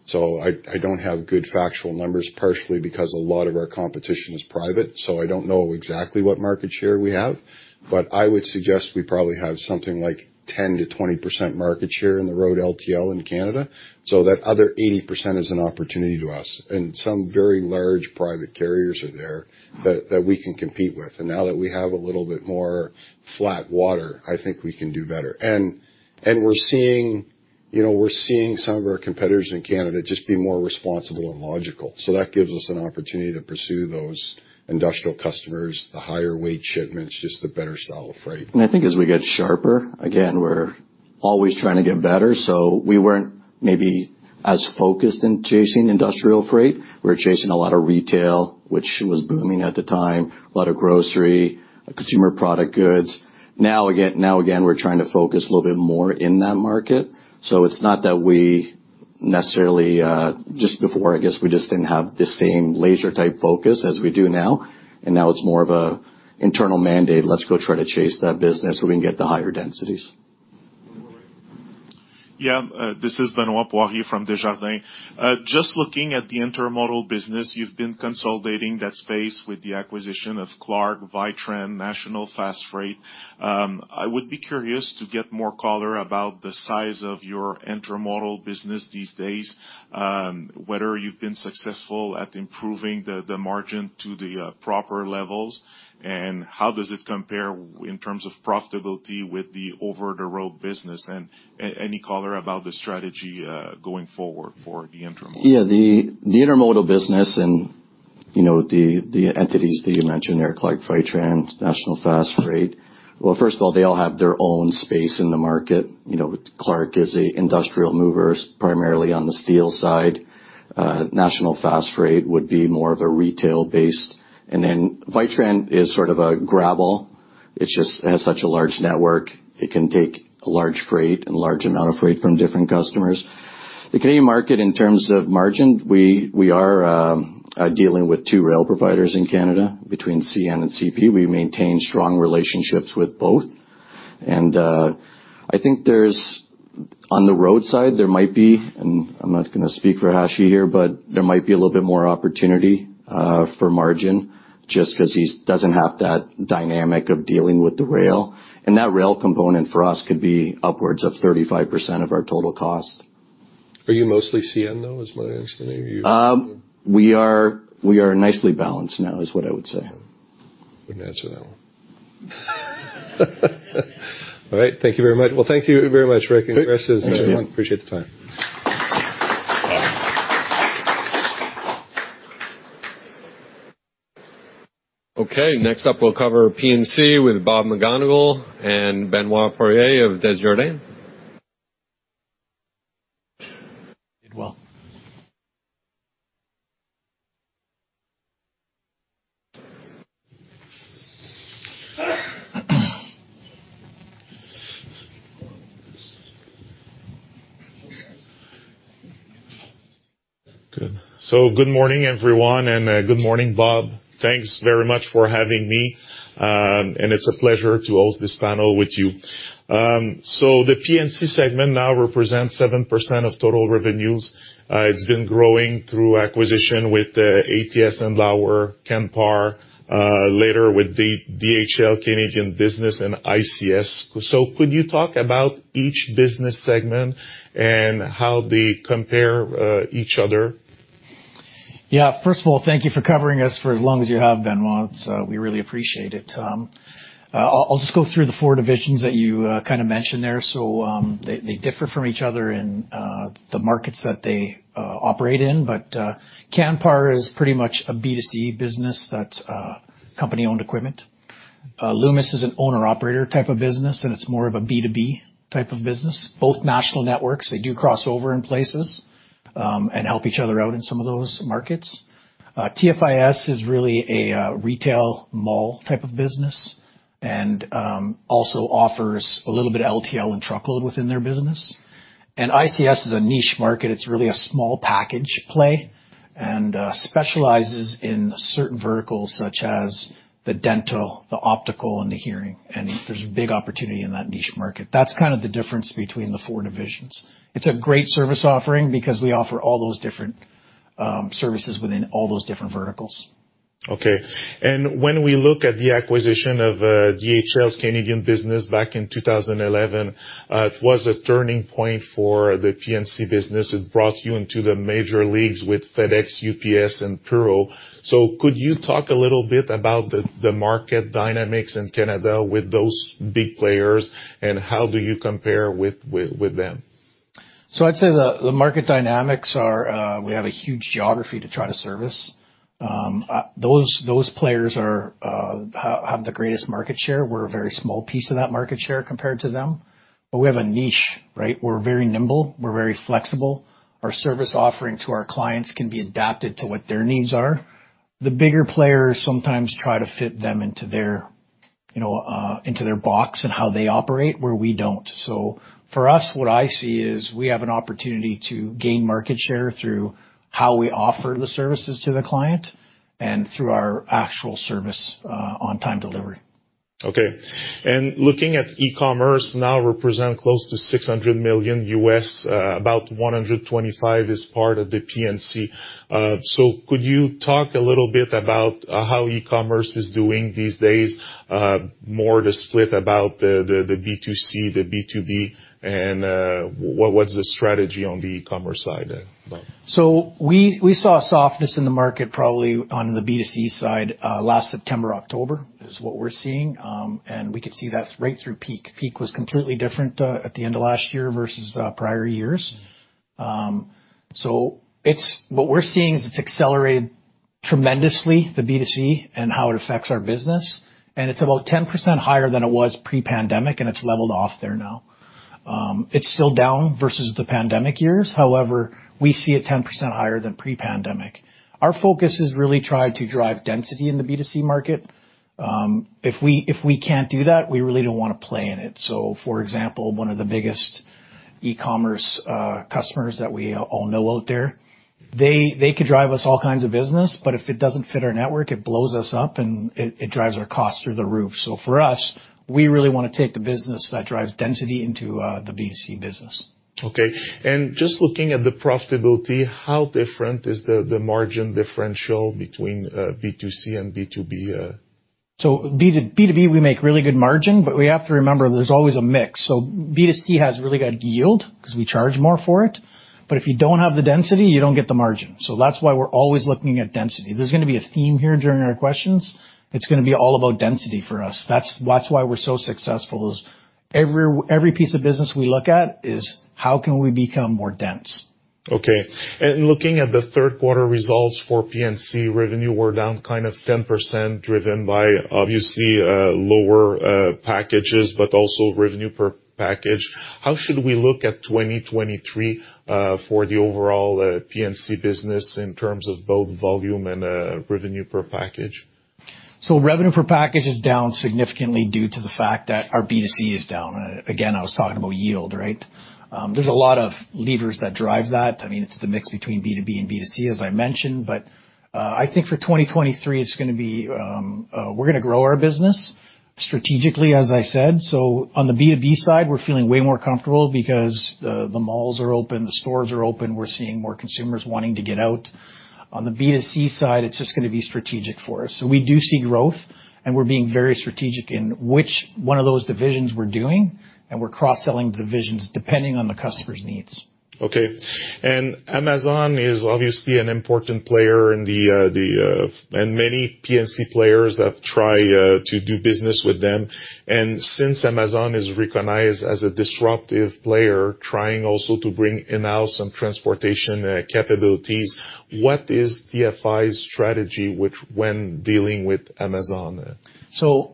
data-driven. I don't have good factual numbers, partially because a lot of our competition is private, so I don't know exactly what market share we have. I would suggest we probably have something like 10%-20% market share in the road LTL in Canada. That other 80% is an opportunity to us. Some very large private carriers are there that we can compete with. Now that we have a little bit more flat water, I think we can do better. We're seeing, you know, some of our competitors in Canada just be more responsible and logical. That gives us an opportunity to pursue those industrial customers, the higher weight shipments, just the better style of freight. I think as we get sharper, again, we're always trying to get better. We weren't maybe as focused in chasing industrial freight. We were chasing a lot of retail, which was booming at the time, a lot of grocery, consumer product goods. Now again, we're trying to focus a little bit more in that market. It's not that we necessarily, just before, I guess, we just didn't have the same laser type focus as we do now. Now it's more of a internal mandate. Let's go try to chase that business so we can get the higher densities. Yeah. This is Benoît Poirier from Desjardins. Just looking at the intermodal business, you've been consolidating that space with the acquisition of Clarke, Vitran, National Fast Freight. I would be curious to get more color about the size of your intermodal business these days, whether you've been successful at improving the margin to the proper levels, and how does it compare in terms of profitability with the over-the-road business? Any color about the strategy going forward for the intermodal. The intermodal business and, you know, the entities that you mentioned there, Clarke, Vitran, National Fast Freight. Well, first of all, they all have their own space in the market. You know, Clarke is a industrial movers, primarily on the steel side. National Fast Freight would be more of a retail-based. And then Vitran is sort of a gravel. It just has such a large network. It can take a large freight and large amount of freight from different customers. The Canadian market, in terms of margin, we are dealing with two rail providers in Canada, between CN and CP. We maintain strong relationships with both. I think there's. On the road side, there might be, and I'm not gonna speak for Hashi here, but there might be a little bit more opportunity for margin just 'cause he doesn't have that dynamic of dealing with the rail. That rail component for us could be upwards of 35% of our total cost. Are you mostly CN, though? Is my understanding? We are nicely balanced now, is what I would say. Wouldn't answer that one. All right. Thank you very much. Well, thank you very much, Rick and Chris. Thanks, everyone. Appreciate the time. Okay, next up, we'll cover P&C with Robert McGonigal and Benoît Poirier of Desjardins. Did well. Good. Good morning, everyone, and good morning, Bob. Thanks very much for having me. It's a pleasure to host this panel with you. The P&C segment now represents 7% of total revenues. It's been growing through acquisition with ATS and Loomis, Canpar, later with the DHL Canadian business and ICS. Could you talk about each business segment and how they compare each other? Yeah. First of all, thank you for covering us for as long as you have, Benoit. We really appreciate it. I'll just go through the four divisions that you kind of mentioned there. They differ from each other in the markets that they operate in. Canpar is pretty much a B2C business that's company-owned equipment. Loomis is an owner/operator type of business, and it's more of a B2B type of business. Both national networks, they do cross over in places and help each other out in some of those markets. TFIS is really a retail mall type of business and also offers a little bit of LTL and truckload within their business. ICS is a niche market. It's really a small package play. Specializes in certain verticals such as the dental, the optical, and the hearing, and there's big opportunity in that niche market. That's kind of the difference between the four divisions. It's a great service offering because we offer all those different services within all those different verticals. Okay. When we look at the acquisition of DHL's Canadian business back in 2011, it was a turning point for the P&C business. It brought you into the major leagues with FedEx, UPS, and Purolator. Could you talk a little bit about the market dynamics in Canada with those big players, and how do you compare with them? I'd say the market dynamics are, we have a huge geography to try to service. Those players have the greatest market share. We're a very small piece of that market share compared to them. We have a niche, right? We're very nimble, we're very flexible. Our service offering to our clients can be adapted to what their needs are. The bigger players sometimes try to fit them into their box and how they operate, where we don't. For us, what I see is we have an opportunity to gain market share through how we offer the services to the client and through our actual service, on-time delivery. Okay. Looking at e-commerce now represent close to $600 million, about $125 million is part of the P&C. Could you talk a little bit about how e-commerce is doing these days? More about the split between the B2C and the B2B, and what's the strategy on the e-commerce side there? We saw a softness in the market probably on the B2C side last September, October, is what we're seeing, and we could see that right through peak. Peak was completely different at the end of last year versus prior years. What we're seeing is it's accelerated tremendously, the B2C, and how it affects our business, and it's about 10% higher than it was pre-pandemic, and it's leveled off there now. It's still down versus the pandemic years. However, we see it 10% higher than pre-pandemic. Our focus has really tried to drive density in the B2C market. If we can't do that, we really don't wanna play in it. For example, one of the biggest e-commerce customers that we all know out there, they could drive us all kinds of business, but if it doesn't fit our network, it blows us up and it drives our costs through the roof. For us, we really wanna take the business that drives density into the B2C business. Just looking at the profitability, how different is the margin differential between B2C and B2B? B2B, we make really good margin, but we have to remember there's always a mix. B2C has really good yield 'cause we charge more for it. But if you don't have the density, you don't get the margin. That's why we're always looking at density. There's gonna be a theme here during our questions. It's gonna be all about density for us. That's why we're so successful is every piece of business we look at is how can we become more dense? Looking at the third quarter results for P&C, revenue were down kind of 10% driven by obviously lower packages, but also revenue per package. How should we look at 2023 for the overall P&C business in terms of both volume and revenue per package? Revenue per package is down significantly due to the fact that our B2C is down. Again, I was talking about yield, right? There's a lot of levers that drive that. I mean, it's the mix between B2B and B2C, as I mentioned, but I think for 2023, it's gonna be, we're gonna grow our business strategically, as I said. On the B2B side, we're feeling way more comfortable because the malls are open, the stores are open, we're seeing more consumers wanting to get out. On the B2C side, it's just gonna be strategic for us. We do see growth, and we're being very strategic in which one of those divisions we're doing, and we're cross-selling divisions depending on the customer's needs. Okay. Amazon is obviously an important player, and many P&C players have tried to do business with them. Since Amazon is recognized as a disruptive player trying also to bring in-house some transportation capabilities, what is TFI's strategy which when dealing with Amazon?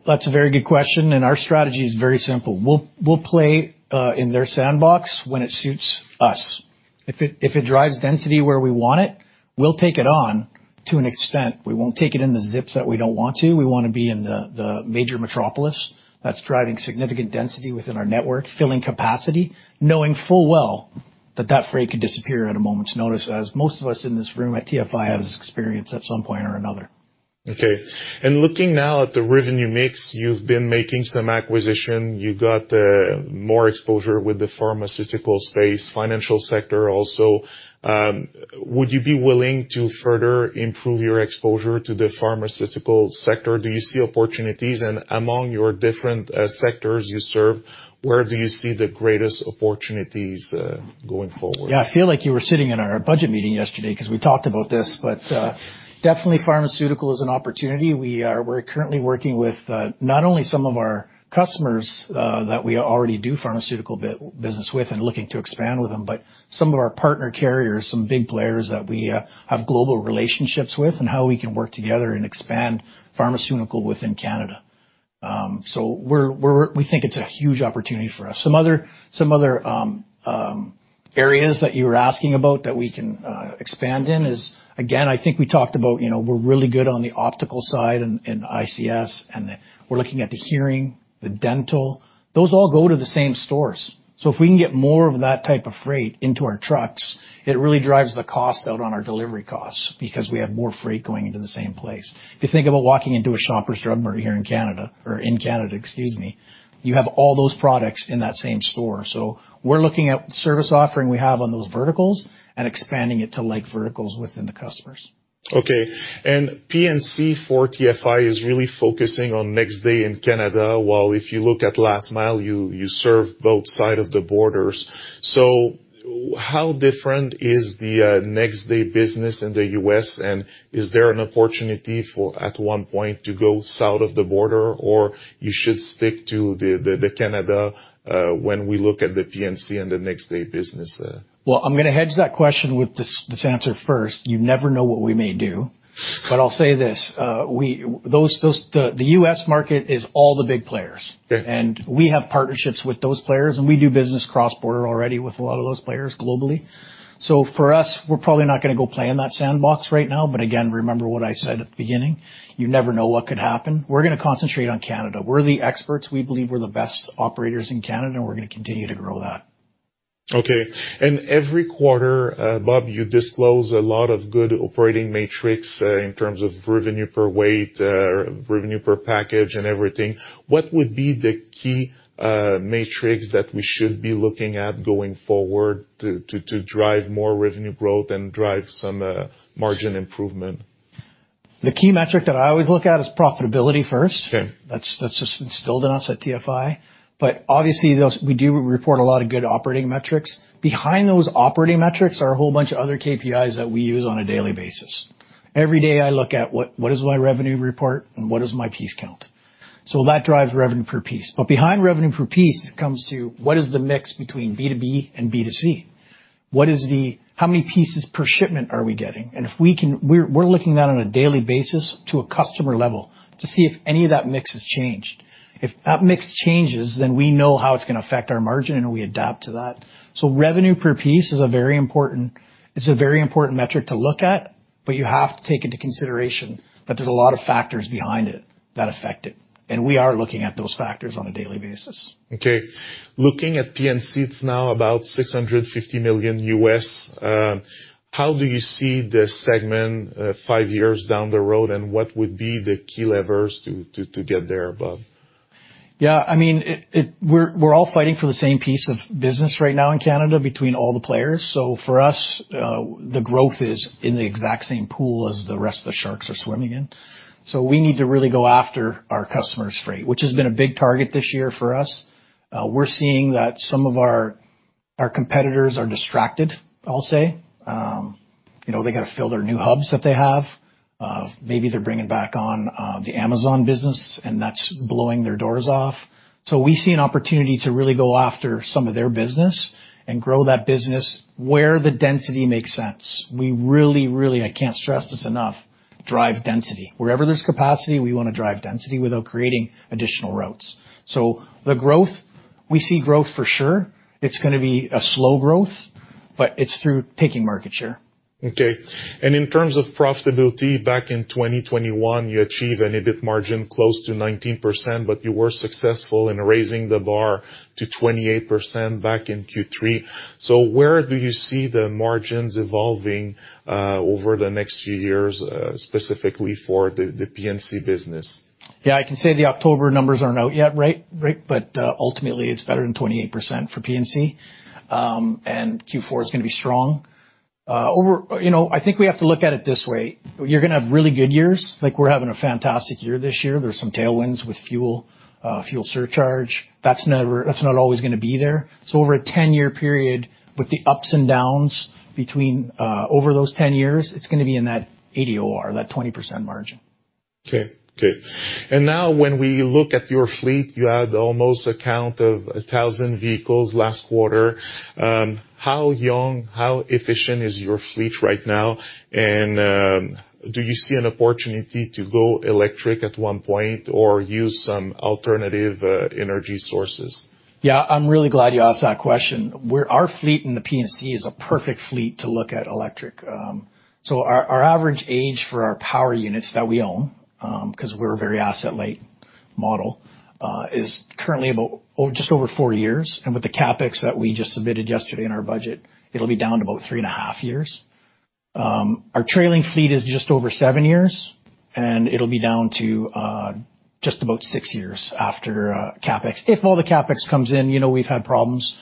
That's a very good question, and our strategy is very simple. We'll play in their sandbox when it suits us. If it drives density where we want it, we'll take it on to an extent. We won't take it in the zips that we don't want to. We wanna be in the major metropolis that's driving significant density within our network, filling capacity, knowing full well that that freight could disappear at a moment's notice, as most of us in this room at TFI has experienced at some point or another. Okay. Looking now at the revenue mix, you've been making some acquisition. You got more exposure with the pharmaceutical space, financial sector also. Would you be willing to further improve your exposure to the pharmaceutical sector? Do you see opportunities? Among your different sectors you serve, where do you see the greatest opportunities going forward? Yeah. I feel like you were sitting in our budget meeting yesterday 'cause we talked about this. Definitely pharmaceutical is an opportunity. We're currently working with not only some of our customers that we already do pharmaceutical business with and looking to expand with them, but some of our partner carriers, some big players that we have global relationships with, and how we can work together and expand pharmaceutical within Canada. We think it's a huge opportunity for us. Some other areas that you were asking about that we can expand in is, again, I think we talked about, you know, we're really good on the optical side and ICS and we're looking at the hearing, the dental. Those all go to the same stores. If we can get more of that type of freight into our trucks, it really drives the cost out on our delivery costs because we have more freight going into the same place. If you think about walking into a Shoppers Drug Mart in Canada, excuse me, you have all those products in that same store. We're looking at service offering we have on those verticals and expanding it to like verticals within the customers. Okay. P&C for TFI is really focusing on next day in Canada, while if you look at last mile, you serve both sides of the border. How different is the next day business in the U.S. and is there an opportunity at one point to go south of the border or should you stick to Canada when we look at the P&C and the next day business there? Well, I'm gonna hedge that question with this answer first. You never know what we may do. I'll say this, we those the U.S. market is all the big players. Okay. We have partnerships with those players, and we do business cross-border already with a lot of those players globally. For us, we're probably not gonna go play in that sandbox right now. Again, remember what I said at the beginning, you never know what could happen. We're gonna concentrate on Canada. We're the experts. We believe we're the best operators in Canada, and we're gonna continue to grow that. Okay. Every quarter, Bob, you disclose a lot of good operating metrics, in terms of revenue per weight, revenue per package and everything. What would be the key metrics that we should be looking at going forward to drive more revenue growth and drive some margin improvement? The key metric that I always look at is profitability first. Okay. That's just instilled in us at TFI. Obviously, those we do report a lot of good operating metrics. Behind those operating metrics are a whole bunch of other KPIs that we use on a daily basis. Every day I look at what is my revenue report and what is my piece count. That drives revenue per piece. Behind revenue per piece, it comes to what is the mix between B2B and B2C? How many pieces per shipment are we getting? We're looking on a daily basis to a customer level to see if any of that mix has changed. If that mix changes, we know how it's gonna affect our margin, and we adapt to that. Revenue per piece is a very important metric to look at, but you have to take into consideration that there's a lot of factors behind it that affect it, and we are looking at those factors on a daily basis. Okay. Looking at P&C, it's now about $650 million. How do you see the segment five years down the road, and what would be the key levers to get there, Bob? Yeah, I mean, we're all fighting for the same piece of business right now in Canada between all the players. For us, the growth is in the exact same pool as the rest of the sharks are swimming in. We need to really go after our customers' freight, which has been a big target this year for us. We're seeing that some of our competitors are distracted, I'll say. You know, they gotta fill their new hubs that they have. Maybe they're bringing back on the Amazon business, and that's blowing their doors off. We see an opportunity to really go after some of their business and grow that business where the density makes sense. We really, I can't stress this enough, drive density. Wherever there's capacity, we wanna drive density without creating additional routes. The growth, we see growth for sure. It's gonna be a slow growth, but it's through taking market share. Okay. In terms of profitability, back in 2021, you achieved an EBIT margin close to 19%, but you were successful in raising the bar to 28% back in Q3. Where do you see the margins evolving over the next few years, specifically for the P&C business? Yeah, I can say the October numbers aren't out yet, right? Right. Ultimately, it's better than 28% for P&C. Q4 is gonna be strong. You know, I think we have to look at it this way. You're gonna have really good years, like we're having a fantastic year this year. There's some tailwinds with fuel surcharge. That's not always gonna be there. Over a 10-year period, with the ups and downs between over those 10 years, it's gonna be in that 80 or that 20% margin. Okay. Now when we look at your fleet, you had almost a count of 1,000 vehicles last quarter. How young, how efficient is your fleet right now? Do you see an opportunity to go electric at one point or use some alternative energy sources? Yeah, I'm really glad you asked that question. Our fleet in the P&C is a perfect fleet to look at electric. Our average age for our power units that we own, 'cause we're a very asset-light model, is currently about just over four years. With the CapEx that we just submitted yesterday in our budget, it'll be down to about 3.5 years. Our trailing fleet is just over seven years, and it'll be down to just about six years after CapEx. If all the CapEx comes in, you know, we've had problems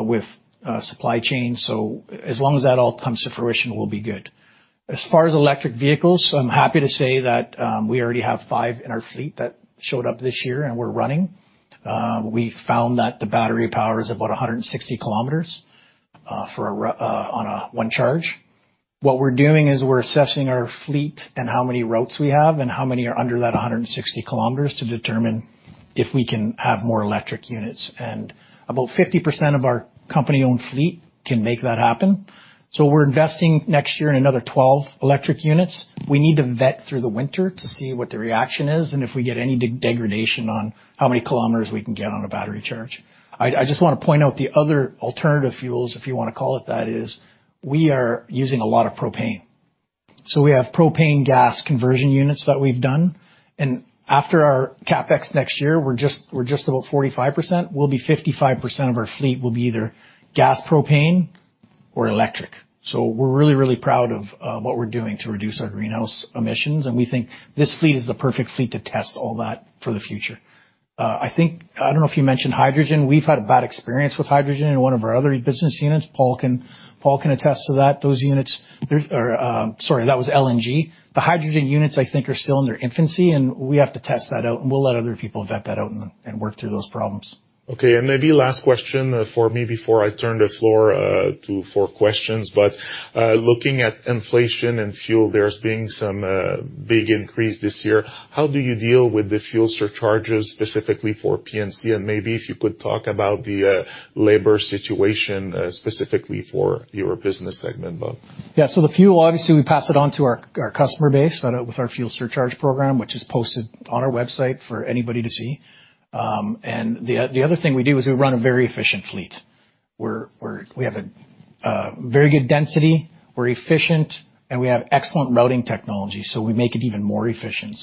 with supply chain, so as long as that all comes to fruition, we'll be good. As far as electric vehicles, I'm happy to say that we already have five in our fleet that showed up this year and we're running. We found that the battery power is about 160 kilometers for one charge. What we're doing is we're assessing our fleet and how many routes we have and how many are under that 160 kilometers to determine if we can have more electric units. About 50% of our company-owned fleet can make that happen. We're investing next year in another 12 electric units. We need to vet through the winter to see what the reaction is and if we get any degradation on how many kilometers we can get on a battery charge. I just wanna point out the other alternative fuels, if you wanna call it that, is we are using a lot of propane. We have propane gas conversion units that we've done. After our CapEx next year, we're just about 45%. We'll be 55% of our fleet will be either gas propane or electric. We're really proud of what we're doing to reduce our greenhouse emissions, and we think this fleet is the perfect fleet to test all that for the future. I think I don't know if you mentioned hydrogen. We've had a bad experience with hydrogen in one of our other business units. Paul can attest to that. Those units are. Sorry, that was LNG. The hydrogen units I think are still in their infancy, and we have to test that out, and we'll let other people vet that out and work through those problems. Okay. Maybe last question for me before I turn the floor over for questions. Looking at inflation and fuel, there's been some big increase this year. How do you deal with the fuel surcharges specifically for P&C? And maybe if you could talk about the labor situation specifically for your business segment, Bob. Yeah. The fuel, obviously we pass it on to our customer base with our fuel surcharge program, which is posted on our website for anybody to see. The other thing we do is we run a very efficient fleet. We have a very good density, we're efficient, and we have excellent routing technology, so we make it even more efficient.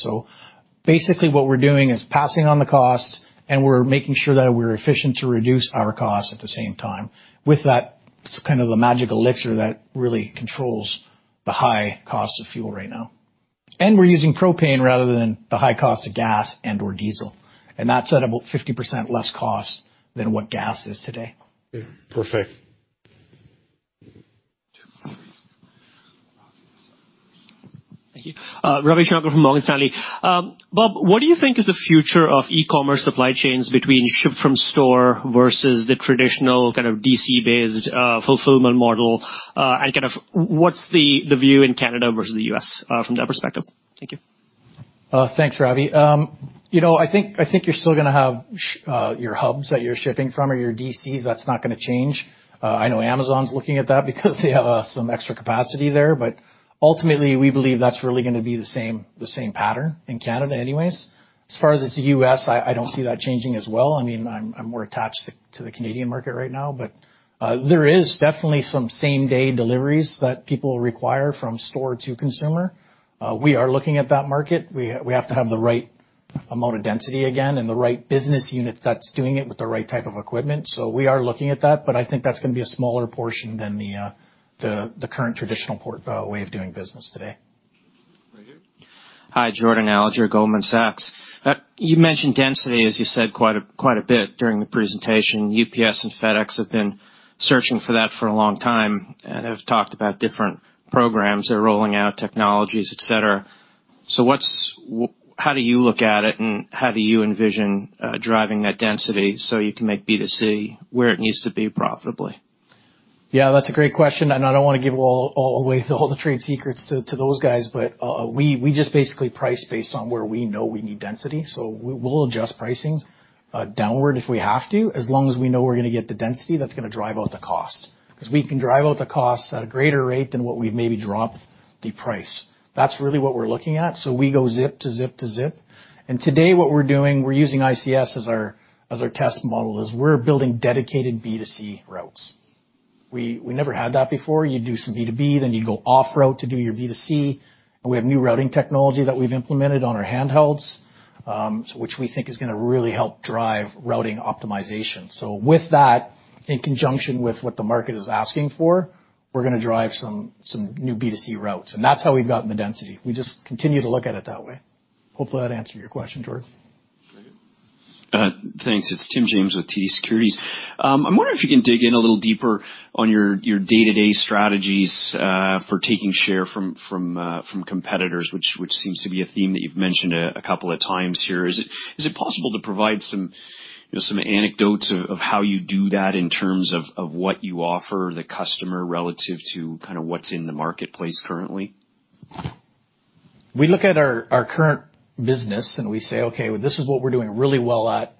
Basically what we're doing is passing on the cost, and we're making sure that we're efficient to reduce our costs at the same time. With that, it's kind of a magic elixir that really controls the high cost of fuel right now. We're using propane rather than the high cost of gas and/or diesel, and that's at about 50% less cost than what gas is today. Okay. Perfect. Thank you. Ravi Shanker from Morgan Stanley. Bob, what do you think is the future of e-commerce supply chains between ship-from-store versus the traditional kind of DC-based fulfillment model? Kind of what's the view in Canada versus the U.S. from that perspective? Thank you. Thanks, Ravi. You know, I think you're still gonna have your hubs that you're shipping from or your DCs. That's not gonna change. I know Amazon's looking at that because they have some extra capacity there. Ultimately, we believe that's really gonna be the same, the same pattern in Canada anyways. As far as the U.S., I don't see that changing as well. I mean, I'm more attached to the Canadian market right now. There is definitely some same-day deliveries that people require from store to consumer. We are looking at that market. We have to have the right amount of density again and the right business unit that's doing it with the right type of equipment. We are looking at that, but I think that's gonna be a smaller portion than the current traditional port way of doing business today. Right here. Hi, Jordan Alliger, Goldman Sachs. You mentioned density, as you said quite a bit during the presentation. UPS and FedEx have been searching for that for a long time and have talked about different programs they're rolling out, technologies, et cetera. How do you look at it, and how do you envision driving that density so you can make B2C where it needs to be profitably? Yeah, that's a great question, and I don't wanna give away all the trade secrets to those guys. We just basically price based on where we know we need density. We'll adjust pricing downward if we have to as long as we know we're gonna get the density that's gonna drive out the cost. 'Cause we can drive out the cost at a greater rate than what we've maybe dropped the price. That's really what we're looking at. We go zip-to-zip-to-zip. Today what we're doing, we're using ICS as our test model, we're building dedicated B2C routes. We never had that before. You'd do some B2B, then you'd go off route to do your B2C. We have new routing technology that we've implemented on our handhelds, so which we think is gonna really help drive routing optimization. With that, in conjunction with what the market is asking for, we're gonna drive some new B2C routes. That's how we've gotten the density. We just continue to look at it that way. Hopefully, that answered your question, Jordan. Right here. Thanks. It's Tim James with TD Securities. I'm wondering if you can dig in a little deeper on your day-to-day strategies for taking share from competitors, which seems to be a theme that you've mentioned a couple of times here. Is it possible to provide some, you know, some anecdotes of how you do that in terms of what you offer the customer relative to kinda what's in the marketplace currently? We look at our current business and we say, "Okay, this is what we're doing really well at.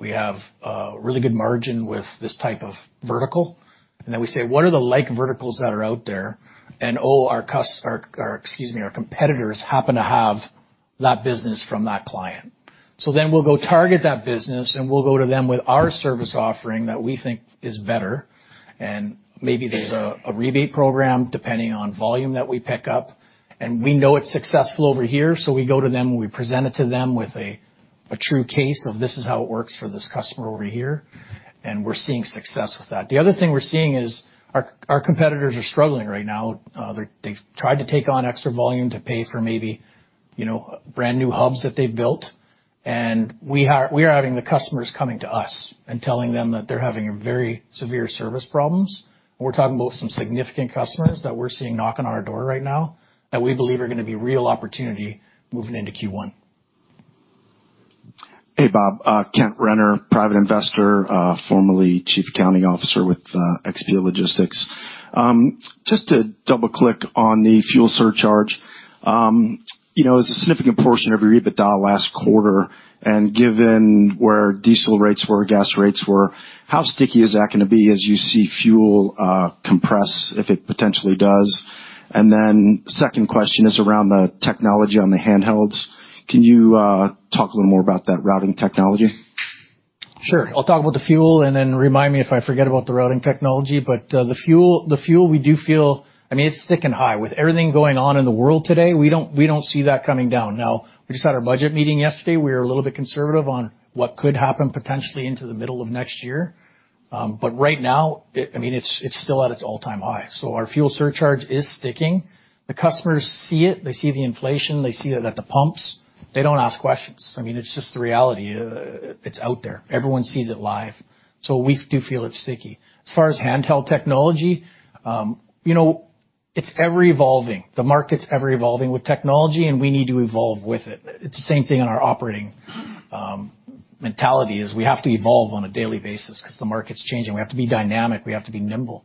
We have a really good margin with this type of vertical." We say, "What are the like verticals that are out there?" Our competitors happen to have that business from that client. We'll go target that business, and we'll go to them with our service offering that we think is better. Maybe there's a rebate program depending on volume that we pick up. We know it's successful over here, so we go to them, and we present it to them with a true case of this is how it works for this customer over here, and we're seeing success with that. The other thing we're seeing is our competitors are struggling right now. They've tried to take on extra volume to pay for maybe, you know, brand-new hubs that they've built. We are having the customers coming to us and telling them that they're having very severe service problems. We're talking about some significant customers that we're seeing knocking on our door right now that we believe are gonna be real opportunity moving into Q1. Hey, Bob. Kent Renner, private investor, formerly Chief Accounting Officer with XPO Logistics. Just to double-click on the fuel surcharge. You know, it's a significant portion of your EBITDA last quarter, and given where diesel rates were, gas rates were, how sticky is that gonna be as you see fuel compress, if it potentially does? Second question is around the technology on the handhelds. Can you talk a little more about that routing technology? Sure. I'll talk about the fuel, and then remind me if I forget about the routing technology. The fuel we do feel. I mean, it's thick and high. With everything going on in the world today, we don't see that coming down. Now, we just had our budget meeting yesterday. We were a little bit conservative on what could happen potentially into the middle of next year. Right now, I mean, it's still at its all-time high. Our fuel surcharge is sticking. The customers see it, they see the inflation, they see it at the pumps. They don't ask questions. I mean, it's just the reality. It's out there. Everyone sees it live. We do feel it's sticky. As far as handheld technology, you know, it's ever-evolving. The market's ever-evolving with technology, and we need to evolve with it. It's the same thing in our operating mentality, is we have to evolve on a daily basis 'cause the market's changing. We have to be dynamic, we have to be nimble.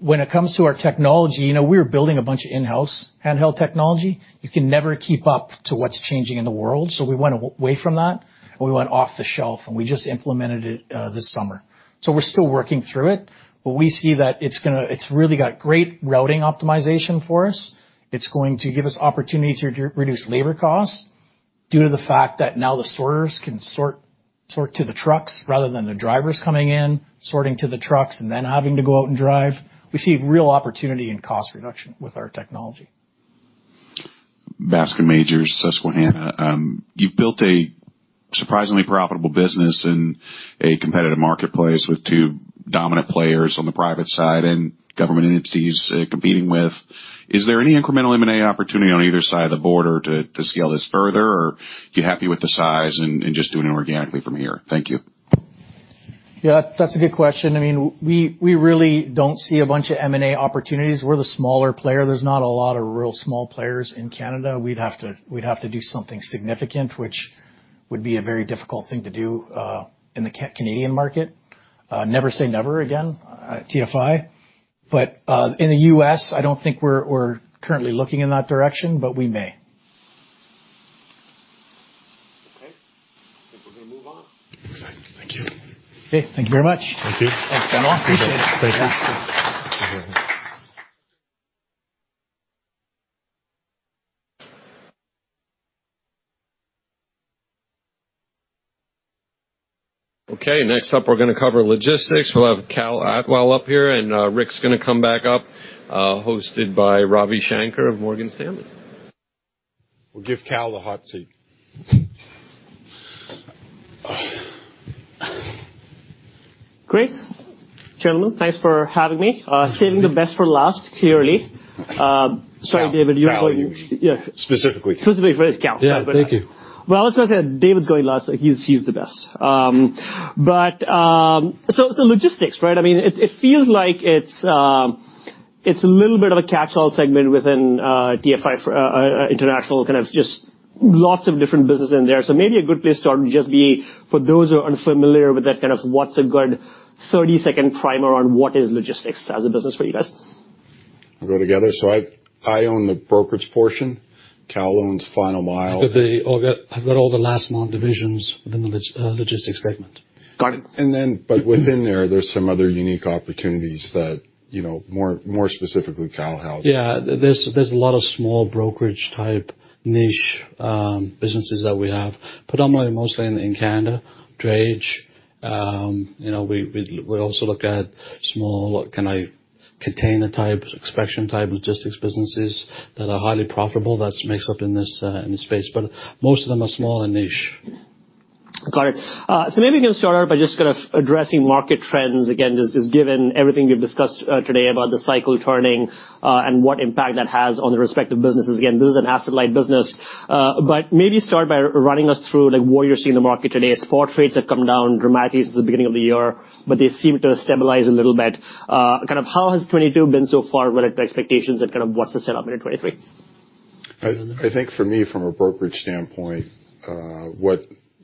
When it comes to our technology, you know, we were building a bunch of in-house handheld technology. You can never keep up to what's changing in the world, so we went away from that, and we went off the shelf, and we just implemented it this summer. We're still working through it. We see that it's gonna it's really got great routing optimization for us. It's going to give us opportunity to reduce labor costs due to the fact that now the sorters can sort to the trucks rather than the drivers coming in, sorting to the trucks, and then having to go out and drive. We see real opportunity in cost reduction with our technology. Bascome Majors, Susquehanna. You've built a surprisingly profitable business in a competitive marketplace with two dominant players on the private side and government entities competing with. Is there any incremental M&A opportunity on either side of the border to scale this further, or are you happy with the size and just doing it organically from here? Thank you. Yeah, that's a good question. I mean, we really don't see a bunch of M&A opportunities. We're the smaller player. There's not a lot of real small players in Canada. We'd have to do something significant, which would be a very difficult thing to do in the Canadian market. Never say never again, TFI. In the U.S., I don't think we're currently looking in that direction, but we may. Okay. I think we're gonna move on. Okay. Thank you. Okay. Thank you very much. Thank you. Thanks, gentlemen. Appreciate it. Thank you. Okay. Next up, we're gonna cover logistics. We'll have Kal Atwal up here, and Rick's gonna come back up, hosted by Ravi Shanker of Morgan Stanley. We'll give Kal the hot seat. Great. Gentlemen, thanks for having me. Saving the best for last, clearly. Sorry, David. Kal. Yeah. Specifically. Specifically for this, Kal. Yeah. Thank you. Well, I was gonna say if David's going last, like, he's the best. Logistics, right? I mean, it feels like it's a little bit of a catch-all segment within TFI International, kind of just lots of different business in there. Maybe a good place to start would just be for those who are unfamiliar with that kind of. What's a good 30-second primer on what is logistics as a business for you guys? We'll go together. I own the brokerage portion. Kal owns final mile. I've got all the last mile divisions within the logistics segment. Got it. Within there's some other unique opportunities that, you know, more specifically Kal has. Yeah. There's a lot of small brokerage-type niche businesses that we have, predominantly mostly in Canada. You know, we also look at small, kinda, container-type, express-type logistics businesses that are highly profitable, that makes up in this space. Most of them are small and niche. Got it. So maybe we can start out by just kind of addressing market trends again, just given everything we've discussed today about the cycle turning and what impact that has on the respective businesses. Again, this is an asset-light business. But maybe start by running us through, like, what you're seeing in the market today as forward trades have come down dramatically since the beginning of the year, but they seem to have stabilized a little bit. Kind of how has 2022 been so far relative to expectations and kind of what's the setup into 2023? I think for me, from a brokerage standpoint,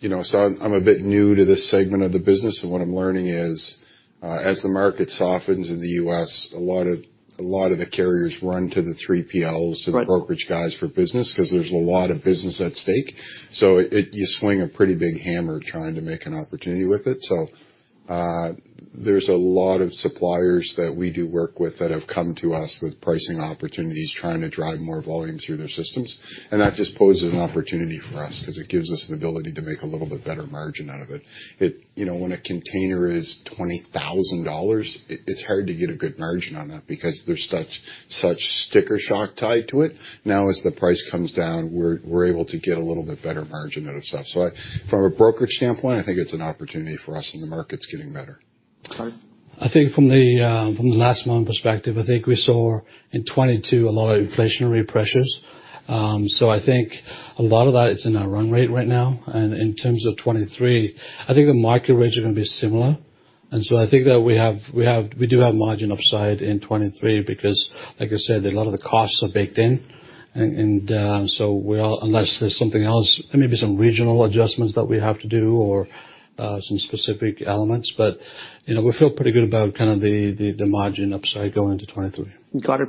you know, I'm a bit new to this segment of the business, and what I'm learning is, as the market softens in the U.S., a lot of the carriers run to the 3PLs. Right To the brokerage guys for business 'cause there's a lot of business at stake. You swing a pretty big hammer trying to make an opportunity with it. There's a lot of suppliers that we do work with that have come to us with pricing opportunities, trying to drive more volume through their systems. That just poses an opportunity for us 'cause it gives us the ability to make a little bit better margin out of it. You know, when a container is $20,000, it's hard to get a good margin on that because there's such sticker shock tied to it. Now, as the price comes down, we're able to get a little bit better margin out of stuff. From a brokerage standpoint, I think it's an opportunity for us and the market's getting better. Got it. I think from the last mile perspective, I think we saw in 2022 a lot of inflationary pressures. I think a lot of that is in our run rate right now. In terms of 2023, I think the market rates are gonna be similar. I think that we do have margin upside in 2023 because, like I said, a lot of the costs are baked in. Unless there's something else, maybe some regional adjustments that we have to do or some specific elements. You know, we feel pretty good about kind of the margin upside going into 2023. Got it.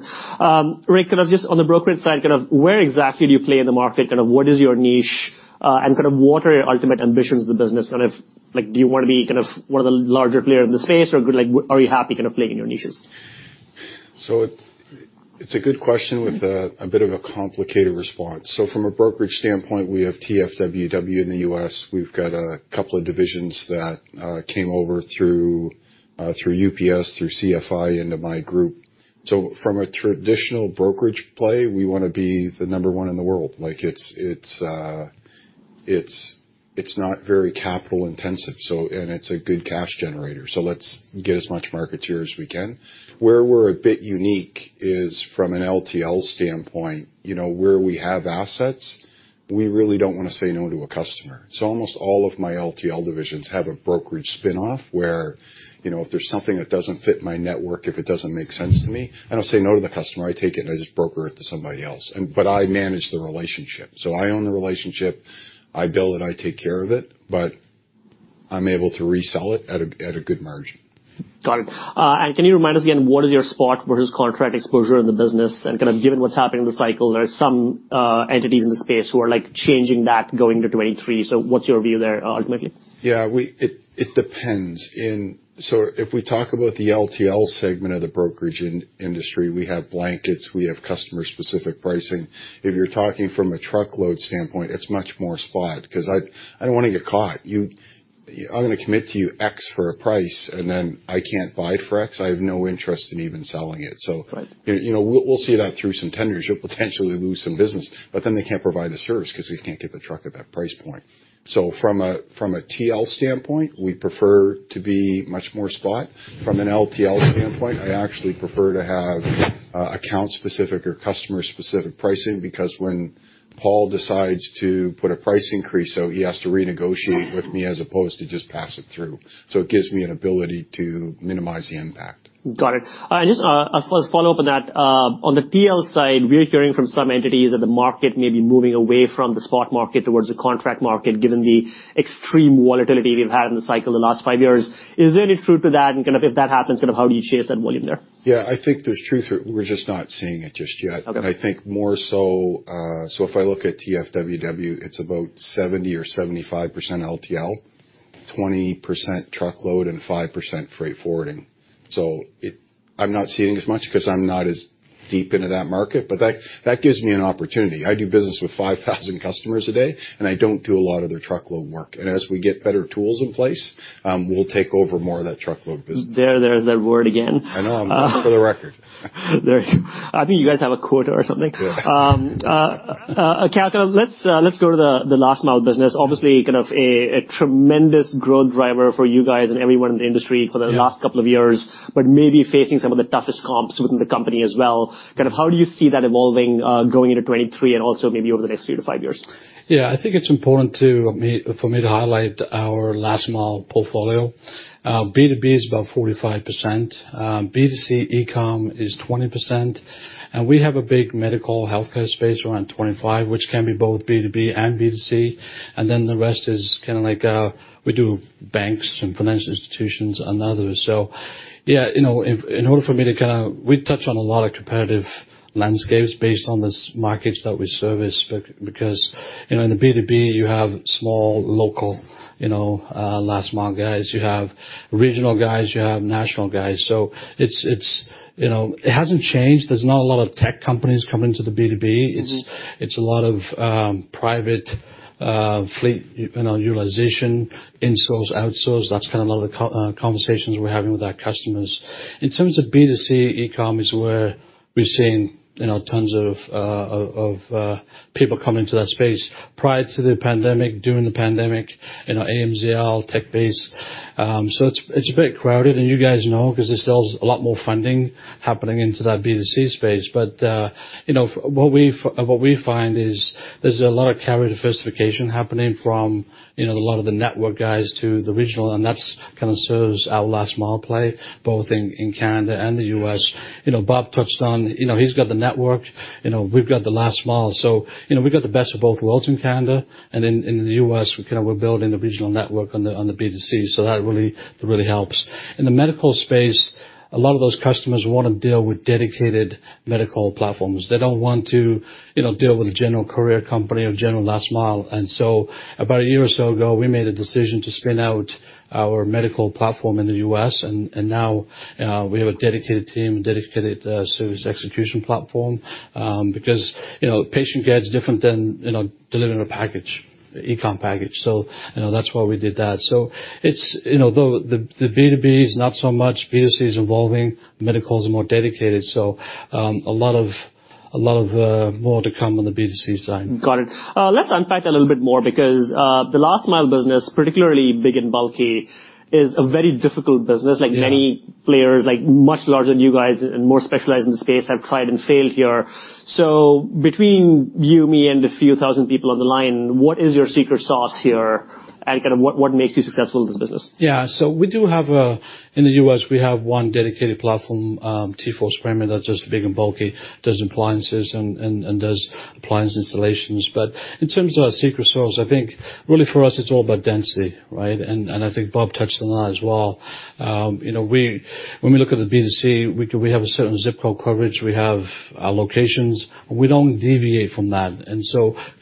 Rick, kind of just on the brokerage side, kind of where exactly do you play in the market? Kind of what is your niche, and kind of what are your ultimate ambitions of the business? Kind of like, do you wanna be kind of one of the larger player in the space, or like, are you happy kind of playing in your niches? It's a good question with a bit of a complicated response. From a brokerage standpoint, we have TFWW in the U.S. We've got a couple of divisions that came over through UPS, through CFI into my group. From a traditional brokerage play, we wanna be the number one in the world. Like, it's not very capital intensive, so and it's a good cash generator. Let's get as much market share as we can. Where we're a bit unique is from an LTL standpoint, you know, where we have assets, we really don't wanna say no to a customer. Almost all of my LTL divisions have a brokerage spinoff, where, you know, if there's something that doesn't fit my network, if it doesn't make sense to me, I don't say no to the customer. I take it, and I just broker it to somebody else. I manage the relationship. I own the relationship, I bill it, I take care of it, but I'm able to resell it at a good margin. Got it. Can you remind us again, what is your spot versus contract exposure in the business? Kind of given what's happening in the cycle, there are some entities in the space who are, like, changing that going to 2023. What's your view there ultimately? It depends on the LTL segment of the brokerage industry. We have blankets. We have customer-specific pricing. If you're talking from a truckload standpoint, it's much more spot 'cause I don't wanna get caught. I'm gonna commit to you X for a price, and then I can't buy it for X. I have no interest in even selling it. Right. You know, we'll see that through some ten years. You'll potentially lose some business, but then they can't provide the service 'cause they can't get the truck at that price point. From a TL standpoint, we prefer to be much more spot. From an LTL standpoint, I actually prefer to have account specific or customer specific pricing because when Paul decides to put a price increase, so he has to renegotiate with me as opposed to just pass it through. It gives me an ability to minimize the impact. Got it. Just a follow-up on that. On the TL side, we're hearing from some entities that the market may be moving away from the spot market towards the contract market, given the extreme volatility we've had in the cycle in the last five years. Is there any truth to that? Kind of if that happens, kind of how do you chase that volume there? Yeah. I think there's truth. We're just not seeing it just yet. Okay. I think more so if I look at TFWW, it's about 70 or 75% LTL, 20% truckload, and 5% freight forwarding. I'm not seeing as much 'cause I'm not as deep into that market. That gives me an opportunity. I do business with 5,000 customers a day, and I don't do a lot of their truckload work. As we get better tools in place, we'll take over more of that truckload business. There, there is that word again. I know. For the record. There. I think you guys have a quota or something. Yeah. Okay. Let's go to the last mile business. Obviously, kind of a tremendous growth driver for you guys and everyone in the industry for the Yeah. Last couple of years, but maybe facing some of the toughest comps within the company as well. Kind of how do you see that evolving, going into 2023 and also maybe over the next three to five years? Yeah. I think it's important for me to highlight our last mile portfolio. B2B is about 45%, B2C e-com is 20%, and we have a big medical healthcare space around 25, which can be both B2B and B2C, and then the rest is kinda like, we do banks and financial institutions and others. Yeah, you know, in order for me to kinda we touch on a lot of competitive landscapes based on these markets that we service because, you know, in the B2B, you have small, local, you know, last mile guys. You have regional guys, you have national guys. It's. You know, it hasn't changed. There's not a lot of tech companies coming to the B2B. Mm-hmm. It's a lot of private fleet, you know, utilization, insource, outsource. That's kind of a lot of the conversations we're having with our customers. In terms of B2C, e-com is where we're seeing, you know, tons of people come into that space. Prior to the pandemic, during the pandemic, you know, AMZL, tech base. So it's a bit crowded, and you guys know 'cause there's still a lot more funding happening into that B2C space. What we find is there's a lot of carrier diversification happening from, you know, a lot of the network guys to the regional, and that's kinda serves our last mile play, both in Canada and the U.S. You know, Bob touched on, you know, he's got the network, you know, we've got the last mile. You know, we've got the best of both worlds in Canada, and in the U.S., we kinda, we're building the regional network on the B2C, so that really helps. In the medical space, a lot of those customers wanna deal with dedicated medical platforms. They don't want to, you know, deal with a general courier company or general last mile. About a year or so ago, we made a decision to spin out our medical platform in the U.S., and now we have a dedicated team, dedicated service execution platform, because, you know, patient care is different than, you know, delivering a package, e-com package. You know, that's why we did that. You know, the B2B is not so much, B2C is evolving, medical is more dedicated. A lot more to come on the B2C side. Got it. Let's unpack a little bit more because, the last mile business, particularly big and bulky, is a very difficult business. Yeah. Like many players, like much larger than you guys and more specialized in the space have tried and failed here. Between you, me, and the few thousand people on the line, what is your secret sauce here? Kind of what makes you successful in this business? Yeah. We do have a... In the U.S., we have one dedicated platform, TForce Freight, and that's just big and bulky. Does appliances and appliance installations. In terms of our secret sauce, I think really for us it's all about density, right? I think Bob touched on that as well. You know, when we look at the B2C, we have a certain zip code coverage. We have our locations. We don't deviate from that.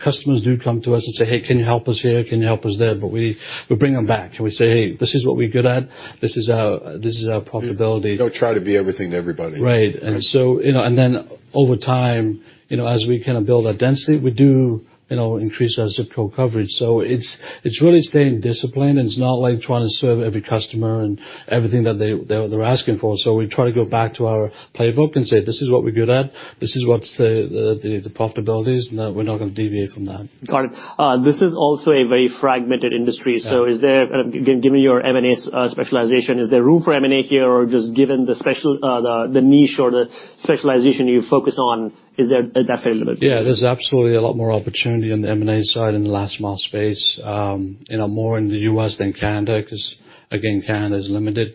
Customers do come to us and say, "Hey, can you help us here? Can you help us there?" We bring them back and we say, "Hey, this is what we're good at. This is our profitability. We don't try to be everything to everybody. Right. Right. you know, and then over time, you know, as we kind of build our density, we do, you know, increase our zip code coverage. It's really staying disciplined, and it's not like trying to serve every customer and everything that they're asking for. We try to go back to our playbook and say, "This is what we're good at. This is what's the profitability is, and we're not gonna deviate from that. Got it. This is also a very fragmented industry. Yeah. Given your M&A specialization, is there room for M&A here? Just given the special, the niche or the specialization you focus on, is there that availability? Yeah. There's absolutely a lot more opportunity on the M&A side in the last mile space. You know, more in the U.S. than Canada 'cause, again, Canada is limited.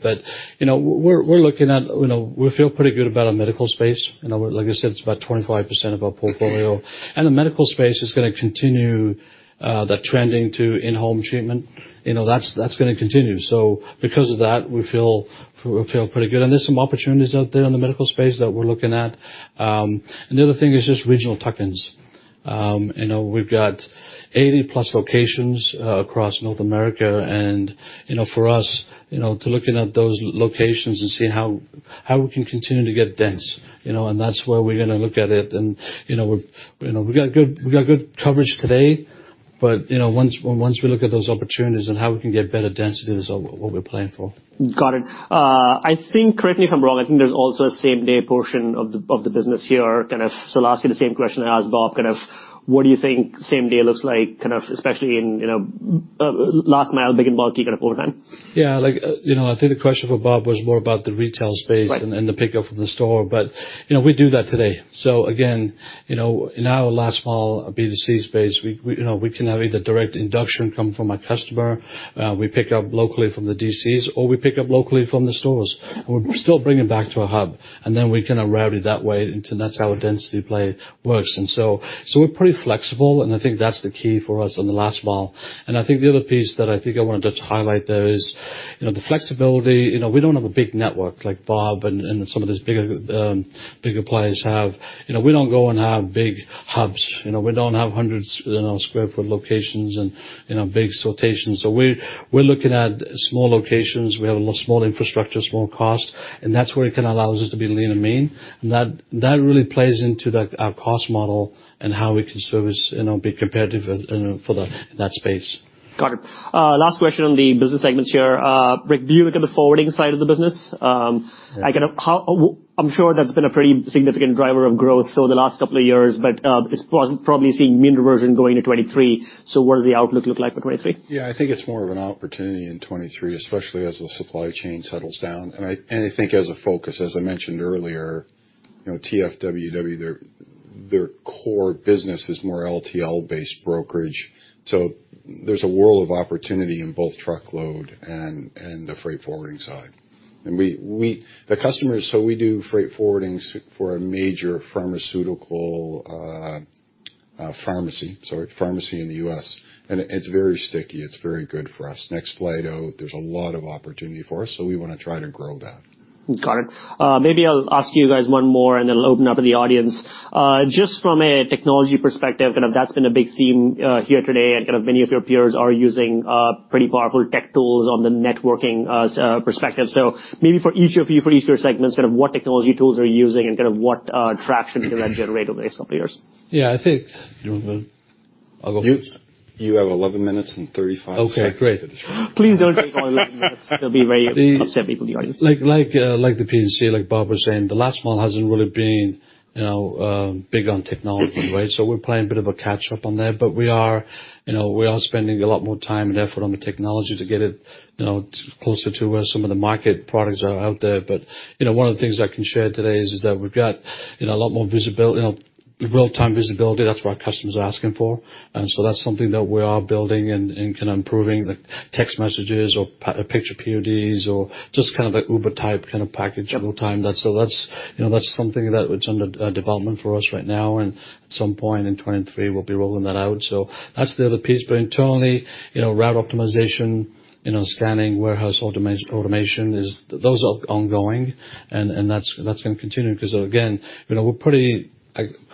You know, we're looking at, you know, we feel pretty good about our medical space. You know, like I said, it's about 25% of our portfolio. Mm-hmm. The medical space is gonna continue the trending to in-home treatment. You know, that's gonna continue. Because of that, we feel pretty good. There's some opportunities out there in the medical space that we're looking at. Another thing is just regional tuck-ins. You know, we've got 80-plus locations across North America and, you know, for us, you know, to looking at those locations and seeing how we can continue to get dense, you know. That's where we're gonna look at it. You know, we're, you know, we've got good coverage today, but, you know, once we look at those opportunities and how we can get better density, that's what we're playing for. Got it. I think, correct me if I'm wrong, I think there's also a same-day portion of the business here, kind of. I'll ask you the same question I asked Bob, kind of what do you think same day looks like, kind of especially in, you know, last mile, big and bulky kind of over time? Yeah. Like, you know, I think the question for Bob was more about the retail space. Right... the pickup from the store. You know, we do that today. Again, you know, in our last mile B2C space, we you know, we can have either direct induction come from a customer, we pick up locally from the DCs or we pick up locally from the stores. Mm-hmm. We still bring it back to a hub, and then we kinda route it that way into. That's how our density play works. We're pretty flexible, and I think that's the key for us on the last mile. I think the other piece that I think I wanted to highlight there is, you know, the flexibility. You know, we don't have a big network like Bob and some of these bigger players have. You know, we don't go and have big hubs. You know, we don't have hundreds, you know, square foot locations and, you know, big sortations. We're looking at small locations. We have a small infrastructure, small cost, and that's where it kinda allows us to be lean and mean. That really plays into our cost model and how we can service, you know, be competitive in, you know, for that space. Got it. Last question on the business segments here. Rick, do you look at the forwarding side of the business? Yeah. I'm sure that's been a pretty significant driver of growth over the last couple of years, but it's probably seeing mean reversion going into 2023. What does the outlook look like for 2023? Yeah. I think it's more of an opportunity in 2023, especially as the supply chain settles down. I think as a focus, as I mentioned earlier, you know, TFWW, their core business is more LTL-based brokerage, so there's a world of opportunity in both truckload and the freight forwarding side. We do freight forwardings for a major pharmacy in the U.S., and it's very sticky. It's very good for us. Next fly out, there's a lot of opportunity for us, so we wanna try to grow that. Got it. Maybe I'll ask you guys one more, and then I'll open up to the audience. Just from a technology perspective, kind of, that's been a big theme here today, and kind of many of your peers are using pretty powerful tech tools on the networking perspective. Maybe for each of you, for each of your segments, kind of what technology tools are you using and kind of what traction did that generate over the next couple of years? Yeah. I think. Do you want to go? I'll go first. You have 11 minutes and 35 seconds. Okay. Great. Please don't take all 11 minutes. That'll be very upset people in the audience. Like the P&C, like Bob was saying, the last mile hasn't really been, you know, big on technology, right? We're playing a bit of a catch-up on that. We are, you know, we are spending a lot more time and effort on the technology to get it, you know, closer to where some of the market products are out there. One of the things I can share today is that we've got, you know, a lot more visibility, you know, real-time visibility. That's what our customers are asking for. That's something that we are building and kind of improving, like text messages or picture PODs or just kind of like Uber type kind of package real-time. Sure. That's something that's under development for us right now, and at some point in 2023, we'll be rolling that out. That's the other piece. Internally, you know, route optimization, you know, scanning, warehouse automation. Those are ongoing, and that's gonna continue. 'Cause again, you know, we're pretty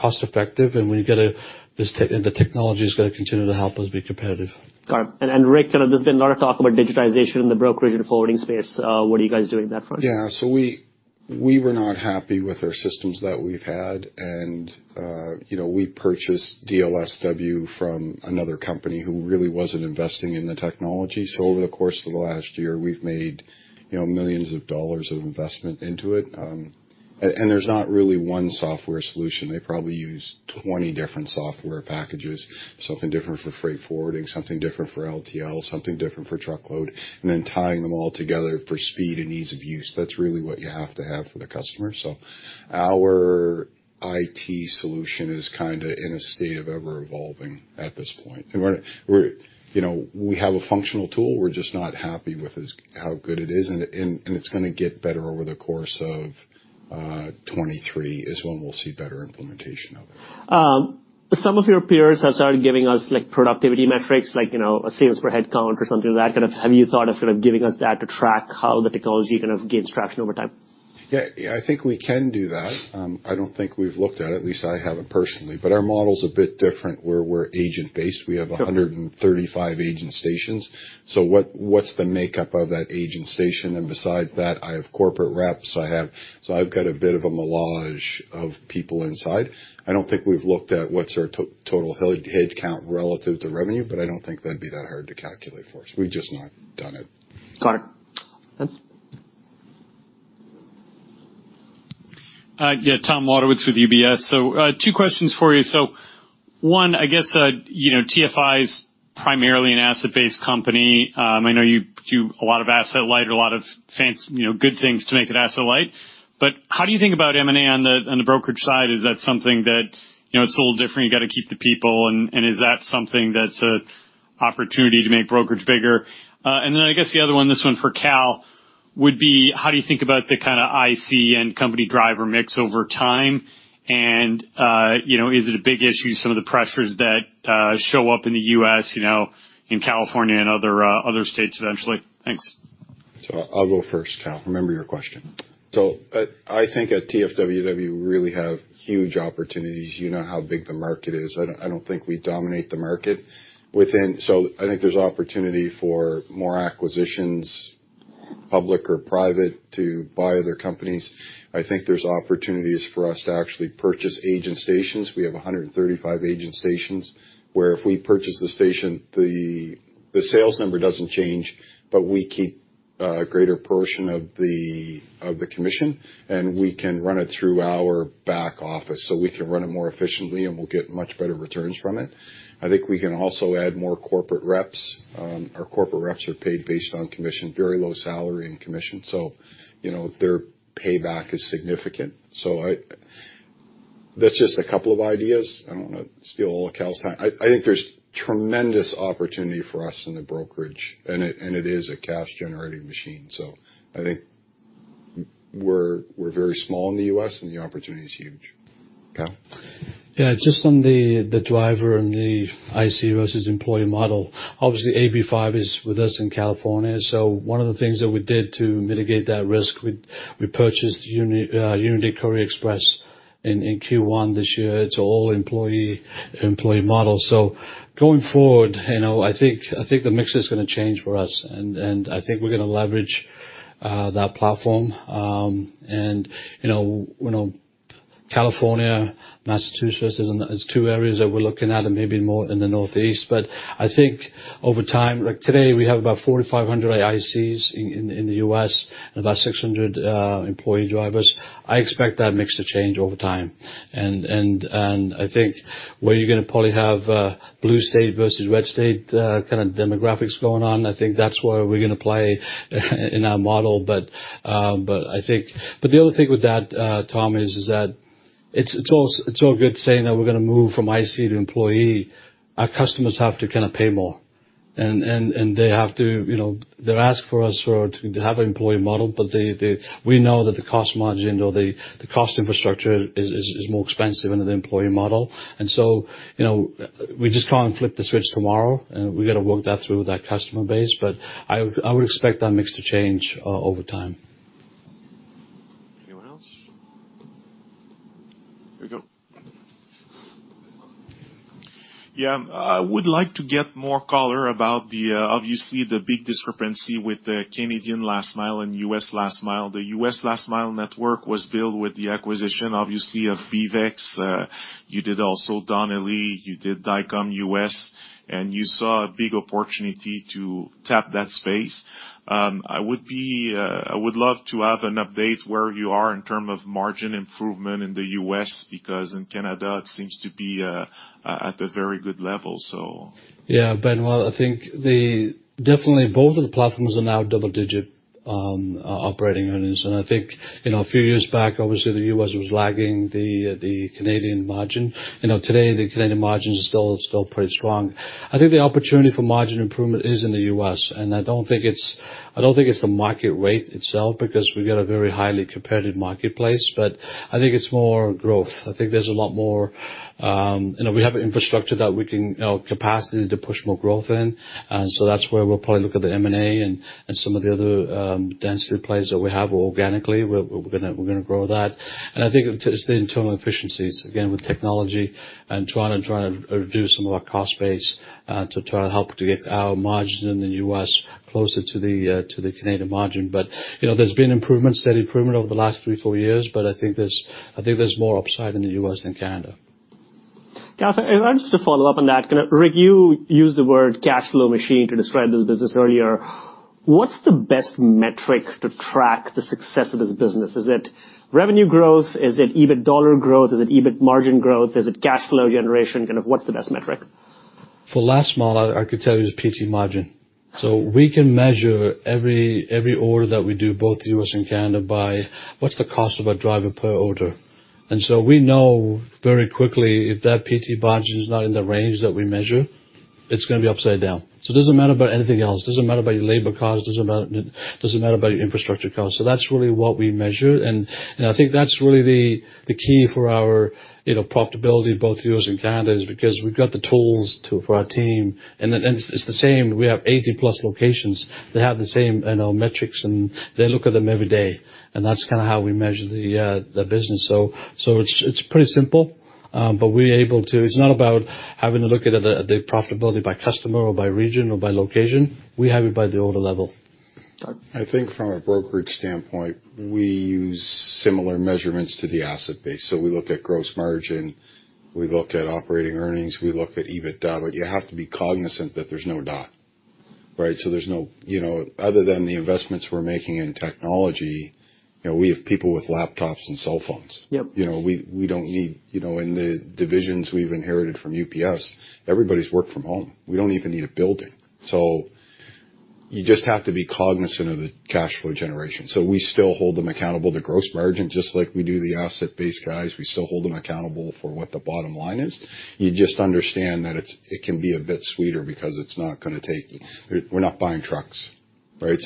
cost effective, and we've got to just. The technology is gonna continue to help us be competitive. Got it. Rick Hashie, kind of there's been a lot of talk about digitization in the brokerage and forwarding space. What are you guys doing in that front? Yeah. We were not happy with our systems that we've had and, you know, we purchased DLS Worldwide from another company who really wasn't investing in the technology. Over the course of the last year, we've made, you know, $ millions of investment into it. And there's not really one software solution. They probably use 20 different software packages, something different for freight forwarding, something different for LTL, something different for truckload, and then tying them all together for speed and ease of use. That's really what you have to have for the customer. Our IT solution is kind of in a state of ever-evolving at this point. You know, we have a functional tool. We're just not happy with how good it is, and it's gonna get better over the course of 2023, which is when we'll see better implementation of it. Some of your peers have started giving us, like, productivity metrics, like, you know, a sales per headcount or something of that kind of. Have you thought of sort of giving us that to track how the technology kind of gains traction over time? Yeah, I think we can do that. I don't think we've looked at it, at least I haven't personally. Our model's a bit different where we're agent-based. Sure. We have 135 agent stations. What, what's the makeup of that agent station? Besides that, I have corporate reps. I've got a bit of a melange of people inside. I don't think we've looked at what's our total head count relative to revenue, but I don't think that'd be that hard to calculate for us. We've just not done it. Got it. Thanks. Yeah, Tom Wadewitz with UBS. Two questions for you. One, I guess, you know, TFI's primarily an asset-based company. I know you do a lot of asset-light, a lot of fancy, you know, good things to make it asset-light. But how do you think about M&A on the brokerage side? Is that something that, you know, it's a little different, you gotta keep the people, and is that something that's an opportunity to make brokerage bigger? And then I guess the other one, this one for Kal, would be, how do you think about the kind of IC and company driver mix over time? You know, is it a big issue, some of the pressures that show up in the U.S., you know, in California and other states eventually? Thanks. I'll go first, Kal. Remember your question. I think at TForce Worldwide, we really have huge opportunities. You know how big the market is. I don't think we dominate the market within. I think there's opportunity for more acquisitions, public or private, to buy other companies. I think there's opportunities for us to actually purchase agent stations. We have 135 agent stations, where if we purchase the station, the sales number doesn't change, but we keep a greater portion of the commission, and we can run it through our back office. We can run it more efficiently, and we'll get much better returns from it. I think we can also add more corporate reps. Our corporate reps are paid based on commission, very low salary and commission, so you know, their payback is significant. I That's just a couple of ideas. I don't wanna steal all of Cal's time. I think there's tremendous opportunity for us in the brokerage, and it is a cash generating machine, so I think we're very small in the U.S., and the opportunity is huge. Cal? Yeah, just on the driver and the IC versus employee model, obviously AB5 is with us in California. One of the things that we did to mitigate that risk, we purchased Unitrans Courier Express in Q1 this year. It's all employee model. Going forward, you know, I think the mix is gonna change for us, and I think we're gonna leverage that platform. You know, California, Massachusetts is two areas that we're looking at and maybe more in the Northeast. I think over time, like today, we have about 4,500 ICs in the U.S. and about 600 employee drivers. I expect that mix to change over time. I think where you're gonna probably have, blue state versus red state, kind of demographics going on, I think that's where we're gonna play in our model. The other thing with that, Tom, is that it's all good saying that we're gonna move from IC to employee. Our customers have to kinda pay more. They have to, you know, they're asking for us for to have an employee model, but they, we know that the cost margin or the cost infrastructure is more expensive under the employee model. You know, we just can't flip the switch tomorrow. We gotta work that through with that customer base. I would expect that mix to change over time. Anyone else? Here we go. Yeah. I would like to get more color about, obviously, the big discrepancy with the Canadian last mile and U.S. last mile. The U.S. last mile network was built with the acquisition, obviously, of BeavEx. You did also Donnelly, you did Dynamex U.S., and you saw a big opportunity to tap that space. I would love to have an update where you are in terms of margin improvement in the U.S., because in Canada, it seems to be at a very good level, so. Yeah, Benoit, well, I think definitely both of the platforms are now double-digit operating earnings. I think, you know, a few years back, obviously the U.S. was lagging the Canadian margin. You know, today, the Canadian margin is still pretty strong. I think the opportunity for margin improvement is in the U.S., and I don't think it's the market rate itself, because we've got a very highly competitive marketplace, but I think it's more growth. I think there's a lot more, you know, we have infrastructure that we can, you know, capacity to push more growth in. So that's where we'll probably look at the M&A and some of the other density plays that we have organically. We're gonna grow that. I think it's the internal efficiencies, again, with technology and trying to reduce some of our cost base to try to help to get our margins in the U.S. Closer to the Canadian margin. You know, there's been improvements, steady improvement over the last three, four years, but I think there's more upside in the U.S. than Canada. Calvin, just to follow up on that. Kind of, Rick, you used the word cash flow machine to describe this business earlier. What's the best metric to track the success of this business? Is it revenue growth? Is it EBIT dollar growth? Is it EBIT margin growth? Is it cash flow generation? Kind of, what's the best metric? For Last Mile, I could tell you the profit margin. We can measure every order that we do, both U.S. and Canada, by what's the cost of a driver per order. We know very quickly, if that profit margin is not in the range that we measure, it's going to be upside down. It doesn't matter about anything else. Doesn't matter about your labor costs, doesn't matter about your infrastructure costs. That's really what we measure. I think that's really the key for our, you know, profitability in both U.S. and Canada is because we've got the tools for our team, and then it's the same. We have 80+ locations. They have the same, you know, metrics, and they look at them every day. That's kind of how we measure the business. It's pretty simple. It's not about having to look at the profitability by customer or by region or by location. We have it by the order level. Got it. I think from a brokerage standpoint, we use similar measurements to the asset base. We look at gross margin, we look at operating earnings, we look at EBITDA. You have to be cognizant that there's no debt, right? There's no, you know, other than the investments we're making in technology, you know, we have people with laptops and cell phones. Yep. You know, we don't need, you know, in the divisions we've inherited from UPS, everybody's worked from home. We don't even need a building. You just have to be cognizant of the cash flow generation. We still hold them accountable to gross margin, just like we do the asset base guys. We still hold them accountable for what the bottom line is. You just understand that it's it can be a bit sweeter because it's not going to take, we're not buying trucks, right?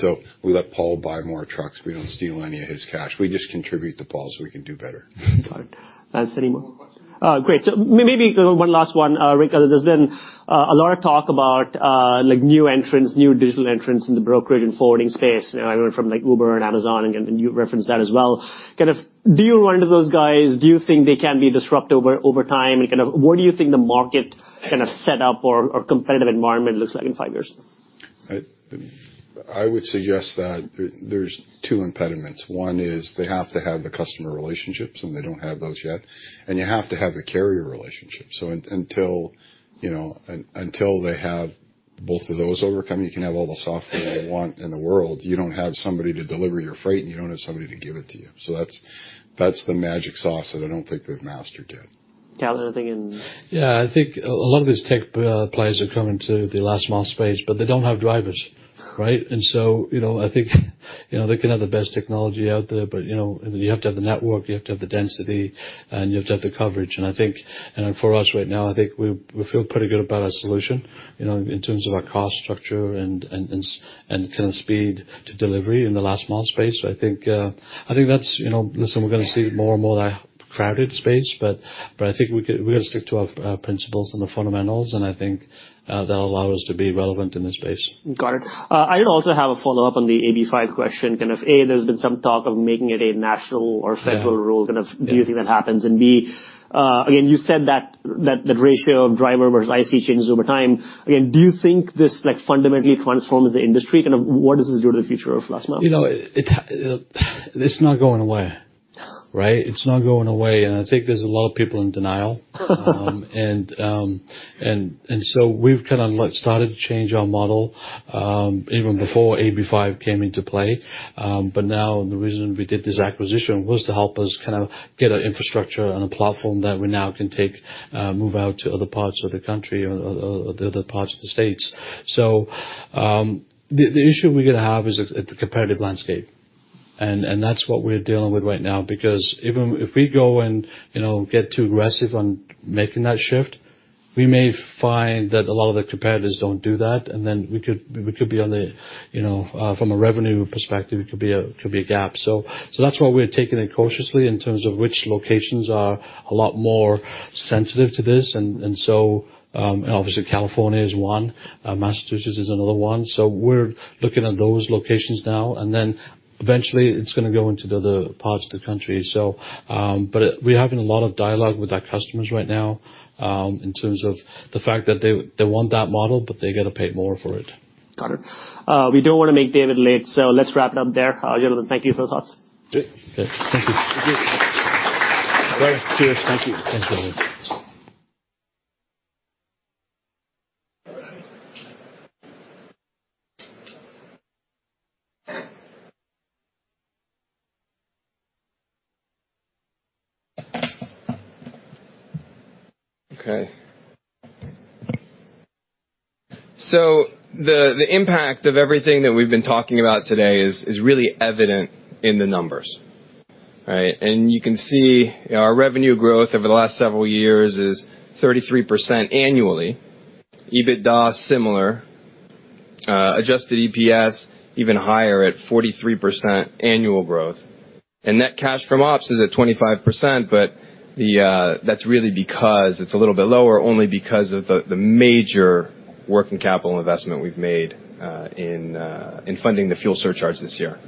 We let Paul buy more trucks. We don't steal any of his cash. We just contribute to Paul so we can do better. Got it. Thanks. Any more? One more question. Oh, great. Maybe one last one. Rick, there's been a lot of talk about like new entrants, new digital entrants in the brokerage and forwarding space. You know, anywhere from like Uber and Amazon, and you referenced that as well. Kind of do you run into those guys? Do you think they can be disruptive over time? Kind of where do you think the market kind of set up or competitive environment looks like in five years? I would suggest that there's two impediments. One is they have to have the customer relationships, and they don't have those yet. You have to have the carrier relationships. Until, you know, until they have both of those overcome, you can have all the software you want in the world, you don't have somebody to deliver your freight, and you don't have somebody to give it to you. That's the magic sauce that I don't think they've mastered yet. Kal, anything in- Yeah, I think a lot of these tech players are coming to the last mile space, but they don't have drivers, right? You know, I think, you know, they can have the best technology out there, but, you know, you have to have the network, you have to have the density, and you have to have the coverage. I think, you know, for us right now, I think we feel pretty good about our solution, you know, in terms of our cost structure and kind of speed to delivery in the last mile space. I think that's, you know, listen, we're going to see more and more of that crowded space, but I think we can. We're going to stick to our principles and the fundamentals, and I think that'll allow us to be relevant in this space. Got it. I also have a follow-up on the AB5 question. There's been some talk of making it a national or federal rule. Yeah. Kind of do you think that happens? B, again, you said that ratio of driver versus IC changes over time. Again, do you think this, like, fundamentally transforms the industry? Kind of what does this do to the future of last mile? You know, it's not going away, right? It's not going away. I think there's a lot of people in denial. We've kind of like started to change our model, even before AB5 came into play. Now the reason we did this acquisition was to help us kind of get an infrastructure and a platform that we now can take, move out to other parts of the country or the other parts of the States. The issue we're gonna have is the competitive landscape, and that's what we're dealing with right now. Because even if we go and, you know, get too aggressive on making that shift, we may find that a lot of the competitors don't do that. We could be on the, you know, from a revenue perspective, it could be a gap. That's why we're taking it cautiously in terms of which locations are a lot more sensitive to this. Obviously California is one, Massachusetts is another one. We're looking at those locations now and then eventually it's going to go into the other parts of the country. But we're having a lot of dialogue with our customers right now in terms of the fact that they want that model, but they got to pay more for it. Got it. We don't want to make David late, so let's wrap it up there. Gentlemen, thank you for those thoughts. Great. Thank you. Thank you. Thank you. Thank you. Okay. The impact of everything that we've been talking about today is really evident in the numbers, right? You can see our revenue growth over the last several years is 33% annually. EBITDA, similar. Adjusted EPS even higher at 43% annual growth. Net cash from ops is at 25%, but that's really because it's a little bit lower, only because of the major working capital investment we've made in funding the fuel surcharge this year.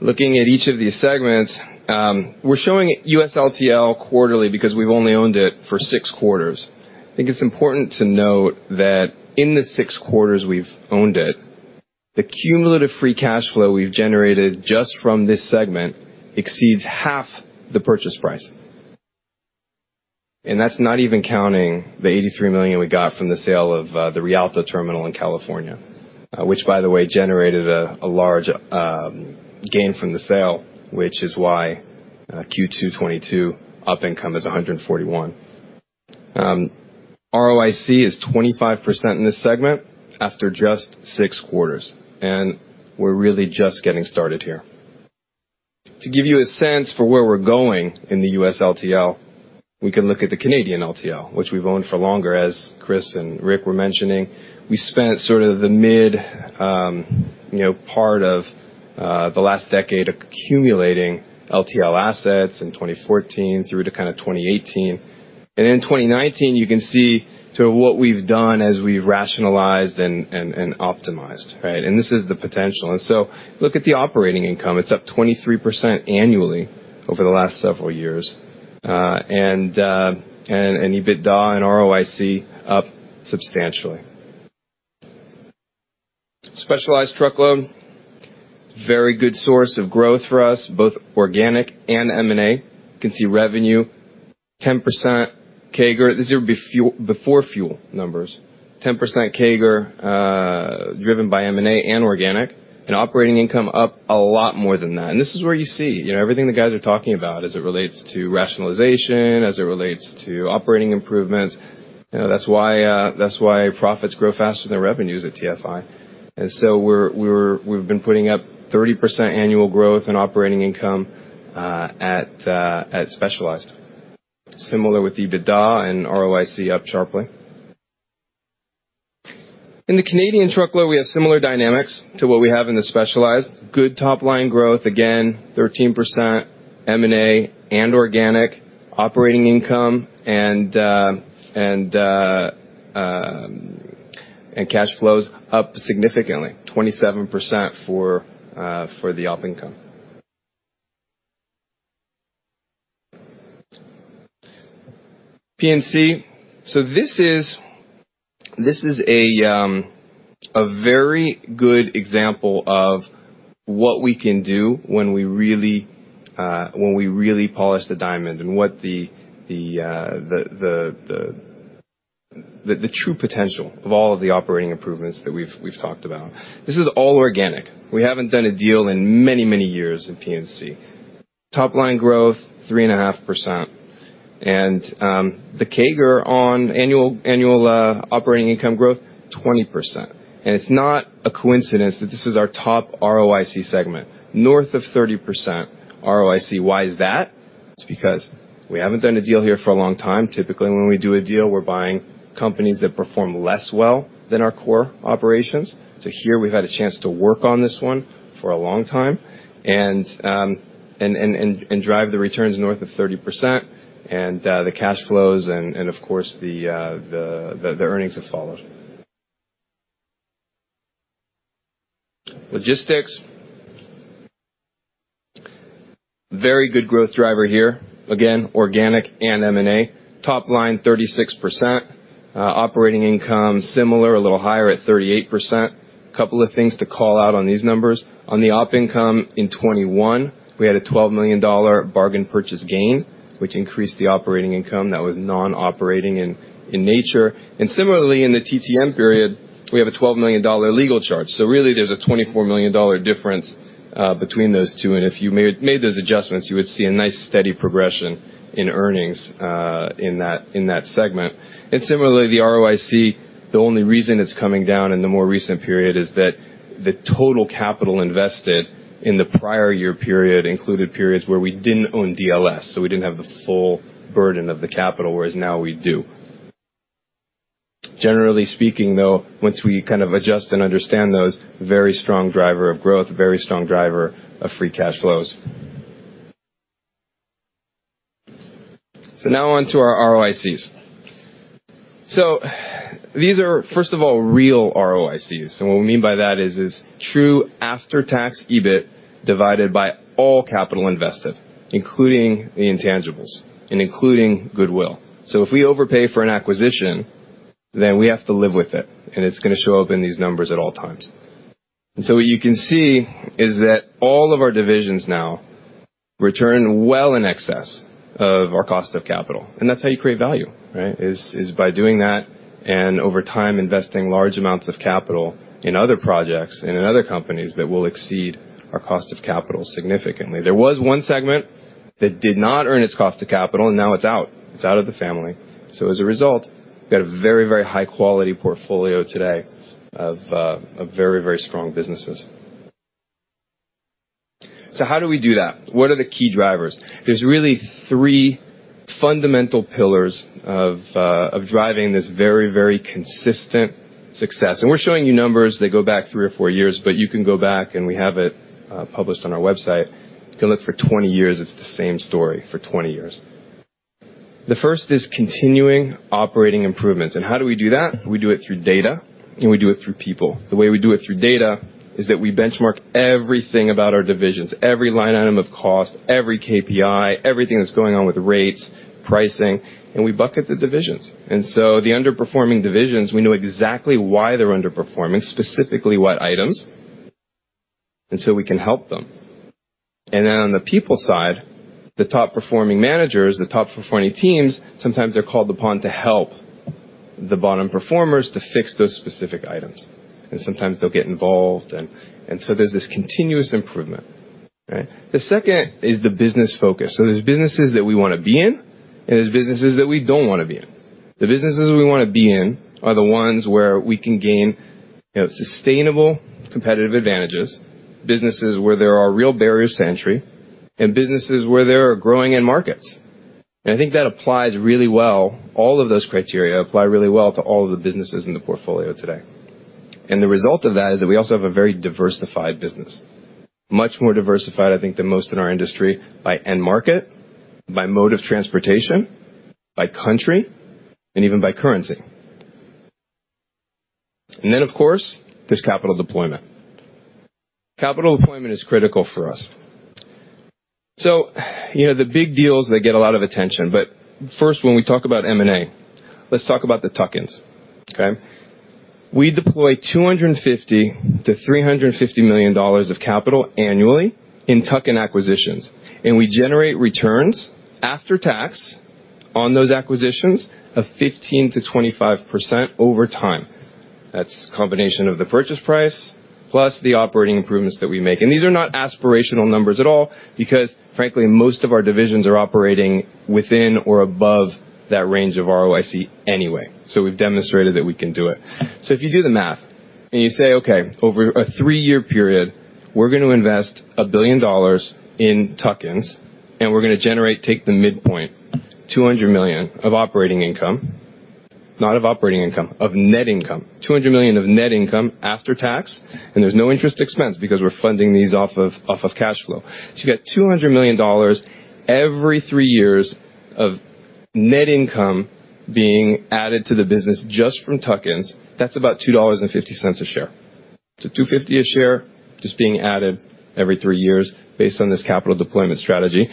Looking at each of these segments, we're showing U.S. LTL quarterly because we've only owned it for six quarters. I think it's important to note that in the six quarters we've owned it The cumulative free cash flow we've generated just from this segment exceeds half the purchase price. That's not even counting the $83 million we got from the sale of the Rialto terminal in California, which, by the way, generated a large gain from the sale, which is why Q2 2022 op income is $141 million. ROIC is 25% in this segment after just six quarters, and we're really just getting started here. To give you a sense for where we're going in the U.S. LTL, we can look at the Canadian LTL, which we've owned for longer, as Chris and Rick were mentioning. We spent sort of the mid you know part of the last decade accumulating LTL assets in 2014 through to kinda 2018. In 2019, you can see sort of what we've done as we rationalized and optimized, right? This is the potential. Look at the operating income. It's up 23% annually over the last several years. EBITDA and ROIC up substantially. Specialized Truckload, very good source of growth for us, both organic and M&A. You can see revenue, 10% CAGR. These are before fuel numbers. 10% CAGR, driven by M&A and organic. Operating income up a lot more than that. This is where you see, you know, everything the guys are talking about as it relates to rationalization, as it relates to operating improvements. You know, that's why profits grow faster than revenues at TFI. We've been putting up 30% annual growth in operating income at Specialized. Similar with the EBITDA and ROIC up sharply. In the Canadian Truckload, we have similar dynamics to what we have in the Specialized. Good top-line growth, again, 13% M&A and organic operating income, and cash flows up significantly, 27% for the operating income. P&C. This is a very good example of what we can do when we polish the diamond and what the true potential of all of the operating improvements that we've talked about. This is all organic. We haven't done a deal in many years in P&C. Top line growth, 3.5%. The CAGR on annual operating income growth, 20%. It's not a coincidence that this is our top ROIC segment, north of 30% ROIC. Why is that? It's because we haven't done a deal here for a long time. Typically, when we do a deal, we're buying companies that perform less well than our core operations. Here we've had a chance to work on this one for a long time and drive the returns north of 30%, and the cash flows and of course, the earnings have followed. Logistics. Very good growth driver here. Again, organic and M&A. Top line, 36%. Operating income, similar, a little higher at 38%. Couple of things to call out on these numbers. On the operating income in 2021, we had a $12 million bargain purchase gain, which increased the operating income that was non-operating in nature. Similarly, in the TTM period, we have a $12 million legal charge. Really there's a $24 million difference between those two. If you made those adjustments, you would see a nice steady progression in earnings in that segment. Similarly, the ROIC, the only reason it's coming down in the more recent period is that the total capital invested in the prior year period included periods where we didn't own DLS, so we didn't have the full burden of the capital, whereas now we do. Generally speaking, though, once we kind of adjust and understand those, very strong driver of growth, very strong driver of free cash flows. Now on to our ROICs. These are, first of all, real ROICs. What we mean by that is true after-tax EBIT divided by all capital invested, including the intangibles and including goodwill. If we overpay for an acquisition, then we have to live with it, and it's gonna show up in these numbers at all times. What you can see is that all of our divisions now return well in excess of our cost of capital. That's how you create value, right? By doing that and over time investing large amounts of capital in other projects and in other companies that will exceed our cost of capital significantly. There was one segment that did not earn its cost of capital, and now it's out. It's out of the family. As a result, we've got a very, very high-quality portfolio today of very, very strong businesses. How do we do that? What are the key drivers? There's really three fundamental pillars of driving this very, very consistent success. We're showing you numbers that go back three or four years, but you can go back, and we have it published on our website. You can look for 20 years. It's the same story for 20 years. The first is continuing operating improvements. How do we do that? We do it through data, and we do it through people. The way we do it through data is that we benchmark everything about our divisions, every line item of cost, every KPI, everything that's going on with rates, pricing, and we bucket the divisions. The underperforming divisions, we know exactly why they're underperforming, specifically what items. We can help them. On the people side, the top performing managers, the top performing teams, sometimes they're called upon to help the bottom performers to fix those specific items. Sometimes they'll get involved and so there's this continuous improvement, right? The second is the business focus. There's businesses that we wanna be in, and there's businesses that we don't wanna be in. The businesses we wanna be in are the ones where we can gain, you know, sustainable competitive advantages, businesses where there are real barriers to entry, and businesses where there are growing end markets. I think that applies really well. All of those criteria apply really well to all of the businesses in the portfolio today. The result of that is that we also have a very diversified business. Much more diversified, I think, than most in our industry by end market, by mode of transportation, by country, and even by currency. Then, of course, there's capital deployment. Capital deployment is critical for us. You know, the big deals they get a lot of attention. First, when we talk about M&A, let's talk about the tuck-ins, okay? We deploy $250 million-$350 million of capital annually in tuck-in acquisitions, and we generate returns after tax on those acquisitions of 15%-25% over time. That's a combination of the purchase price plus the operating improvements that we make. These are not aspirational numbers at all because, frankly, most of our divisions are operating within or above that range of ROIC anyway. We've demonstrated that we can do it. If you do the math and you say, "Okay, over a three-year period, we're gonna invest $1 billion in tuck-ins, and we're gonna generate, take the midpoint, $200 million of operating income." Not of operating income, of net income. $200 million of net income after tax, and there's no interest expense because we're funding these off of cash flow. You get $200 million every three years of net income being added to the business just from tuck-ins. That's about $2.50 a share. $2.50 a share just being added every three years based on this capital deployment strategy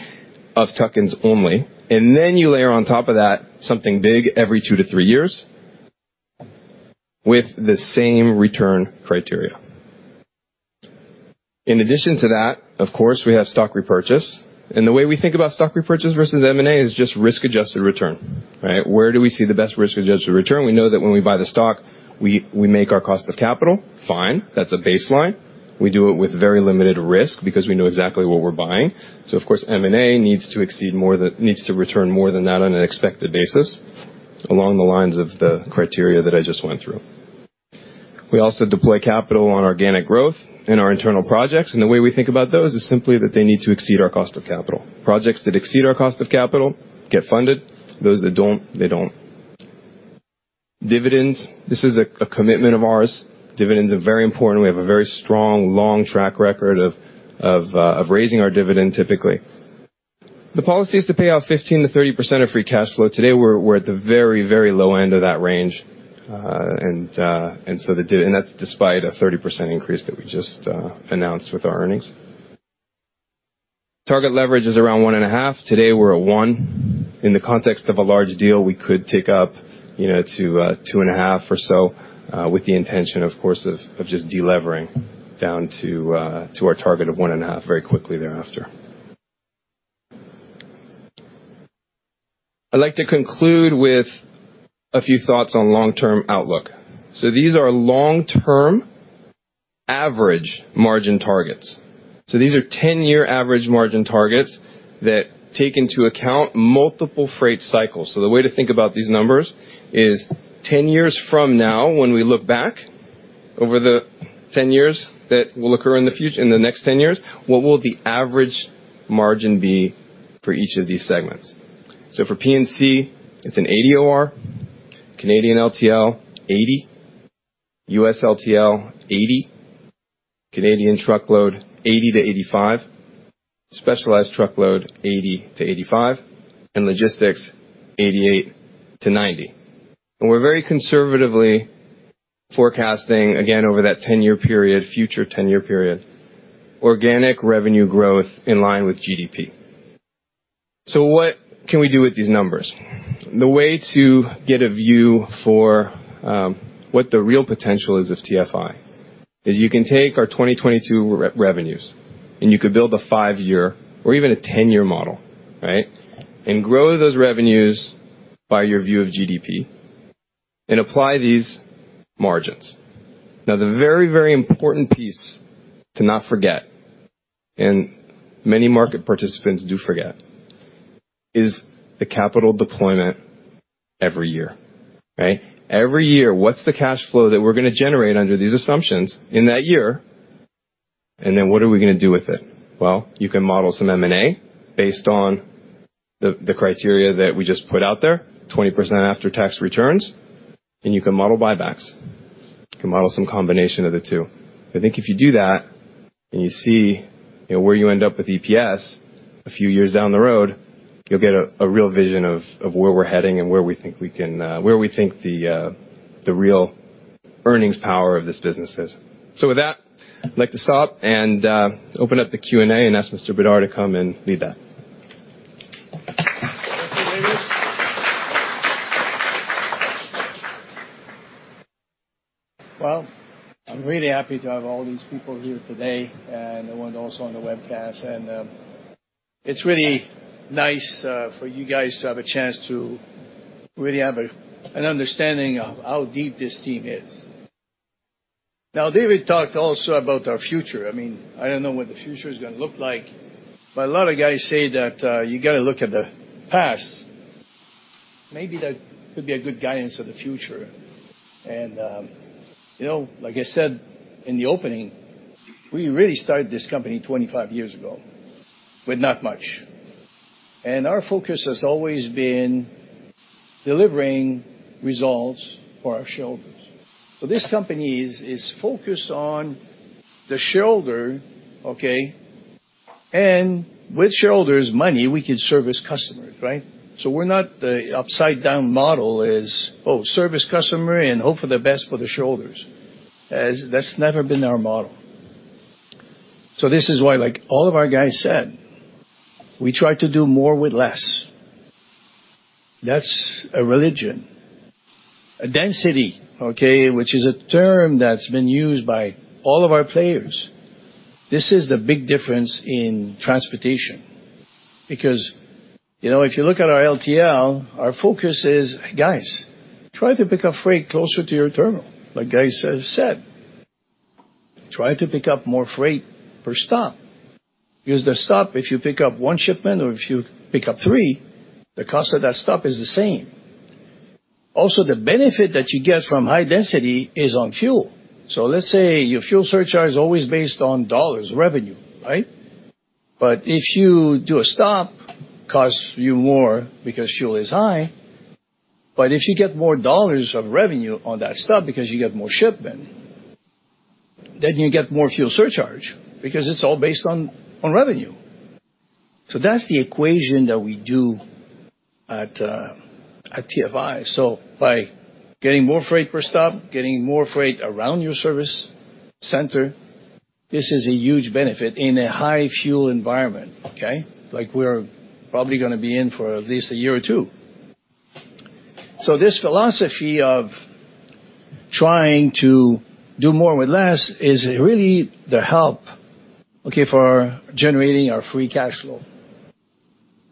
of tuck-ins only. Then you layer on top of that something big every two to three years with the same return criteria. In addition to that, of course, we have stock repurchase. The way we think about stock repurchase versus M&A is just risk-adjusted return, right? Where do we see the best risk-adjusted return? We know that when we buy the stock, we make our cost of capital. Fine, that's a baseline. We do it with very limited risk because we know exactly what we're buying. Of course, M&A needs to return more than that on an expected basis along the lines of the criteria that I just went through. We also deploy capital on organic growth in our internal projects, and the way we think about those is simply that they need to exceed our cost of capital. Projects that exceed our cost of capital get funded. Those that don't, they don't. Dividends, this is a commitment of ours. Dividends are very important. We have a very strong, long track record of raising our dividend typically. The policy is to pay out 15%-30% of free cash flow. Today, we're at the very low end of that range. That's despite a 30% increase that we just announced with our earnings. Target leverage is around 1.5. Today, we're at one. In the context of a large deal, we could tick up to 2.5 or so with the intention, of course, of just delevering down to our target of 1.5 very quickly thereafter. I'd like to conclude with a few thoughts on long-term outlook. These are long-term average margin targets. These are 10-year average margin targets that take into account multiple freight cycles. The way to think about these numbers is 10 years from now, when we look back over the 10 years that will occur in the next 10 years, what will the average margin be for each of these segments? For P&C, it's an 80 OR. Canadian LTL, 80. U.S. LTL, 80. Canadian truckload, 80-85. Specialized truckload, 80-85. And logistics, 88-90. We're very conservatively forecasting, again, over that 10-year period, future 10-year period, organic revenue growth in line with GDP. What can we do with these numbers? The way to get a view for what the real potential is of TFI is you can take our 2022 revenues, and you could build a five-year or even a 10-year model, right? Grow those revenues by your view of GDP and apply these margins. Now, the very, very important piece to not forget, and many market participants do forget, is the capital deployment every year, right? Every year, what's the cash flow that we're gonna generate under these assumptions in that year, and then what are we gonna do with it? Well, you can model some M&A based on the criteria that we just put out there, 20% after-tax returns, and you can model buybacks. You can model some combination of the two. I think if you do that and you see, you know, where you end up with EPS a few years down the road, you'll get a real vision of where we're heading and where we think we can, where we think the real earnings power of this business is. With that, I'd like to stop and open up the Q&A and ask Mr. Bédard to come and lead that. Well, I'm really happy to have all these people here today, and the ones also on the webcast. It's really nice for you guys to have a chance to really have a, an understanding of how deep this team is. Now, David talked also about our future. I mean, I don't know what the future is gonna look like, but a lot of guys say that you gotta look at the past. Maybe that could be a good guidance for the future. You know, like I said in the opening, we really started this company 25 years ago with not much, and our focus has always been delivering results for our shareholders. This company is focused on the shareholder, okay? With shareholders money, we can service customers, right? We're not the upside-down model as opposed to servicing the customer and hope for the best for the shareholders. That's never been our model. This is why, like all of our guys said, we try to do more with less. That's a religion. Density, okay, which is a term that's been used by all of our players. This is the big difference in transportation because, you know, if you look at our LTL, our focus is, guys, try to pick up freight closer to your terminal, like guys have said. Try to pick up more freight per stop. Because the stop, if you pick up one shipment or if you pick up three, the cost of that stop is the same. Also, the benefit that you get from high density is on fuel. Let's say your fuel surcharge is always based on dollars revenue, right? If you do a stop, costs you more because fuel is high. If you get more dollars of revenue on that stop because you get more shipment, then you get more fuel surcharge because it's all based on revenue. That's the equation that we do at TFI. By getting more freight per stop, getting more freight around your service center, this is a huge benefit in a high fuel environment, okay? Like we're probably gonna be in for at least a year or two. This philosophy of trying to do more with less is really the help, okay, for generating our free cash flow.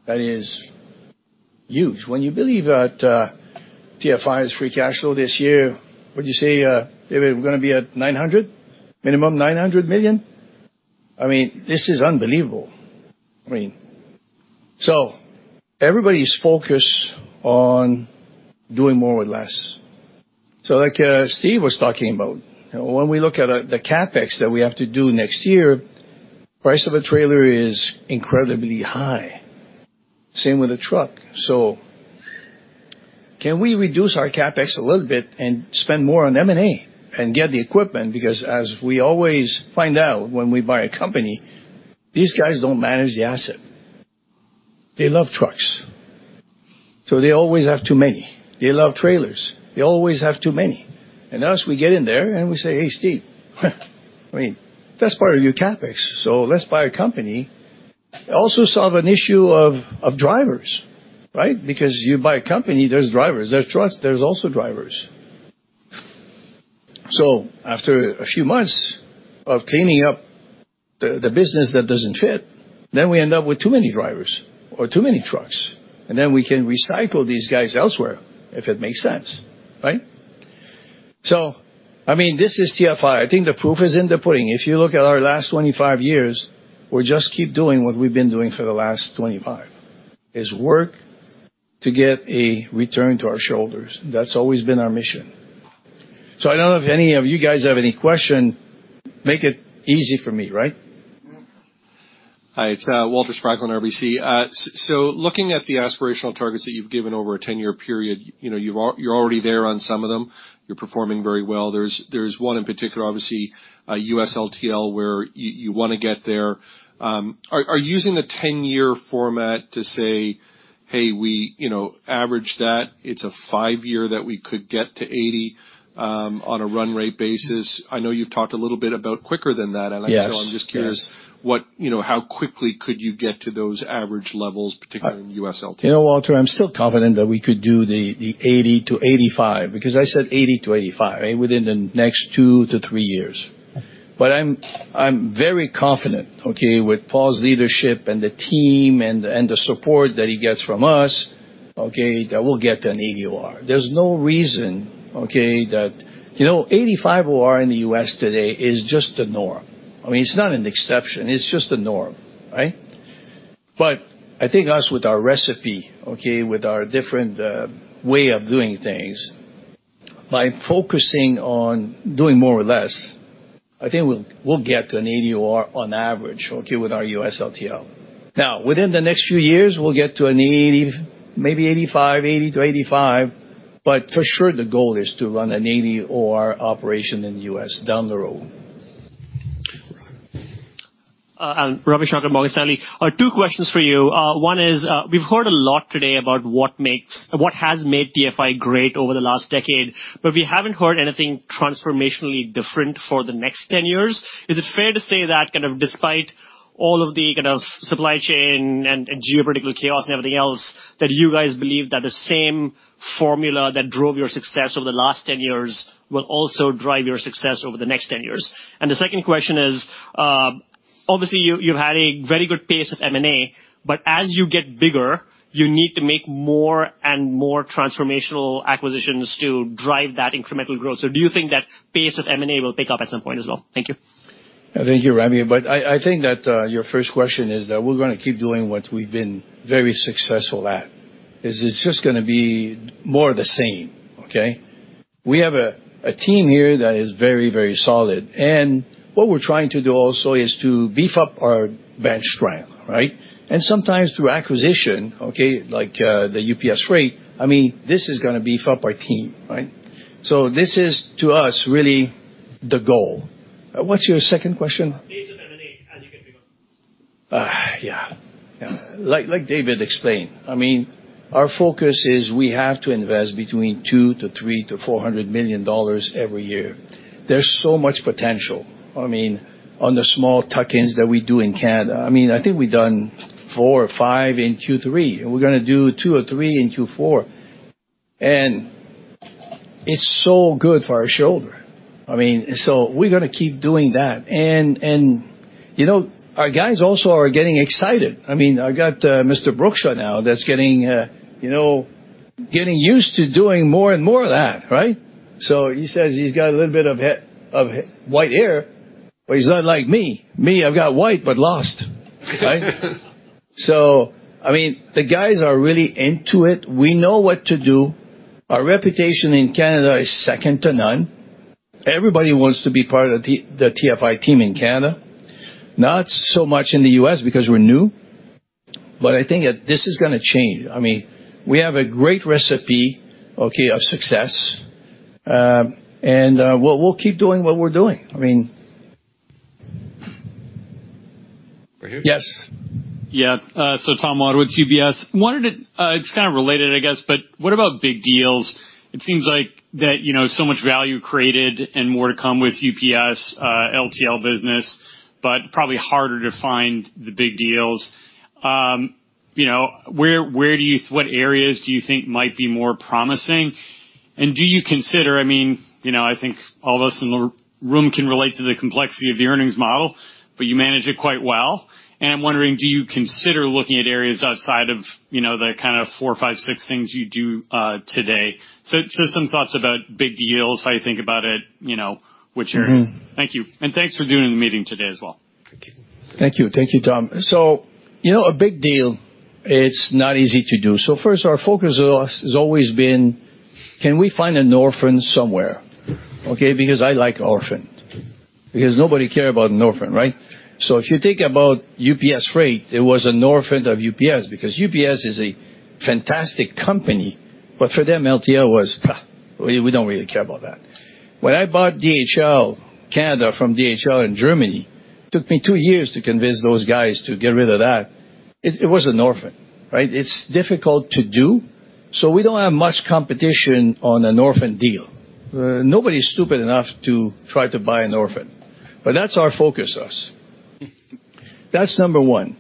That is huge. When you believe that, TFI's free cash flow this year, what'd you say, David, we're gonna be at 900? Minimum $900 million. I mean, this is unbelievable. Everybody's focused on doing more with less. Like, Steve was talking about, when we look at the CapEx that we have to do next year, price of a trailer is incredibly high. Same with a truck. Can we reduce our CapEx a little bit and spend more on M&A and get the equipment? Because as we always find out when we buy a company, these guys don't manage the asset. They love trucks, so they always have too many. They love trailers, they always have too many. And us, we get in there and we say, "Hey, Steve, I mean, that's part of your CapEx, so let's buy a company." Also solve an issue of drivers, right? Because you buy a company, there's drivers. There's trucks, there's also drivers. After a few months of cleaning up the business that doesn't fit, then we end up with too many drivers or too many trucks, and then we can recycle these guys elsewhere if it makes sense, right? I mean, this is TFI. I think the proof is in the pudding. If you look at our last 25 years, we just keep doing what we've been doing for the last 25, is work to get a return to our shareholders. That's always been our mission. I don't know if any of you guys have any question. Make it easy for me, right. Hi, it's Walter Spracklin on RBC. Looking at the aspirational targets that you've given over a ten-year period, you know, you're already there on some of them. You're performing very well. There's one in particular, obviously, U.S. LTL, where you wanna get there. Are you using the 10-year format to say, hey, we, you know, average that, it's a five-year that we could get to 80% on a run rate basis. I know you've talked a little bit about quicker than that. Yes. I'm just curious what, you know, how quickly could you get to those average levels, particularly in U.S. LTL? You know, Walter, I'm still confident that we could do the 80%-85%, because I said 80%-85%, right, within the next two to three years. I'm very confident, okay, with Paul's leadership and the team and the support that he gets from us, okay, that we'll get an 80% OR. There's no reason, okay, that. You know, 85% OR in the U.S. today is just the norm. I mean, it's not an exception, it's just the norm, right? I think us with our recipe, okay, with our different way of doing things, by focusing on doing more with less, I think we'll get to an 80% OR on average, okay, with our U.S. LTL. Now, within the next few years, we'll get to 80%-85%, but for sure, the goal is to run an 80% OR operation in the U.S. down the road. Ravi Shanker, Morgan Stanley. Two questions for you. One is, we've heard a lot today about what has made TFI great over the last decade, but we haven't heard anything transformationally different for the next ten years. Is it fair to say that kind of despite all of the kind of supply chain and geopolitical chaos and everything else, that you guys believe that the same formula that drove your success over the last ten years will also drive your success over the next ten years? The second question is, obviously, you've had a very good pace of M&A, but as you get bigger, you need to make more and more transformational acquisitions to drive that incremental growth. Do you think that pace of M&A will pick up at some point as well? Thank you. Thank you, Ravi. I think that your first question is that we're gonna keep doing what we've been very successful at, is it's just gonna be more of the same. Okay? We have a team here that is very solid. What we're trying to do also is to beef up our bench strength, right? Sometimes through acquisition, okay, like, the UPS Freight, I mean, this is gonna beef up our team, right? This is, to us, really the goal. What's your second question? Pace of M&A as you get bigger. Like David explained, I mean, our focus is we have to invest between $200-$400 million every year. There's so much potential, I mean, on the small tuck-ins that we do in Canada. I mean, I think we've done four or five in Q3. We're gonna do twp two or three in Q4. It's so good for our shareholders. I mean, we're gonna keep doing that. You know, our guys also are getting excited. I mean, I've got Mr. Brookshaw now that's getting used to doing more and more of that, right? He says he's got a little bit of white hair, but he's not like me. Me, I've got white, but lost. Right? I mean, the guys are really into it. We know what to do. Our reputation in Canada is second to none. Everybody wants to be part of the TFI team in Canada, not so much in the U.S. because we're new. I think that this is gonna change. I mean, we have a great recipe, okay, of success, and we'll keep doing what we're doing. I mean. Right here. Yes. Yeah. Tom Wadewitz, UBS. Wondered, it's kind of related, I guess, but what about big deals? It seems like that, you know, so much value created and more to come with UPS LTL business, but probably harder to find the big deals. You know, what areas do you think might be more promising? Do you consider, I mean, you know, I think all of us in the room can relate to the complexity of the earnings model, but you manage it quite well. I'm wondering, do you consider looking at areas outside of, you know, the kinda four, five, six things you do today? Some thoughts about big deals, how you think about it, you know, which areas. Thank you. Thanks for doing the meeting today as well. Thank you. Thank you, Tom. You know, a big deal, it's not easy to do. First, our focus has always been, can we find an orphan somewhere? Okay, because I like orphan. Because nobody care about an orphan, right? If you think about UPS Freight, it was an orphan of UPS, because UPS is a fantastic company, but for them, LTL was, "We don't really care about that." When I bought DHL Canada from DHL in Germany, took me two years to convince those guys to get rid of that. It was an orphan, right? It's difficult to do, so we don't have much competition on an orphan deal. Nobody's stupid enough to try to buy an orphan. That's our focus. That's number one.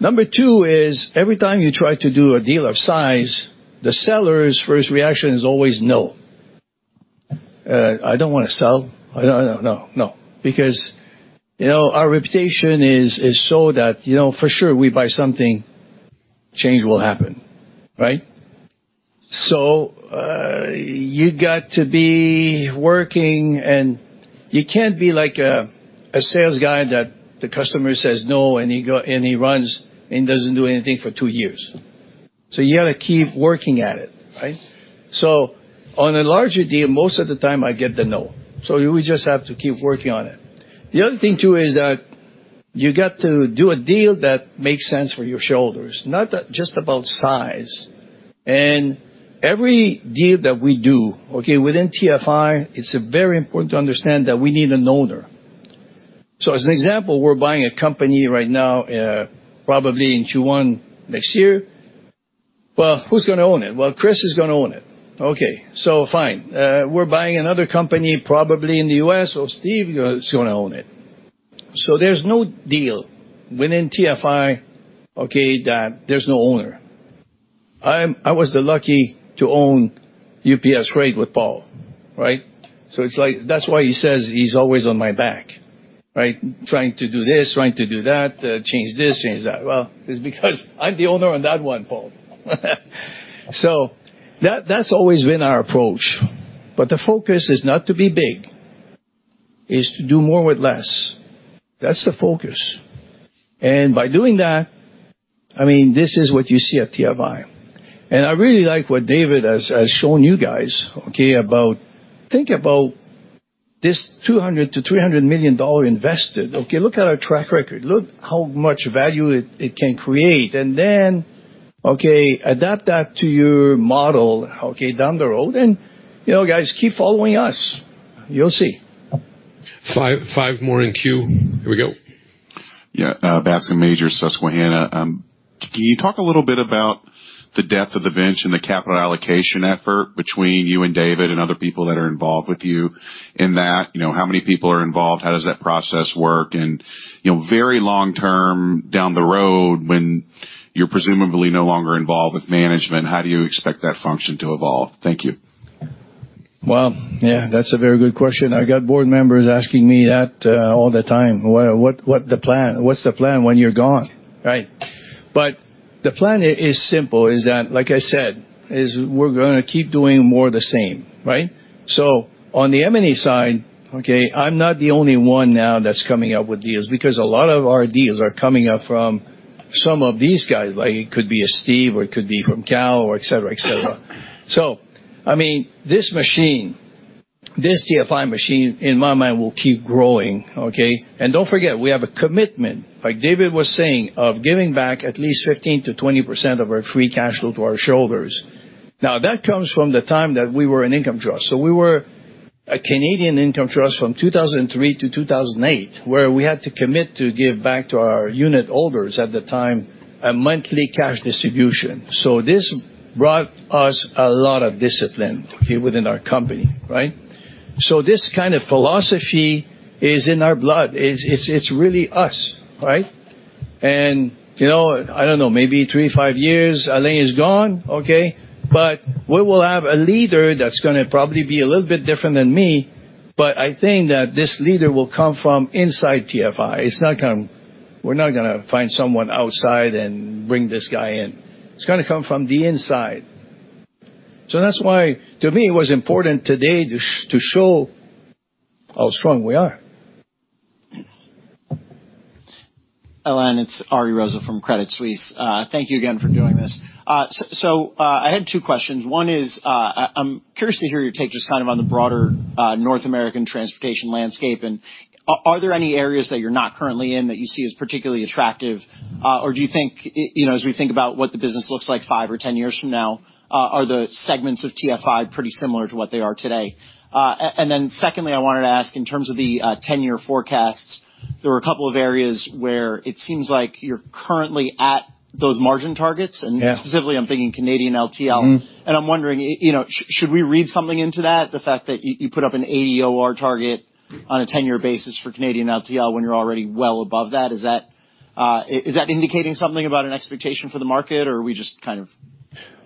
Number two is every time you try to do a deal of size, the seller's first reaction is always, "No. I don't wanna sell. No." Because, you know, our reputation is such that, you know, for sure we buy something, change will happen, right? You got to be working, and you can't be like a sales guy that the customer says no, and he runs and doesn't do anything for two years. You gotta keep working at it, right? On a larger deal, most of the time, I get the no. We just have to keep working on it. The other thing, too, is that you got to do a deal that makes sense for your shareholders, not just about size. Every deal that we do, okay, within TFI, it's very important to understand that we need an owner. As an example, we're buying a company right now, probably in Q1 next year. Well, who's gonna own it? Well, Chris is gonna own it. Okay. Fine. We're buying another company probably in the U.S.. Well, Steve is gonna own it. There's no deal within TFI, okay, that there's no owner. I was the lucky to own UPS Freight with Paul, right? It's like, that's why he says he's always on my back, right? Trying to do this, trying to do that, change this, change that. Well, it's because I'm the owner on that one, Paul. That, that's always been our approach. The focus is not to be big. It's to do more with less. That's the focus. By doing that, I mean, this is what you see at TFI. I really like what David has shown you guys, okay, about. Think about this $200 million-$300 million invested, okay? Look at our track record. Look how much value it can create. Okay, adapt that to your model, okay, down the road, and, you know, guys, keep following us. You'll see. Five more in queue. Here we go. Yeah. Bascome Majors, Susquehanna. Can you talk a little bit about the depth of the bench and the capital allocation effort between you and David and other people that are involved with you in that? You know, how many people are involved? How does that process work? And, you know, very long-term down the road, when you're presumably no longer involved with management, how do you expect that function to evolve? Thank you. Well, yeah, that's a very good question. I got board members asking me that all the time. Well, what's the plan when you're gone, right? The plan is simple, is that, like I said, we're gonna keep doing more of the same, right? On the M&A side, okay, I'm not the only one now that's coming up with deals because a lot of our deals are coming up from some of these guys. Like, it could be a Steve, or it could be from Kal, or et cetera, et cetera. I mean, this machine, this TFI machine, in my mind, will keep growing, okay? Don't forget, we have a commitment, like David was saying, of giving back at least 15%-20% of our free cash flow to our shareholders. That comes from the time that we were an income trust. We were a Canadian income trust from 2003 to 2008, where we had to commit to give back to our unit holders at the time a monthly cash distribution. This brought us a lot of discipline within our company, right? This kind of philosophy is in our blood. It's really us, right? You know, I don't know, maybe three to five years, Alain is gone, okay? We will have a leader that's gonna probably be a little bit different than me, but I think that this leader will come from inside TFI. We're not gonna find someone outside and bring this guy in. It's gonna come from the inside. That's why, to me, it was important today to show how strong we are. Alain, it's Ari Rosa from Credit Suisse. Thank you again for doing this. I had two questions. One is, I'm curious to hear your take just kind of on the broader North American transportation landscape. Are there any areas that you're not currently in that you see as particularly attractive? Or do you think, you know, as we think about what the business looks like five or ten years from now, are the segments of TFI pretty similar to what they are today? Then secondly, I wanted to ask in terms of the future forecasts, there were a couple of areas where it seems like you're currently at those margin targets. Yeah. Specifically, I'm thinking Canadian LTL. Mm-hmm. I'm wondering, you know, should we read something into that, the fact that you put up an OR target on a ten-year basis for Canadian LTL when you're already well above that? Is that indicating something about an expectation for the market, or are we just kind of...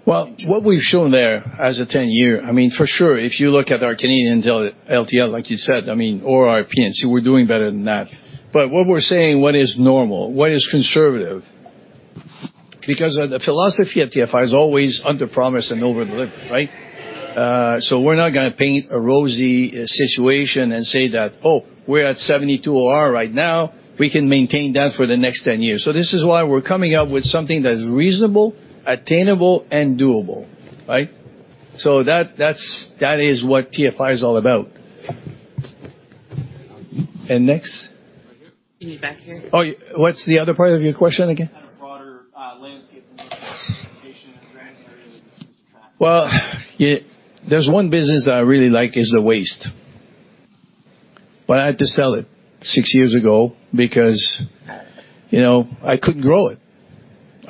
Well, what we've shown there as a 10-year, I mean, for sure, if you look at our Canadian LTL, like you said, I mean, or our P&C, we're doing better than that. But what we're saying, what is normal, what is conservative? Because the philosophy at TFI is always underpromise and overdeliver, right? We're not gonna paint a rosy situation and say that, "Oh, we're at 72 OR right now. We can maintain that for the next 10 years." This is why we're coming up with something that is reasonable, attainable, and doable, right? That is what TFI is all about. Next. Right here. In the back here. Oh, what's the other part of your question again? Kind of broader landscape in terms of transportation and granular areas of interest for TFI. Well, yeah, there's one business that I really like is the waste. I had to sell it six years ago because, you know, I couldn't grow it.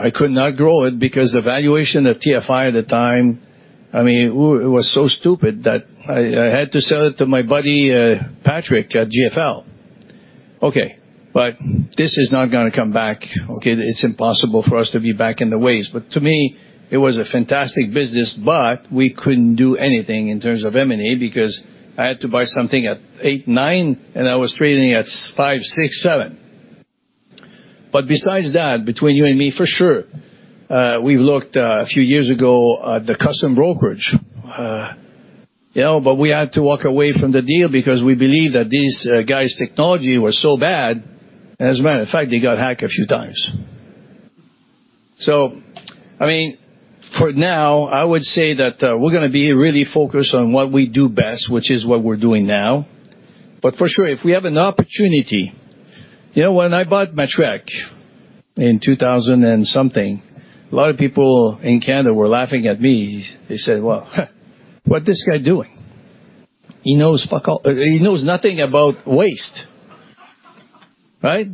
I could not grow it because the valuation of TFI at the time, I mean, ooh, it was so stupid that I had to sell it to my buddy, Patrick at GFL. Okay, this is not gonna come back, okay? It's impossible for us to be back in the waste. To me, it was a fantastic business, but we couldn't do anything in terms of M&A because I had to buy something at eeight, nine and I was trading at P/E five, six, seven. Besides that, between you and me, for sure, we looked a few years ago at the custom brokerage, you know, but we had to walk away from the deal because we believe that these guys' technology was so bad, as a matter of fact, they got hacked a few times. I mean, for now, I would say that, we're gonna be really focused on what we do best, which is what we're doing now. For sure, if we have an opportunity. You know, when I bought Matrec in 2000-something, a lot of people in Canada were laughing at me. They said, "Well, huh, what this guy doing? He knows fuck all. He knows nothing about waste." Right?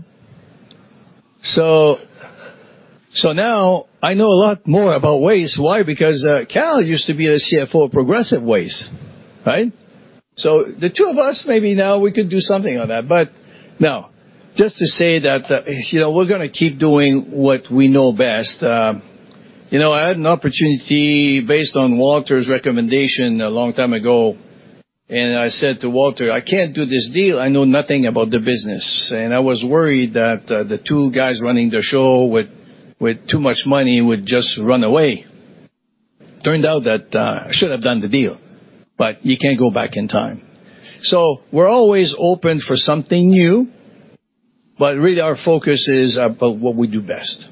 So now I know a lot more about waste. Why? Kal used to be the CFO of Progressive Waste Solutions, right? The two of us, maybe now we could do something on that. No. Just to say that, you know, we're gonna keep doing what we know best. You know, I had an opportunity based on Walter's recommendation a long time ago, and I said to Walter, "I can't do this deal. I know nothing about the business." I was worried that the two guys running the show with too much money would just run away. Turned out that I should have done the deal, but you can't go back in time. We're always open for something new, but really our focus is about what we do best.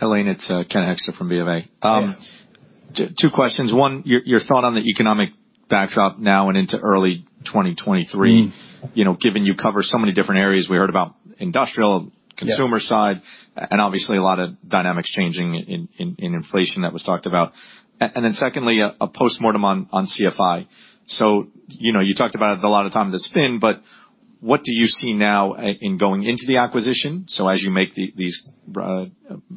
Alain, it's Ken Hoexter from BofA. Yes. Two questions. One, your thought on the economic backdrop now and into early 2023? Mm-hmm. You know, given you cover so many different areas, we heard about industrial. Yeah. Consumer side, obviously a lot of dynamics changing in inflation that was talked about. Then secondly, a postmortem on CFI. You know, you talked about it a lot of time in the spin, but what do you see now in going into the acquisition? As you make these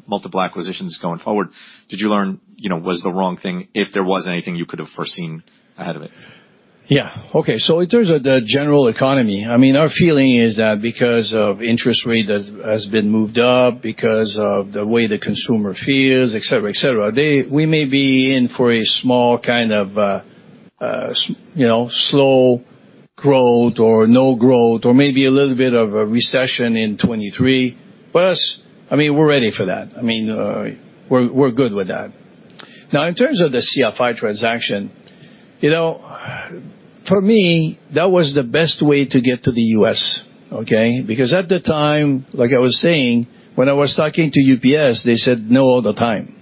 multiple acquisitions going forward, did you learn, you know, was the wrong thing, if there was anything you could have foreseen ahead of it? Yeah. Okay. In terms of the general economy, I mean, our feeling is that because the interest rate has been moved up, because of the way the consumer feels, et cetera, et cetera, we may be in for a small kind of slow growth or no growth or maybe a little bit of a recession in 2023. For us, I mean, we're ready for that. I mean, we're good with that. Now, in terms of the CFI transaction, you know, for me, that was the best way to get to the U.S., okay? Because at the time, like I was saying, when I was talking to UPS, they said, "No," all the time,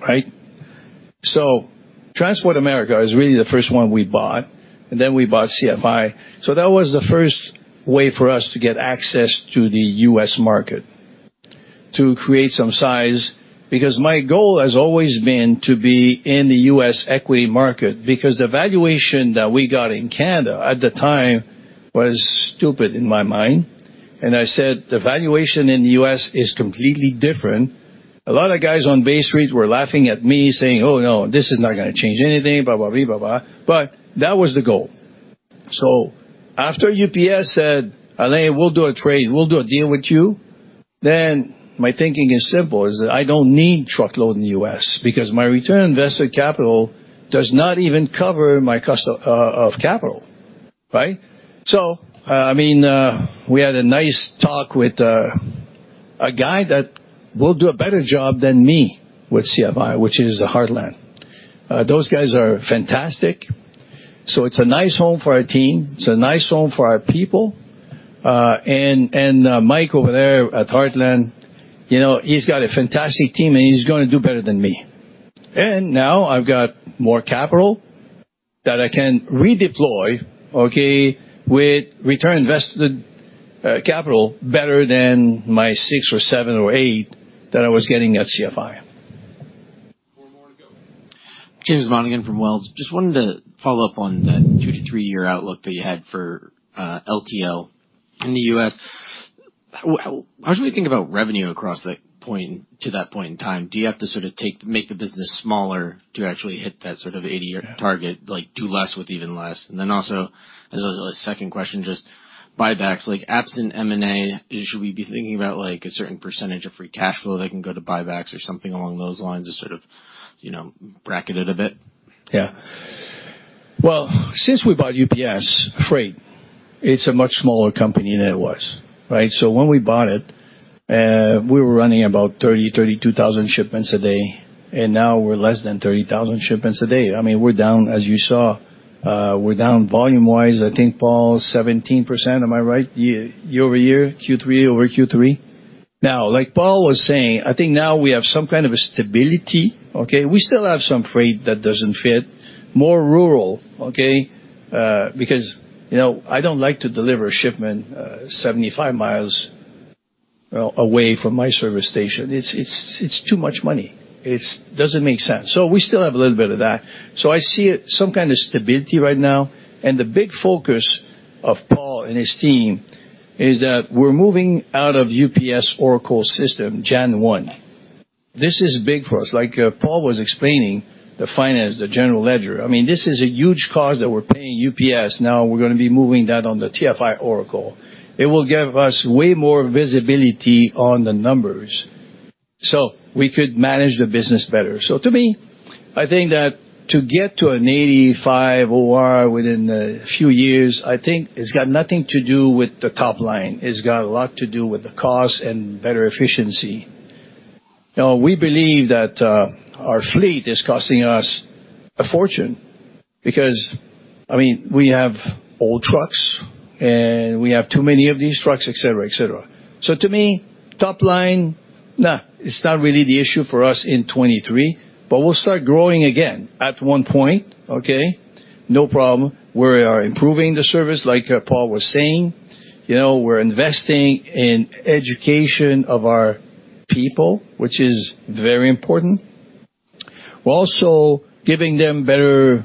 right? Transport America is really the first one we bought, and then we bought CFI. That was the first way for us to get access to the U.S. market to create some size, because my goal has always been to be in the U.S. equity market because the valuation that we got in Canada at the time was stupid in my mind. I said, "The valuation in the U.S. is completely different." A lot of guys on Bay Street were laughing at me saying, "Oh, no, this is not gonna change anything," blah, blah, blah. That was the goal. After UPS said, "Alain, we'll do a trade, we'll do a deal with you," my thinking is simple, is that I don't need truckload in the U.S. because my return on invested capital does not even cover my cost of capital, right? I mean, we had a nice talk with a guy that will do a better job than me with CFI, which is Heartland. Those guys are fantastic. It's a nice home for our team. It's a nice home for our people. Mike over there at Heartland, you know, he's got a fantastic team, and he's gonna do better than me. Now I've got more capital that I can redeploy, okay, with return on invested capital better than my 6% or 7% or 8% that I was getting at CFI. Four more to go. James Monahan from Wells Fargo. Just wanted to follow up on that two- to three-year outlook that you had for LTL in the U.S. How do we think about revenue across that point to that point in time? Do you have to sort of make the business smaller to actually hit that sort of 80% OR target? Like, do less with even less. Then also, as a second question, just buybacks, like absent M&A, should we be thinking about, like, a certain percentage of free cash flow that can go to buybacks or something along those lines to sort of, you know, bracket it a bit? Well, since we bought UPS Freight, it's a much smaller company than it was, right? When we bought it, we were running about 30-32,000 shipments a day, and now we're less than 30,000 shipments a day. I mean, we're down, as you saw, we're down volume-wise, I think, Paul, 17%. Am I right? Year-over-year, Q3 over Q3. Now, like Paul was saying, I think now we have some kind of a stability, okay? We still have some freight that doesn't fit, more rural, okay? Because, you know, I don't like to deliver a shipment 75 miles away from my service station. It's too much money. It doesn't make sense. We still have a little bit of that. I see some kind of stability right now, and the big focus of Paul and his team is that we're moving out of UPS' Oracle system, January 1. This is big for us. Like, Paul was explaining the finance, the general ledger. I mean, this is a huge cost that we're paying UPS. Now we're gonna be moving that on the TFI Oracle. It will give us way more visibility on the numbers, so we could manage the business better. To me, I think that to get to an 85 OR within a few years, I think it's got nothing to do with the top line. It's got a lot to do with the cost and better efficiency. Now, we believe that our fleet is costing us a fortune because, I mean, we have old trucks, and we have too many of these trucks, et cetera, et cetera. To me, top line, nah, it's not really the issue for us in 2023, but we'll start growing again at one point, okay? No problem. We are improving the service, like Paul was saying. You know, we're investing in education of our people, which is very important. We're also giving them better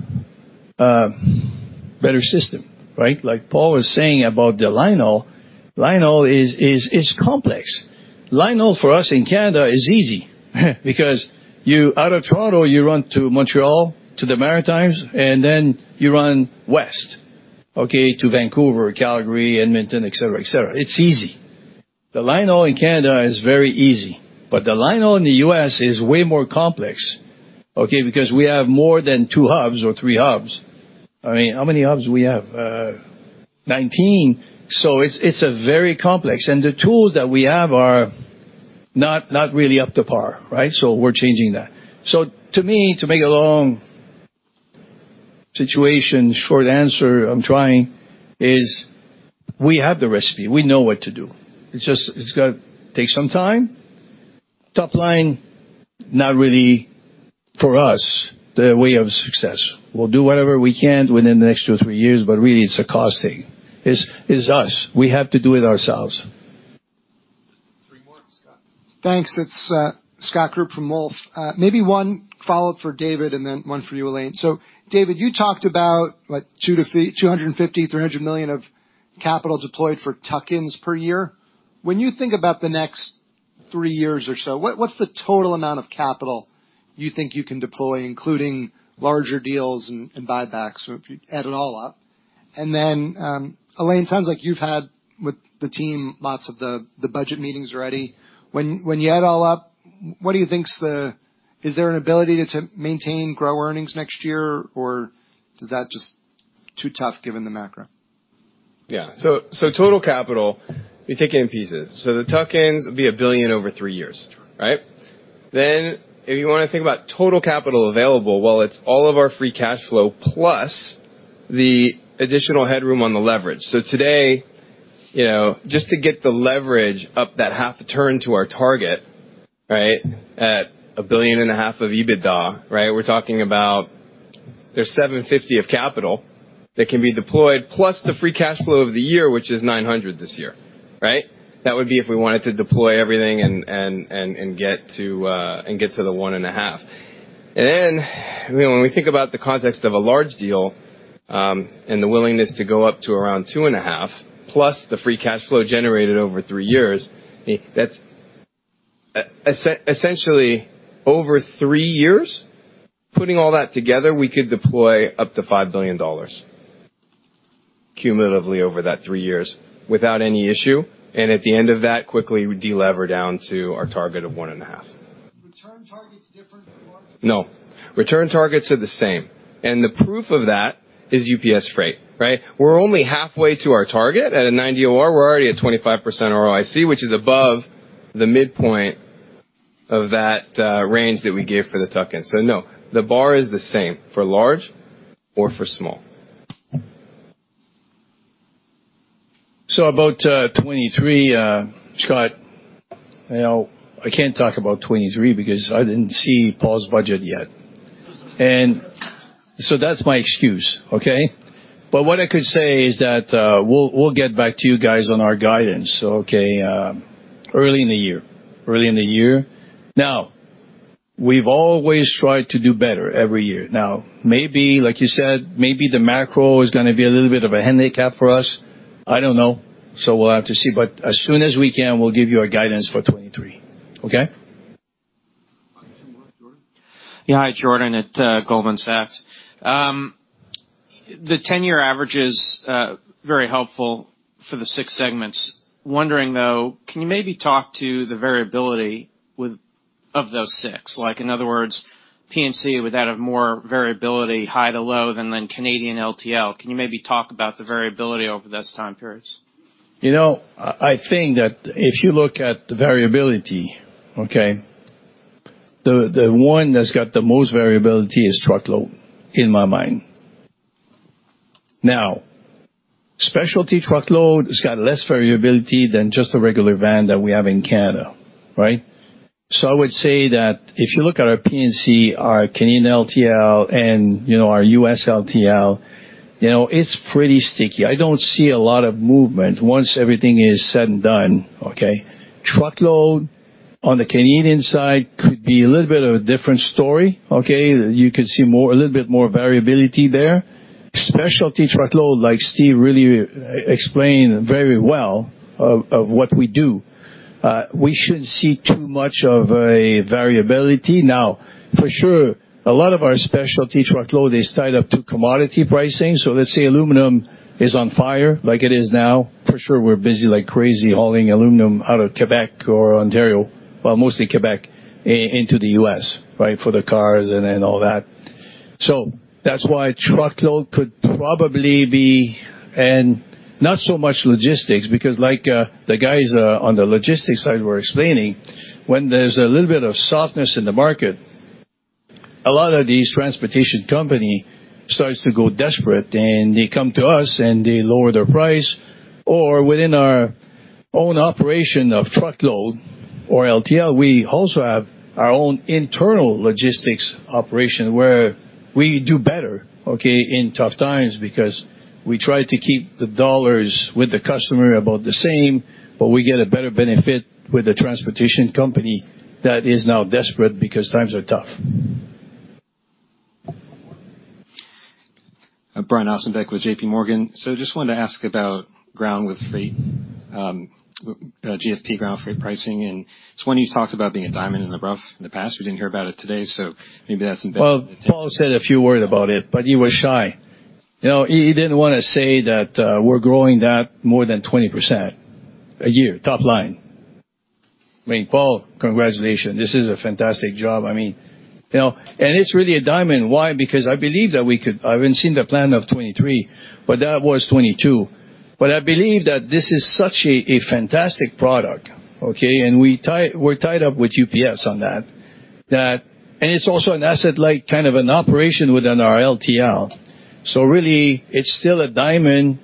system, right? Like Paul was saying about the line-haul, line-haul is complex. Line-haul for us in Canada is easy because out of Toronto, you run to Montreal, to the Maritimes, and then you run west, okay, to Vancouver, Calgary, Edmonton, et cetera, et cetera. It's easy. The line-haul in Canada is very easy, but the line-haul in the U.S. is way more complex, okay, because we have more than two hubs or three hubs. I mean, how many hubs we have? 19. It's very complex. The tools that we have are not really up to par, right? We're changing that. To me, to make a long situation short answer, I'm trying, is we have the recipe. We know what to do. It's just, it's gonna take some time. Top line, not really for us, the way of success. We'll do whatever we can within the next 2two, three years, but really, it's a cost thing. It's us. We have to do it ourselves. Three more. Scott. Thanks. It's Scott Group from Wolfe. Maybe one follow-up for David and then one for you, Alain. David, you talked about $250-$300 million of capital deployed for tuck-ins per year. When you think about the next three years or so, what's the total amount of capital you think you can deploy, including larger deals and buybacks, if you add it all up? Alain, sounds like you've had, with the team, lots of the budget meetings already. When you add it all up, what do you think's the ability to maintain or grow earnings next year, or is that just too tough given the macro? Yeah. Total capital, you take it in pieces. The tuck-ins would be $1 billion over three years, right? If you wanna think about total capital available, well, it's all of our free cash flow plus the additional headroom on the leverage. Today, you know, just to get the leverage up that 0.5 turn to our target, right, at $1.5 billion of EBITDA, right, we're talking about there's $750 million of capital that can be deployed plus the free cash flow of the year, which is $900 million this year, right? That would be if we wanted to deploy everything and get to the 1.5. Then, you know, when we think about the context of a large deal, and the willingness to go up to around 2.5 plus the free cash flow generated over three years, that's essentially over three years, putting all that together, we could deploy up to $5 billion cumulatively over that three years without any issue. At the end of that, quickly, we de-lever down to our target of 1.5. Return target is different for large. No. Return targets are the same. The proof of that is UPS Freight, right? We're only halfway to our target. At a 90 OR, we're already at 25% ROIC, which is above the midpoint of that range that we gave for the tuck-in. No, the bar is the same for large or for small. About 2023, Scott, you know, I can't talk about 2023 because I didn't see Paul's budget yet. That's my excuse, okay? What I could say is that we'll get back to you guys on our guidance, okay, early in the year. Now, we've always tried to do better every year. Now, maybe, like you said, maybe the macro is gonna be a little bit of a handicap for us. I don't know. We'll have to see. As soon as we can, we'll give you our guidance for 2023, okay? Yeah, hi, Jordan at Goldman Sachs. The 10-year average is very helpful for the six segments. Wondering, though, can you maybe talk about the variability of those six? Like in other words, P&C would have more variability, high to low, than Canadian LTL. Can you maybe talk about the variability over those time periods? You know, I think that if you look at the variability, okay, the one that's got the most variability is truckload, in my mind. Now, specialty truckload has got less variability than just a regular van that we have in Canada, right? So I would say that if you look at our P&C, our Canadian LTL, and you know, our U.S. LTL, you know, it's pretty sticky. I don't see a lot of movement once everything is said and done, okay? Truckload on the Canadian side could be a little bit of a different story, okay? You could see more, a little bit more variability there. Specialty truckload, like Steve really explained very well of what we do, we shouldn't see too much of a variability. Now, for sure, a lot of our specialty truckload is tied up to commodity pricing. Let's say aluminum is on fire, like it is now. For sure, we're busy like crazy hauling aluminum out of Quebec or Ontario, well, mostly Quebec, into the U.S., right, for the cars and then all that. That's why truckload could probably be, and not so much logistics, because like, the guys on the logistics side were explaining, when there's a little bit of softness in the market, a lot of these transportation company starts to go desperate, and they come to us and they lower their price. Or within our own operation of truckload or LTL, we also have our own internal logistics operation where we do better, okay, in tough times because we try to keep the dollars with the customer about the same, but we get a better benefit with a transportation company that is now desperate because times are tough. Brian Ossenbeck with J.P. Morgan. Just wanted to ask about Ground with Freight, GFP, ground freight pricing. It's one you talked about being a diamond in the rough in the past. We didn't hear about it today, so maybe that's been- Well, Paul said a few words about it, but he was shy. You know, he didn't wanna say that, we're growing that more than 20% a year, top line. I mean, Paul, congratulations. This is a fantastic job. I mean, you know, and it's really a diamond. Why? Because I believe that we could. I haven't seen the plan of 2023, but that was 2022. But I believe that this is such a fantastic product, okay? And we're tied up with UPS on that. That and it's also an asset-like kind of an operation within our LTL. Really, it's still a diamond,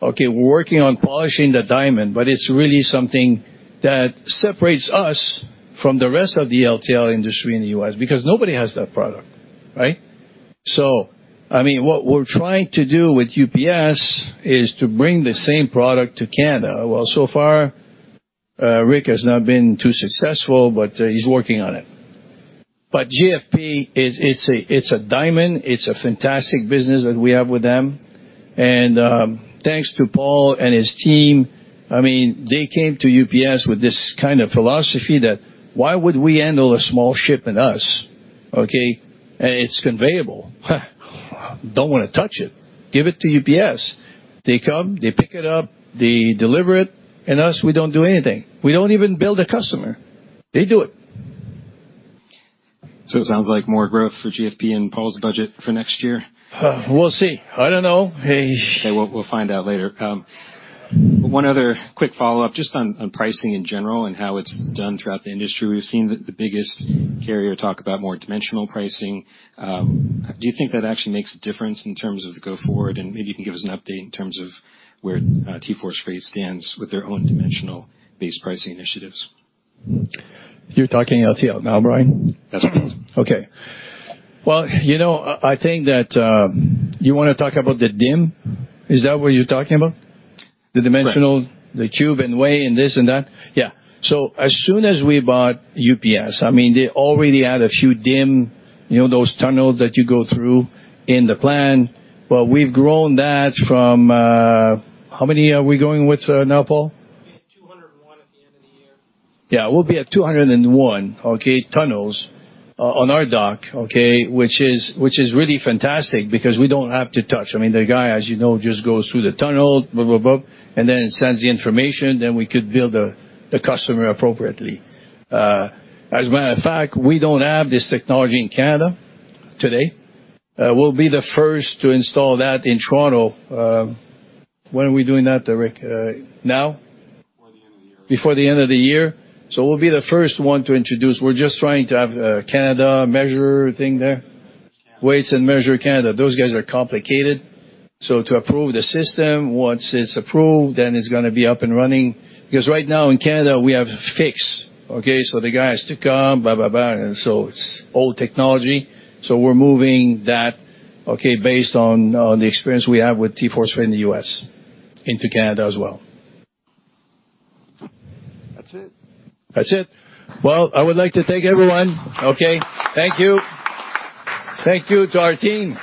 okay. We're working on polishing the diamond, but it's really something that separates us from the rest of the LTL industry in the U.S., because nobody has that product, right? I mean, what we're trying to do with UPS is to bring the same product to Canada. So far, Rick has not been too successful, but he's working on it. GFP is, it's a diamond. It's a fantastic business that we have with them. Thanks to Paul and his team. I mean, they came to UPS with this kind of philosophy that why would we handle a small shipment in the U.S., okay? It's conveyable. Don't wanna touch it. Give it to UPS. They come, they pick it up, they deliver it, and we don't do anything. We don't even bill the customer. They do it. It sounds like more growth for GFP and Paul's budget for next year. Huh, we'll see. I don't know. Hey. Okay, we'll find out later. One other quick follow-up just on pricing in general and how it's done throughout the industry. We've seen the biggest carrier talk about more dimensional pricing. Do you think that actually makes a difference in terms of the go forward? Maybe you can give us an update in terms of where TForce Freight stands with their own dimensional base pricing initiatives. You're talking LTL now, Brian? Yes. Okay. Well, you know, I think that, you wanna talk about the DIM? Is that what you're talking about? Yes. The dimensional, the cube and weight and this and that. Yeah. As soon as we bought UPS, I mean, they already had a few DIM, you know, those tunnels that you go through in the plant. We've grown that from, how many are we going with now, Paul? We'll be at 201 at the end of the year. Yeah, we'll be at 201, okay, tunnels on our dock, okay? Which is really fantastic because we don't have to touch. I mean, the guy, as you know, just goes through the tunnel, blah, blah, and then it sends the information, then we could bill the customer appropriately. As a matter of fact, we don't have this technology in Canada today. We'll be the first to install that in Toronto. When are we doing that, Rick? Now? Before the end of the year. Before the end of the year. We'll be the first one to introduce. We're just trying to have a Measurement Canada thing there. Weights and measures. Measurement Canada. Those guys are complicated. To approve the system, once it's approved, then it's gonna be up and running. Because right now in Canada, we have fixed, okay? The guy has to come, blah, blah. It's old technology. We're moving that, okay, based on the experience we have with TForce Freight in the U.S. into Canada as well. That's it. That's it. Well, I would like to thank everyone. Okay. Thank you. Thank you to our team.